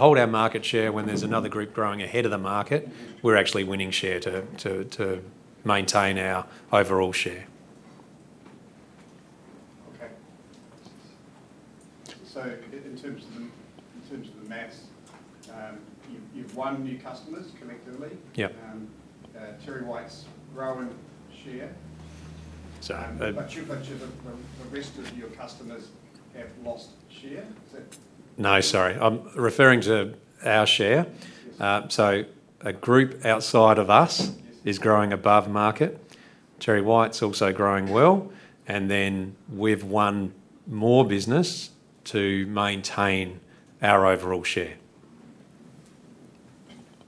hold our market share when there's another group growing ahead of the market, we're actually winning share to maintain our overall share. Okay. In terms of the math, you've won new customers collectively. Yeah. Terry White's growing share. So, uh- You, the rest of your customers have lost share. Is that? No, sorry. I'm referring to our share. Yes. A group outside of us- Yes... is growing above market. TerryWhite Chemmart is also growing well, and then we've won more business to maintain our overall share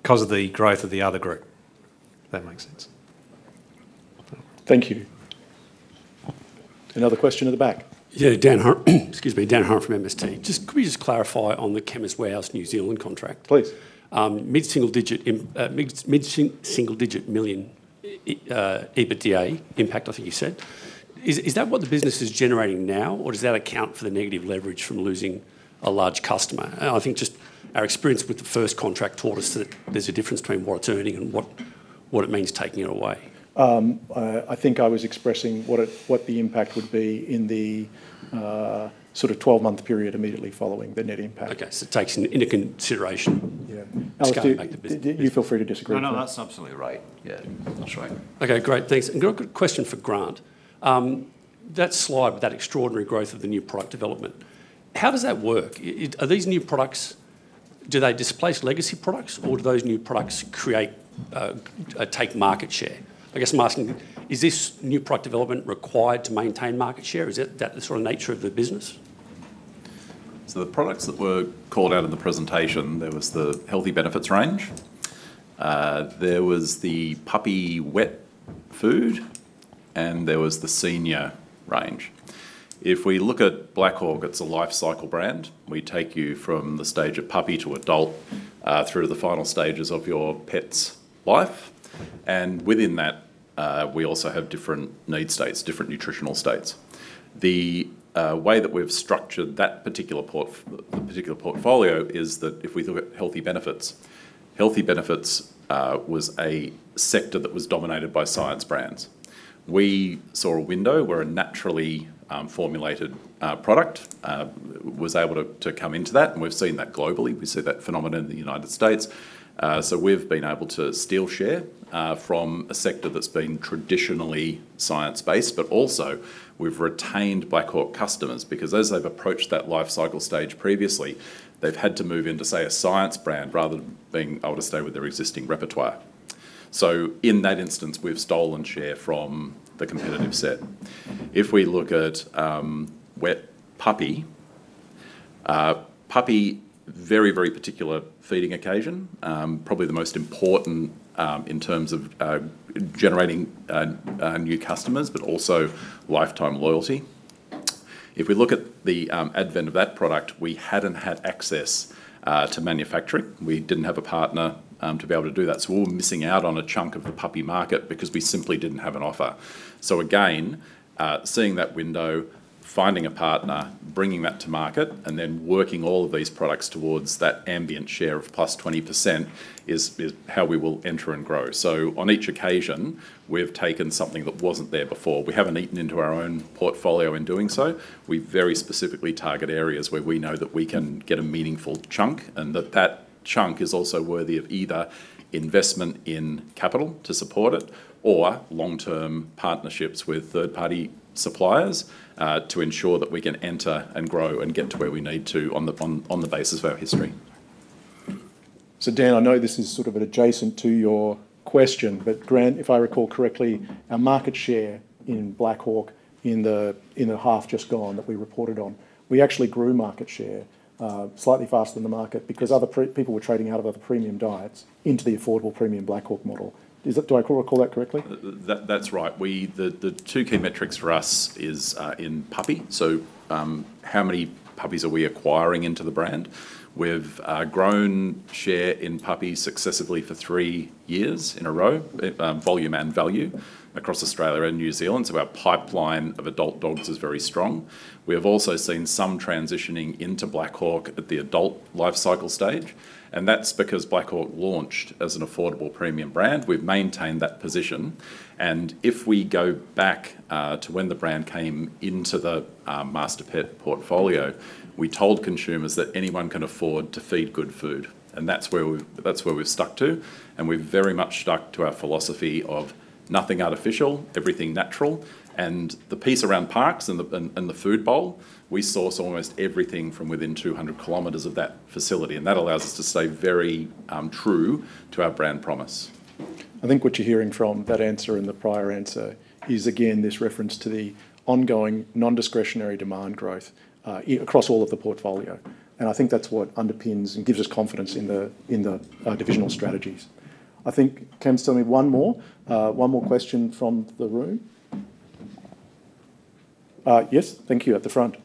because of the growth of the other group, if that makes sense. Thank you. Another question at the back. Yeah, Excuse me. Dan Hur from MST. Just, could we just clarify on the Chemist Warehouse New Zealand contract? Please. NZD mid-single digit million EBITDA impact I think you said. Is that what the business is generating now, or does that account for the negative leverage from losing a large customer? I think just our experience with the first contract taught us that there's a difference between what it's earning and what it means taking it away. I think I was expressing what the impact would be in the sort of 12-month period immediately following the net impact. Okay. it takes into consideration. Yeah the scale it made the business. Alistair, do you feel free to disagree? No, no, that's absolutely right. Yeah. That's right. Okay, great. Thanks. Got a question for Grant. That slide with that extraordinary growth of the new product development, how does that work? Are these new products, do they displace legacy products, or do those new products create, take market share? I guess I'm asking, is this new product development required to maintain market share? Is that the sort of nature of the business? The products that were called out in the presentation, there was the Healthy Benefits range, there was the puppy wet food, and there was the senior range. If we look at Black Hawk, it's a life cycle brand. We take you from the stage of puppy to adult, through the final stages of your pet's life. Within that, we also have different need states, different nutritional states. The way that we've structured that particular portfolio is that if we look at Healthy Benefits, was a sector that was dominated by science brands. We saw a window where a naturally formulated product was able to come into that, and we've seen that globally. We see that phenomena in the U.S. We've been able to steal share from a sector that's been traditionally science-based, but also we've retained Black Hawk customers because as they've approached that life cycle stage previously, they've had to move into, say, a science brand rather than being able to stay with their existing repertoire. In that instance, we've stolen share from the competitive set. If we look at wet puppy, very, very particular feeding occasion. Probably the most important in terms of generating new customers, but also lifetime loyalty. If we look at the advent of that product, we hadn't had access to manufacturing. We didn't have a partner to be able to do that. We're missing out on a chunk of the puppy market because we simply didn't have an offer. Again, seeing that window, finding a partner, bringing that to market, and then working all of these products towards that ambient share of +20% is how we will enter and grow. On each occasion, we've taken something that wasn't there before. We haven't eaten into our own portfolio in doing so. We very specifically target areas where we know that we can get a meaningful chunk, and that that chunk is also worthy of either investment in capital to support it, or long-term partnerships with third-party suppliers, to ensure that we can enter and grow and get to where we need to on the basis of our history. Dan, I know this is sort of an adjacent to your question, but Grant, if I recall correctly, our market share in Black Hawk in the, in the half just gone that we reported on, we actually grew market share slightly faster than the market. Yeah... because other people were trading out of other premium diets into the affordable premium Black Hawk model. Is it, do I recall that correctly? That's right. We, the two key metrics for us is in puppy. How many puppies are we acquiring into the brand? We've grown share in puppy successively for three years in a row, volume and value across Australia and New Zealand, so our pipeline of adult dogs is very strong. We have also seen some transitioning into Black Hawk at the adult life cycle stage, and that's because Black Hawk launched as an affordable premium brand. We've maintained that position, and if we go back to when the brand came into the Masterpet portfolio, we told consumers that anyone can afford to feed good food, and that's where we've stuck to, and we've very much stuck to our philosophy of nothing artificial, everything natural. The piece around Parkes and the food bowl, we source almost everything from within 200 km of that facility, and that allows us to stay very true to our brand promise. I think what you're hearing from that answer and the prior answer is, again, this reference to the ongoing non-discretionary demand growth, across all of the portfolio, and I think that's what underpins and gives us confidence in the divisional strategies. I think, Cam, still need one more. One more question from the room. Yes. Thank you. At the front.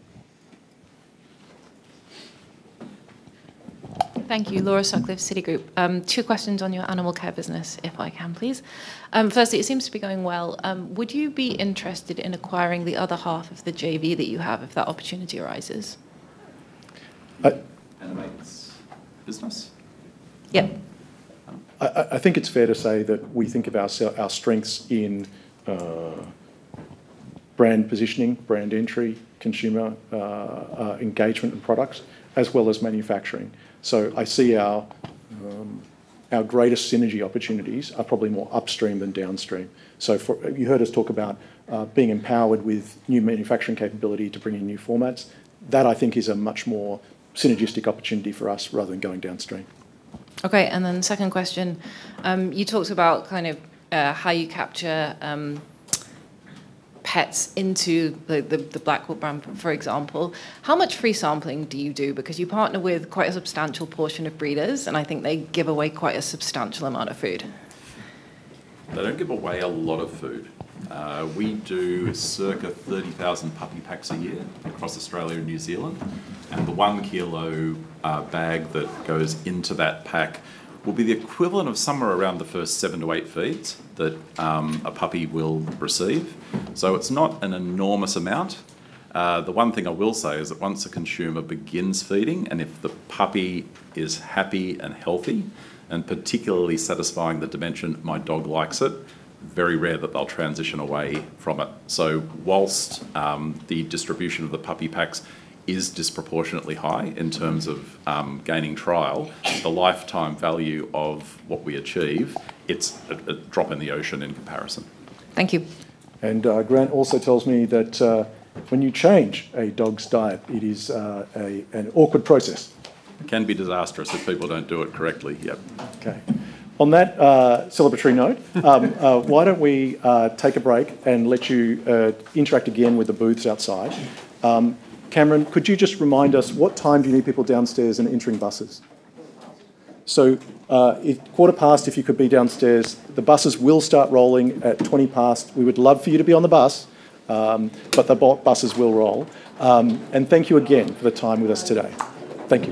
Thank you. Laura Sutcliffe, Citigroup. Two questions on your Animal Care business if I can, please. Firstly, it seems to be going well. Would you be interested in acquiring the other half of the JV that you have if that opportunity arises? I- Animates business? Yeah. I think it's fair to say that we think of our strengths in brand positioning, brand entry, consumer engagement and products, as well as manufacturing. I see our greatest synergy opportunities are probably more upstream than downstream. For, you heard us talk about being empowered with new manufacturing capability to bring in new formats. That I think is a much more synergistic opportunity for us rather than going downstream. Second question. You talked about kind of how you capture pets into the Black Hawk brand for example. How much free sampling do you do? You partner with quite a substantial portion of breeders, and I think they give away quite a substantial amount of food. They don't give away a lot of food. We do circa 30,000 puppy packs a year across Australia and New Zealand, and the 1 kilo bag that goes into that pack will be the equivalent of somewhere around the first seven to eight feeds that a puppy will receive. It's not an enormous amount. The 1 thing I will say is that once a consumer begins feeding, and if the puppy is happy and healthy, and particularly satisfying the dimension my dog likes it, very rare that they'll transition away from it. Whilst the distribution of the puppy packs is disproportionately high in terms of gaining trial, the lifetime value of what we achieve, it's a drop in the ocean in comparison. Thank you. Grant also tells me that when you change a dog's diet, it is an awkward process. It can be disastrous if people don't do it correctly. Yep. Okay. On that celebratory note, why don't we take a break and let you interact again with the booths outside. Cameron, could you just remind us what time do you need people downstairs and entering buses? Quarter past. If, quarter past, if you could be downstairs. The buses will start rolling at 20 past. We would love for you to be on the bus, but the buses will roll. Thank you again for the time with us today. Thank you.